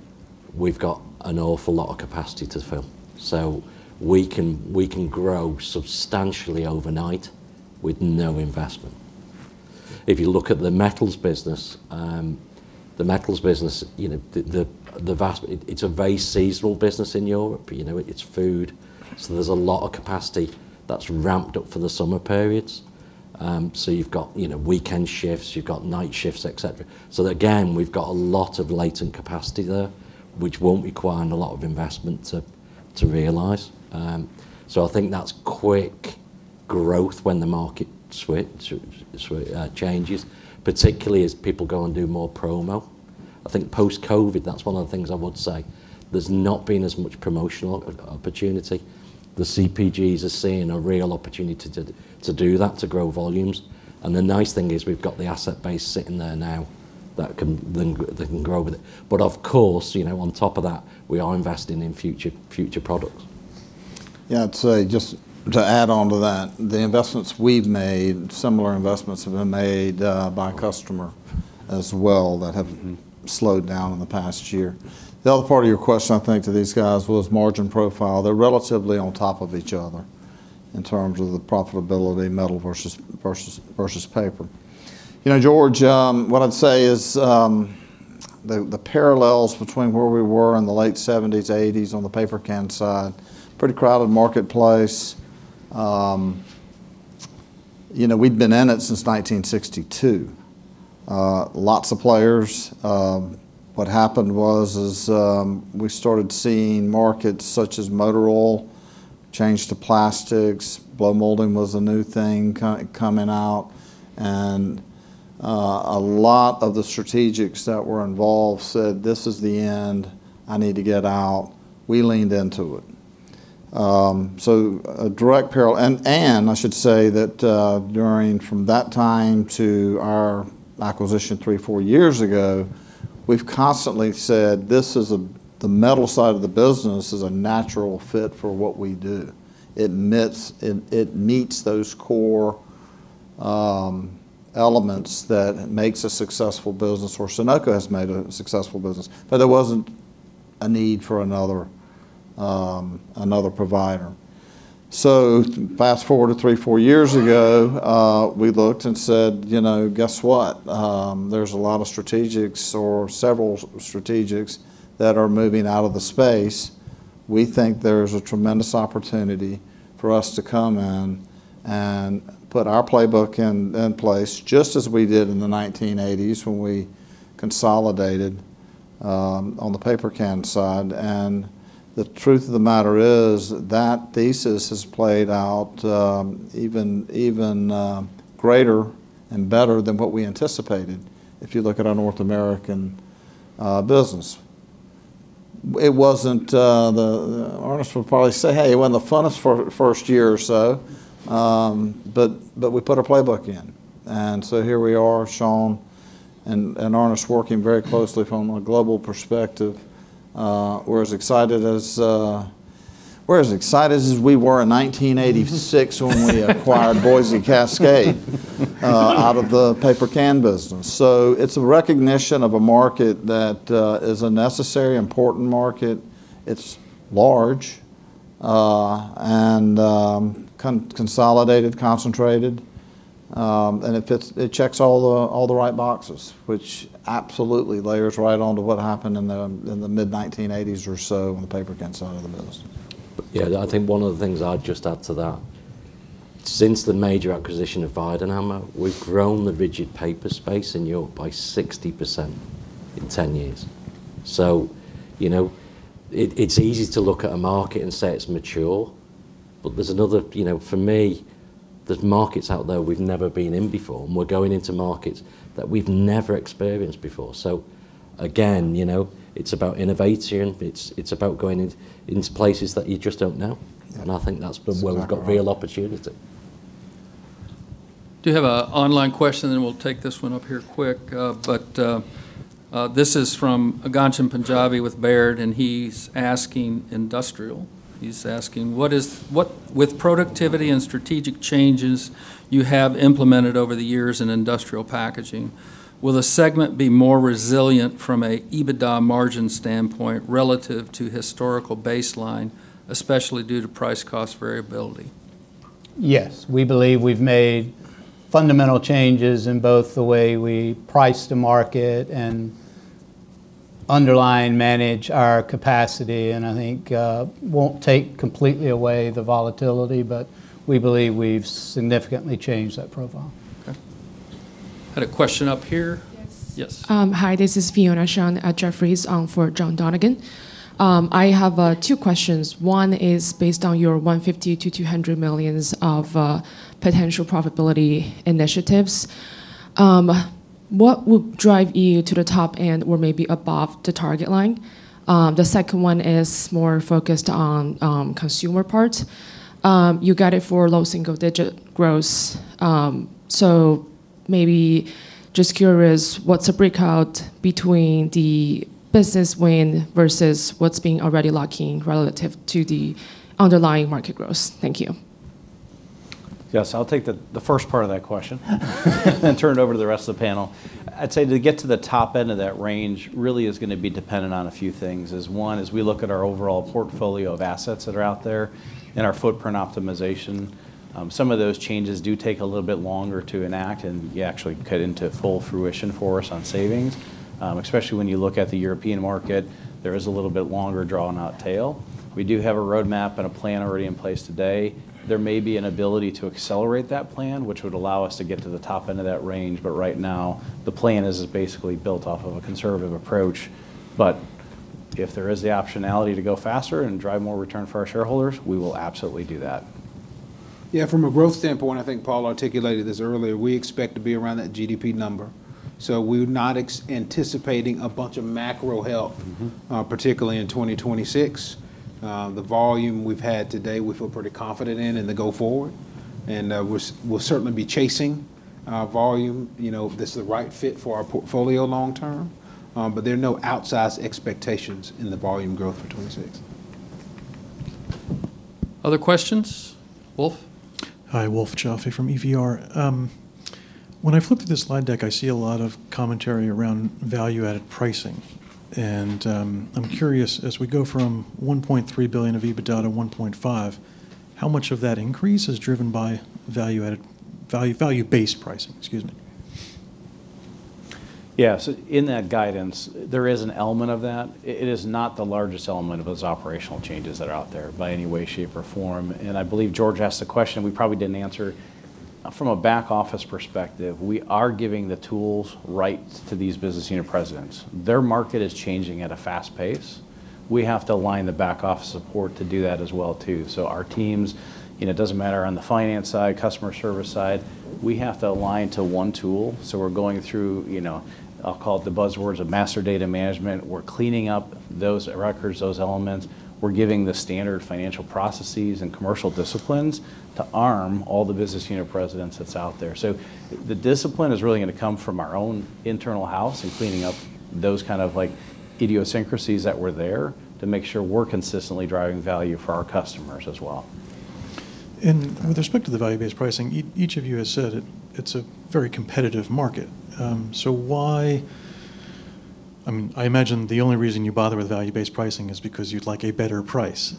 we've got an awful lot of capacity to fill. So we can grow substantially overnight with no investment. If you look at the metals business, you know, the vast—it's a very seasonal business in Europe, you know, it's food. So there's a lot of capacity that's ramped up for the summer periods. So you've got, you know, weekend shifts, you've got night shifts, et cetera. So again, we've got a lot of latent capacity there, which won't require a lot of investment to realize. So I think that's quick growth when the market changes, particularly as people go and do more promo. I think post-COVID, that's one of the things I would say, there's not been as much promotional opportunity. The CPGs are seeing a real opportunity to do that, to grow volumes. And the nice thing is, we've got the asset base sitting there now that can grow with it. But of course, you know, on top of that, we are investing in future products. Yeah, I'd say, just to add on to that, the investments we've made, similar investments have been made by customer as well that have slowed down in the past year. The other part of your question, I think, to these guys was margin profile. They're relatively on top of each other in terms of the profitability, metal versus paper. You know, George, what I'd say is, the parallels between where we were in the late 1970s, 1980s on the paper can side, pretty crowded marketplace. You know, we'd been in it since 1962. Lots of players. What happened was, we started seeing markets such as motor oil change to plastics, blow molding was a new thing coming out, and a lot of the strategics that were involved said: "This is the end. I need to get out." We leaned into it. So a direct parallel... And I should say that, from that time to our acquisition 3, 4 years ago, we've constantly said: "This is a the metal side of the business is a natural fit for what we do. It meets, it meets those core elements that makes a successful business, or Sonoco has made a successful business," but there wasn't a need for another another provider. So fast-forward to 3, 4 years ago, we looked and said, "You know, guess what? There's a lot of strategics or several strategics that are moving out of the space. We think there's a tremendous opportunity for us to come in and put our playbook in place, just as we did in the 1980s when we consolidated on the paper can side. And the truth of the matter is that thesis has played out even greater and better than what we anticipated, if you look at our North American business. It wasn't the... Ernest would probably say, "Hey, it wasn't the funnest first year or so," but we put a playbook in. And so here we are, Seàn and Ernest working very closely from a global perspective. We're as excited as we were in 1986 when we acquired Boise Cascade out of the paper can business. So it's a recognition of a market that is a necessary, important market. It's large, and consolidated, concentrated, and it fits - it checks all the, all the right boxes, which absolutely layers right onto what happened in the mid-1980s or so on the paper can side of the business. Yeah, I think one of the things I'd just add to that, since the major acquisition of Weidenhammer, we've grown the rigid paper space in Europe by 60% in 10 years. So you know, it, it's easy to look at a market and say it's mature... but there's another, you know, for me, there's markets out there we've never been in before, and we're going into markets that we've never experienced before. So again, you know, it's about innovating, it's, it's about going in, into places that you just don't know. Yeah. I think that's where we've got real opportunity. do have an online question, then we'll take this one up here quick. This is from Ghansham Panjabi with Baird, and he's asking industrial. He's asking: "What, with productivity and strategic changes you have implemented over the years in industrial packaging, will the segment be more resilient from an EBITDA margin standpoint relative to historical baseline, especially due to price-cost variability? Yes, we believe we've made fundamental changes in both the way we price the market and line manage our capacity, and I think won't take completely away the volatility, but we believe we've significantly changed that profile. Okay. Had a question up here. Yes. Yes. Hi, this is Fiona Shang at Jefferies, for John Dunigan. I have two questions. One is based on your $150 million-$200 million of potential profitability initiatives. What would drive you to the top, and where maybe above the target line? The second one is more focused on consumer parts. You got it for low single-digit growth, so maybe just curious, what's a breakout between the business win versus what's being already locking relative to the underlying market growth? Thank you. Yes, I'll take the first part of that question and turn it over to the rest of the panel. I'd say to get to the top end of that range really is gonna be dependent on a few things. As one, as we look at our overall portfolio of assets that are out there and our footprint optimization, some of those changes do take a little bit longer to enact, and you actually cut into full fruition for us on savings. Especially when you look at the European market, there is a little bit longer drawn-out tail. We do have a roadmap and a plan already in place today. There may be an ability to accelerate that plan, which would allow us to get to the top end of that range, but right now, the plan is basically built off of a conservative approach. If there is the optionality to go faster and drive more return for our shareholders, we will absolutely do that. Yeah, from a growth standpoint, I think Paul articulated this earlier, we expect to be around that GDP number, so we're not anticipating a bunch of macro help- Mm-hmm... particularly in 2026. The volume we've had today, we feel pretty confident in the go-forward, and we'll certainly be chasing volume, you know, if this is the right fit for our portfolio long term. But there are no outsized expectations in the volume growth for 2026. Other questions? Wolf. Hi, Wolf Joffe from EVR. When I flipped through this slide deck, I see a lot of commentary around value-added pricing, and, I'm curious, as we go from $1.3 billion of EBITDA to $1.5 billion, how much of that increase is driven by value-added, value, value-based pricing, excuse me? Yeah, so in that guidance, there is an element of that. It, it is not the largest element of those operational changes that are out there, by any way, shape, or form. And I believe George asked a question we probably didn't answer. From a back office perspective, we are giving the tools right to these business unit presidents. Their market is changing at a fast pace. We have to align the back office support to do that as well, too. So our teams, you know, it doesn't matter on the finance side, customer service side, we have to align to one tool, so we're going through, you know, I'll call it the buzzwords of master data management. We're cleaning up those records, those elements. We're giving the standard financial processes and commercial disciplines to arm all the business unit presidents that's out there. The discipline is really gonna come from our own internal house and cleaning up those kind of like idiosyncrasies that were there, to make sure we're consistently driving value for our customers as well. With respect to the value-based pricing, each of you has said it, it's a very competitive market. So why... I mean, I imagine the only reason you bother with value-based pricing is because you'd like a better price.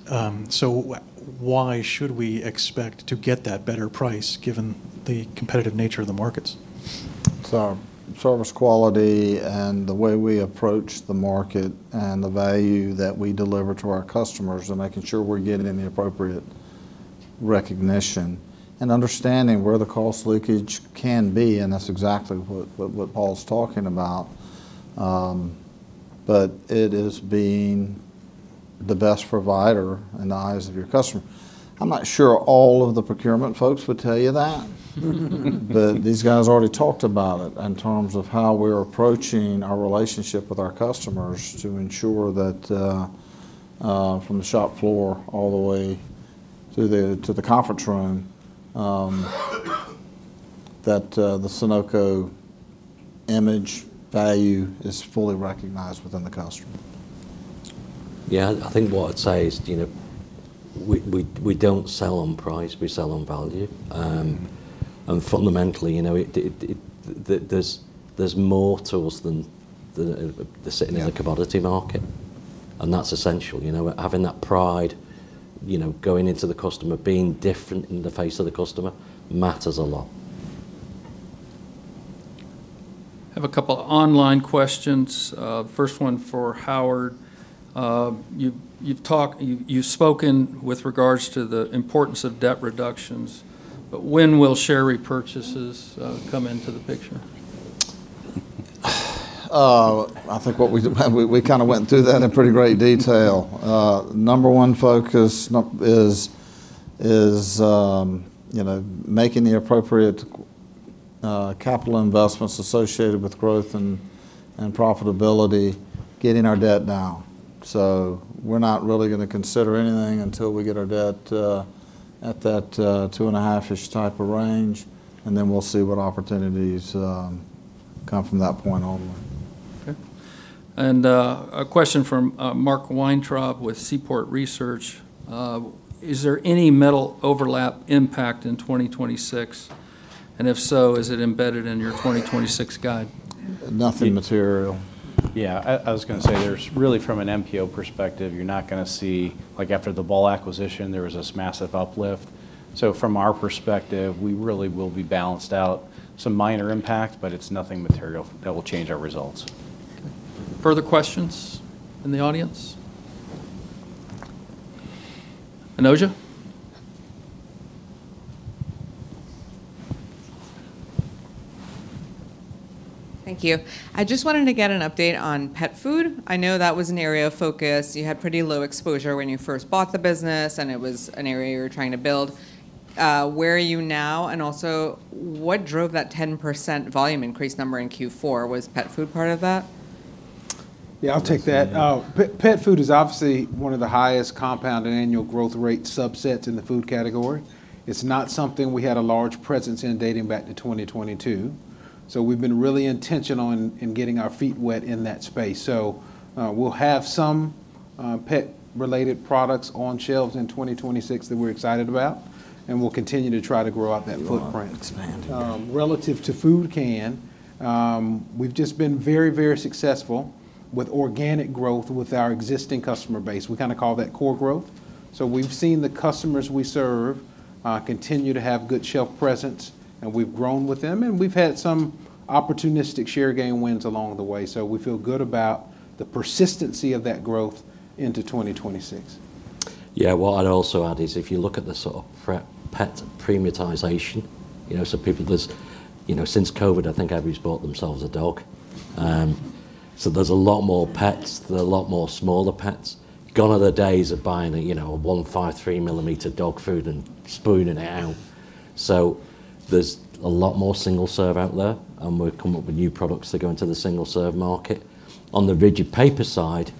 Why should we expect to get that better price, given the competitive nature of the markets? It's our service quality and the way we approach the market, and the value that we deliver to our customers, and making sure we're getting the appropriate recognition and understanding where the cost leakage can be, and that's exactly what Paul's talking about. But it is being the best provider in the eyes of your customer. I'm not sure all of the procurement folks would tell you that. But these guys already talked about it in terms of how we're approaching our relationship with our customers to ensure that from the shop floor all the way to the conference room, that the Sonoco image value is fully recognized within the customer. Yeah, I think what I'd say is, you know, we don't sell on price, we sell on value. And fundamentally, you know, there's more to us than the sitting- Yeah... in a commodity market, and that's essential. You know, having that pride, you know, going into the customer, being different in the face of the customer, matters a lot. Have a couple of online questions. First one for Howard. You've, you've talked, you, you've spoken with regards to the importance of debt reductions, but when will share repurchases come into the picture?... I think what we did, we kind of went through that in pretty great detail. Number one focus is, you know, making the appropriate capital investments associated with growth and profitability, getting our debt down. So we're not really gonna consider anything until we get our debt at that 2.5-ish type of range, and then we'll see what opportunities come from that point onward. Okay. And, a question from Mark Weintraub with Seaport Research: Is there any metal overlap impact in 2026? And if so, is it embedded in your 2026 guide? Nothing material. Yeah, I was gonna say, there's really, from an MPO perspective, you're not gonna see... Like, after the Ball acquisition, there was this massive uplift. So from our perspective, we really will be balanced out. Some minor impact, but it's nothing material that will change our results. Further questions in the audience? Anuja? Thank you. I just wanted to get an update on pet food. I know that was an area of focus. You had pretty low exposure when you first bought the business, and it was an area you were trying to build. Where are you now, and also, what drove that 10% volume increase number in Q4? Was pet food part of that? Yeah, I'll take that. Pet food is obviously one of the highest compound and annual growth rate subsets in the food category. It's not something we had a large presence in dating back to 2022, so we've been really intentional in, in getting our feet wet in that space. So, we'll have some pet-related products on shelves in 2026 that we're excited about, and we'll continue to try to grow out that footprint. Expand. Relative to food can, we've just been very, very successful with organic growth with our existing customer base. We kind of call that core growth. So we've seen the customers we serve continue to have good shelf presence, and we've grown with them, and we've had some opportunistic share gain wins along the way. So we feel good about the persistency of that growth into 2026. Yeah, what I'd also add is, if you look at the sort of pre-pet premiumization, you know, so people just... You know, since COVID, I think everybody's bought themselves a dog. So there's a lot more pets. There are a lot more smaller pets. Gone are the days of buying a, you know, a 15 millimeter, 3-millimeter dog food and spooning it out. So there's a lot more single-serve out there, and we've come up with new products that go into the single-serve market. On the rigid paper side,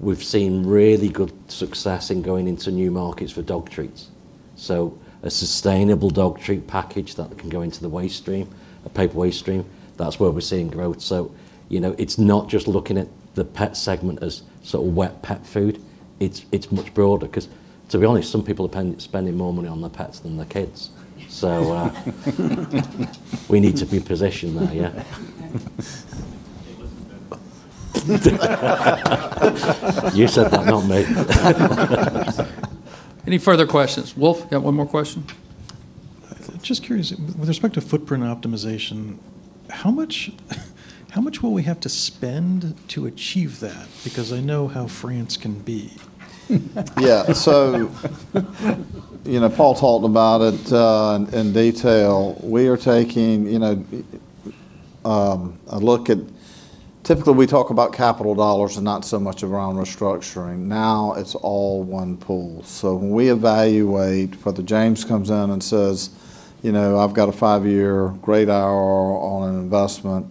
we've seen really good success in going into new markets for dog treats. So a sustainable dog treat package that can go into the waste stream, a paper waste stream, that's where we're seeing growth. So, you know, it's not just looking at the pet segment as sort of wet pet food. It's, it's much broader 'cause to be honest, some people are spending more money on their pets than their kids. So, we need to be positioned there, yeah. Okay. It wasn't me. You said that, not me. Any further questions? Wolf, you have one more question? Just curious, with respect to footprint optimization, how much, how much will we have to spend to achieve that? Because I know how France can be. Yeah, so, you know, Paul talked about it in detail. We are taking, you know, a look at... Typically, we talk about capital dollars and not so much around restructuring. Now, it's all one pool. So when we evaluate, whether James comes in and says, "You know, I've got a 5-year payback on an investment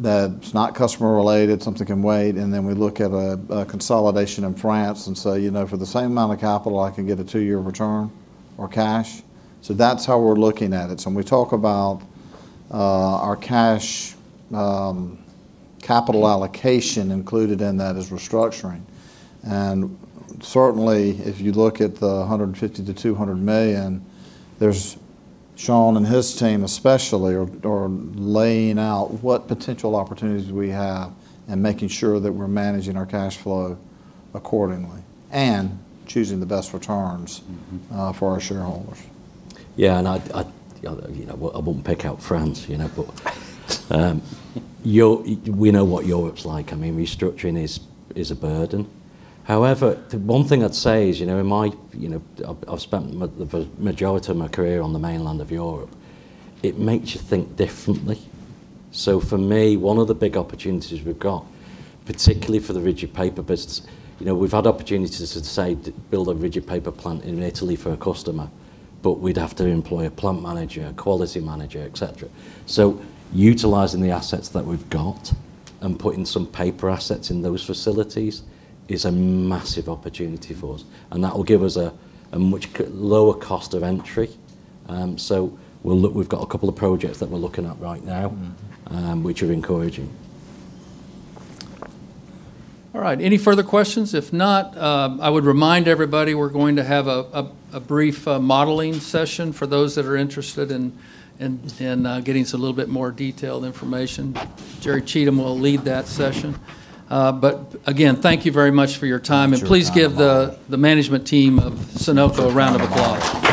that's not customer related, something can wait," and then we look at a consolidation in France and say, "You know, for the same amount of capital, I can get a 2-year payback." So that's how we're looking at it. So when we talk about our cash capital allocation, included in that is restructuring, and certainly, if you look at the $150 million-$200 million, there's Seàn and his team especially are laying out what potential opportunities we have and making sure that we're managing our cash flow accordingly and choosing the best returns- Mm-hmm... for our shareholders. Yeah, and I, you know, I wouldn't pick out France, you know, but, we know what Europe's like. I mean, restructuring is, is a burden. However, the one thing I'd say is, you know, in my, you know, I've spent the majority of my career on the mainland of Europe, it makes you think differently. So for me, one of the big opportunities we've got, particularly for the rigid paper business, you know, we've had opportunities to, say, to build a rigid paper plant in Italy for a customer, but we'd have to employ a plant manager, a quality manager, et cetera. So utilizing the assets that we've got and putting some paper assets in those facilities is a massive opportunity for us, and that will give us a much lower cost of entry. So we'll look. We've got a couple of projects that we're looking at right now- Mm-hmm... which are encouraging. All right, any further questions? If not, I would remind everybody, we're going to have a brief modeling session for those that are interested in getting us a little bit more detailed information. Jerry Cheatham will lead that session. But again, thank you very much for your time. Sure... and please give the management team of Sonoco a round of applause.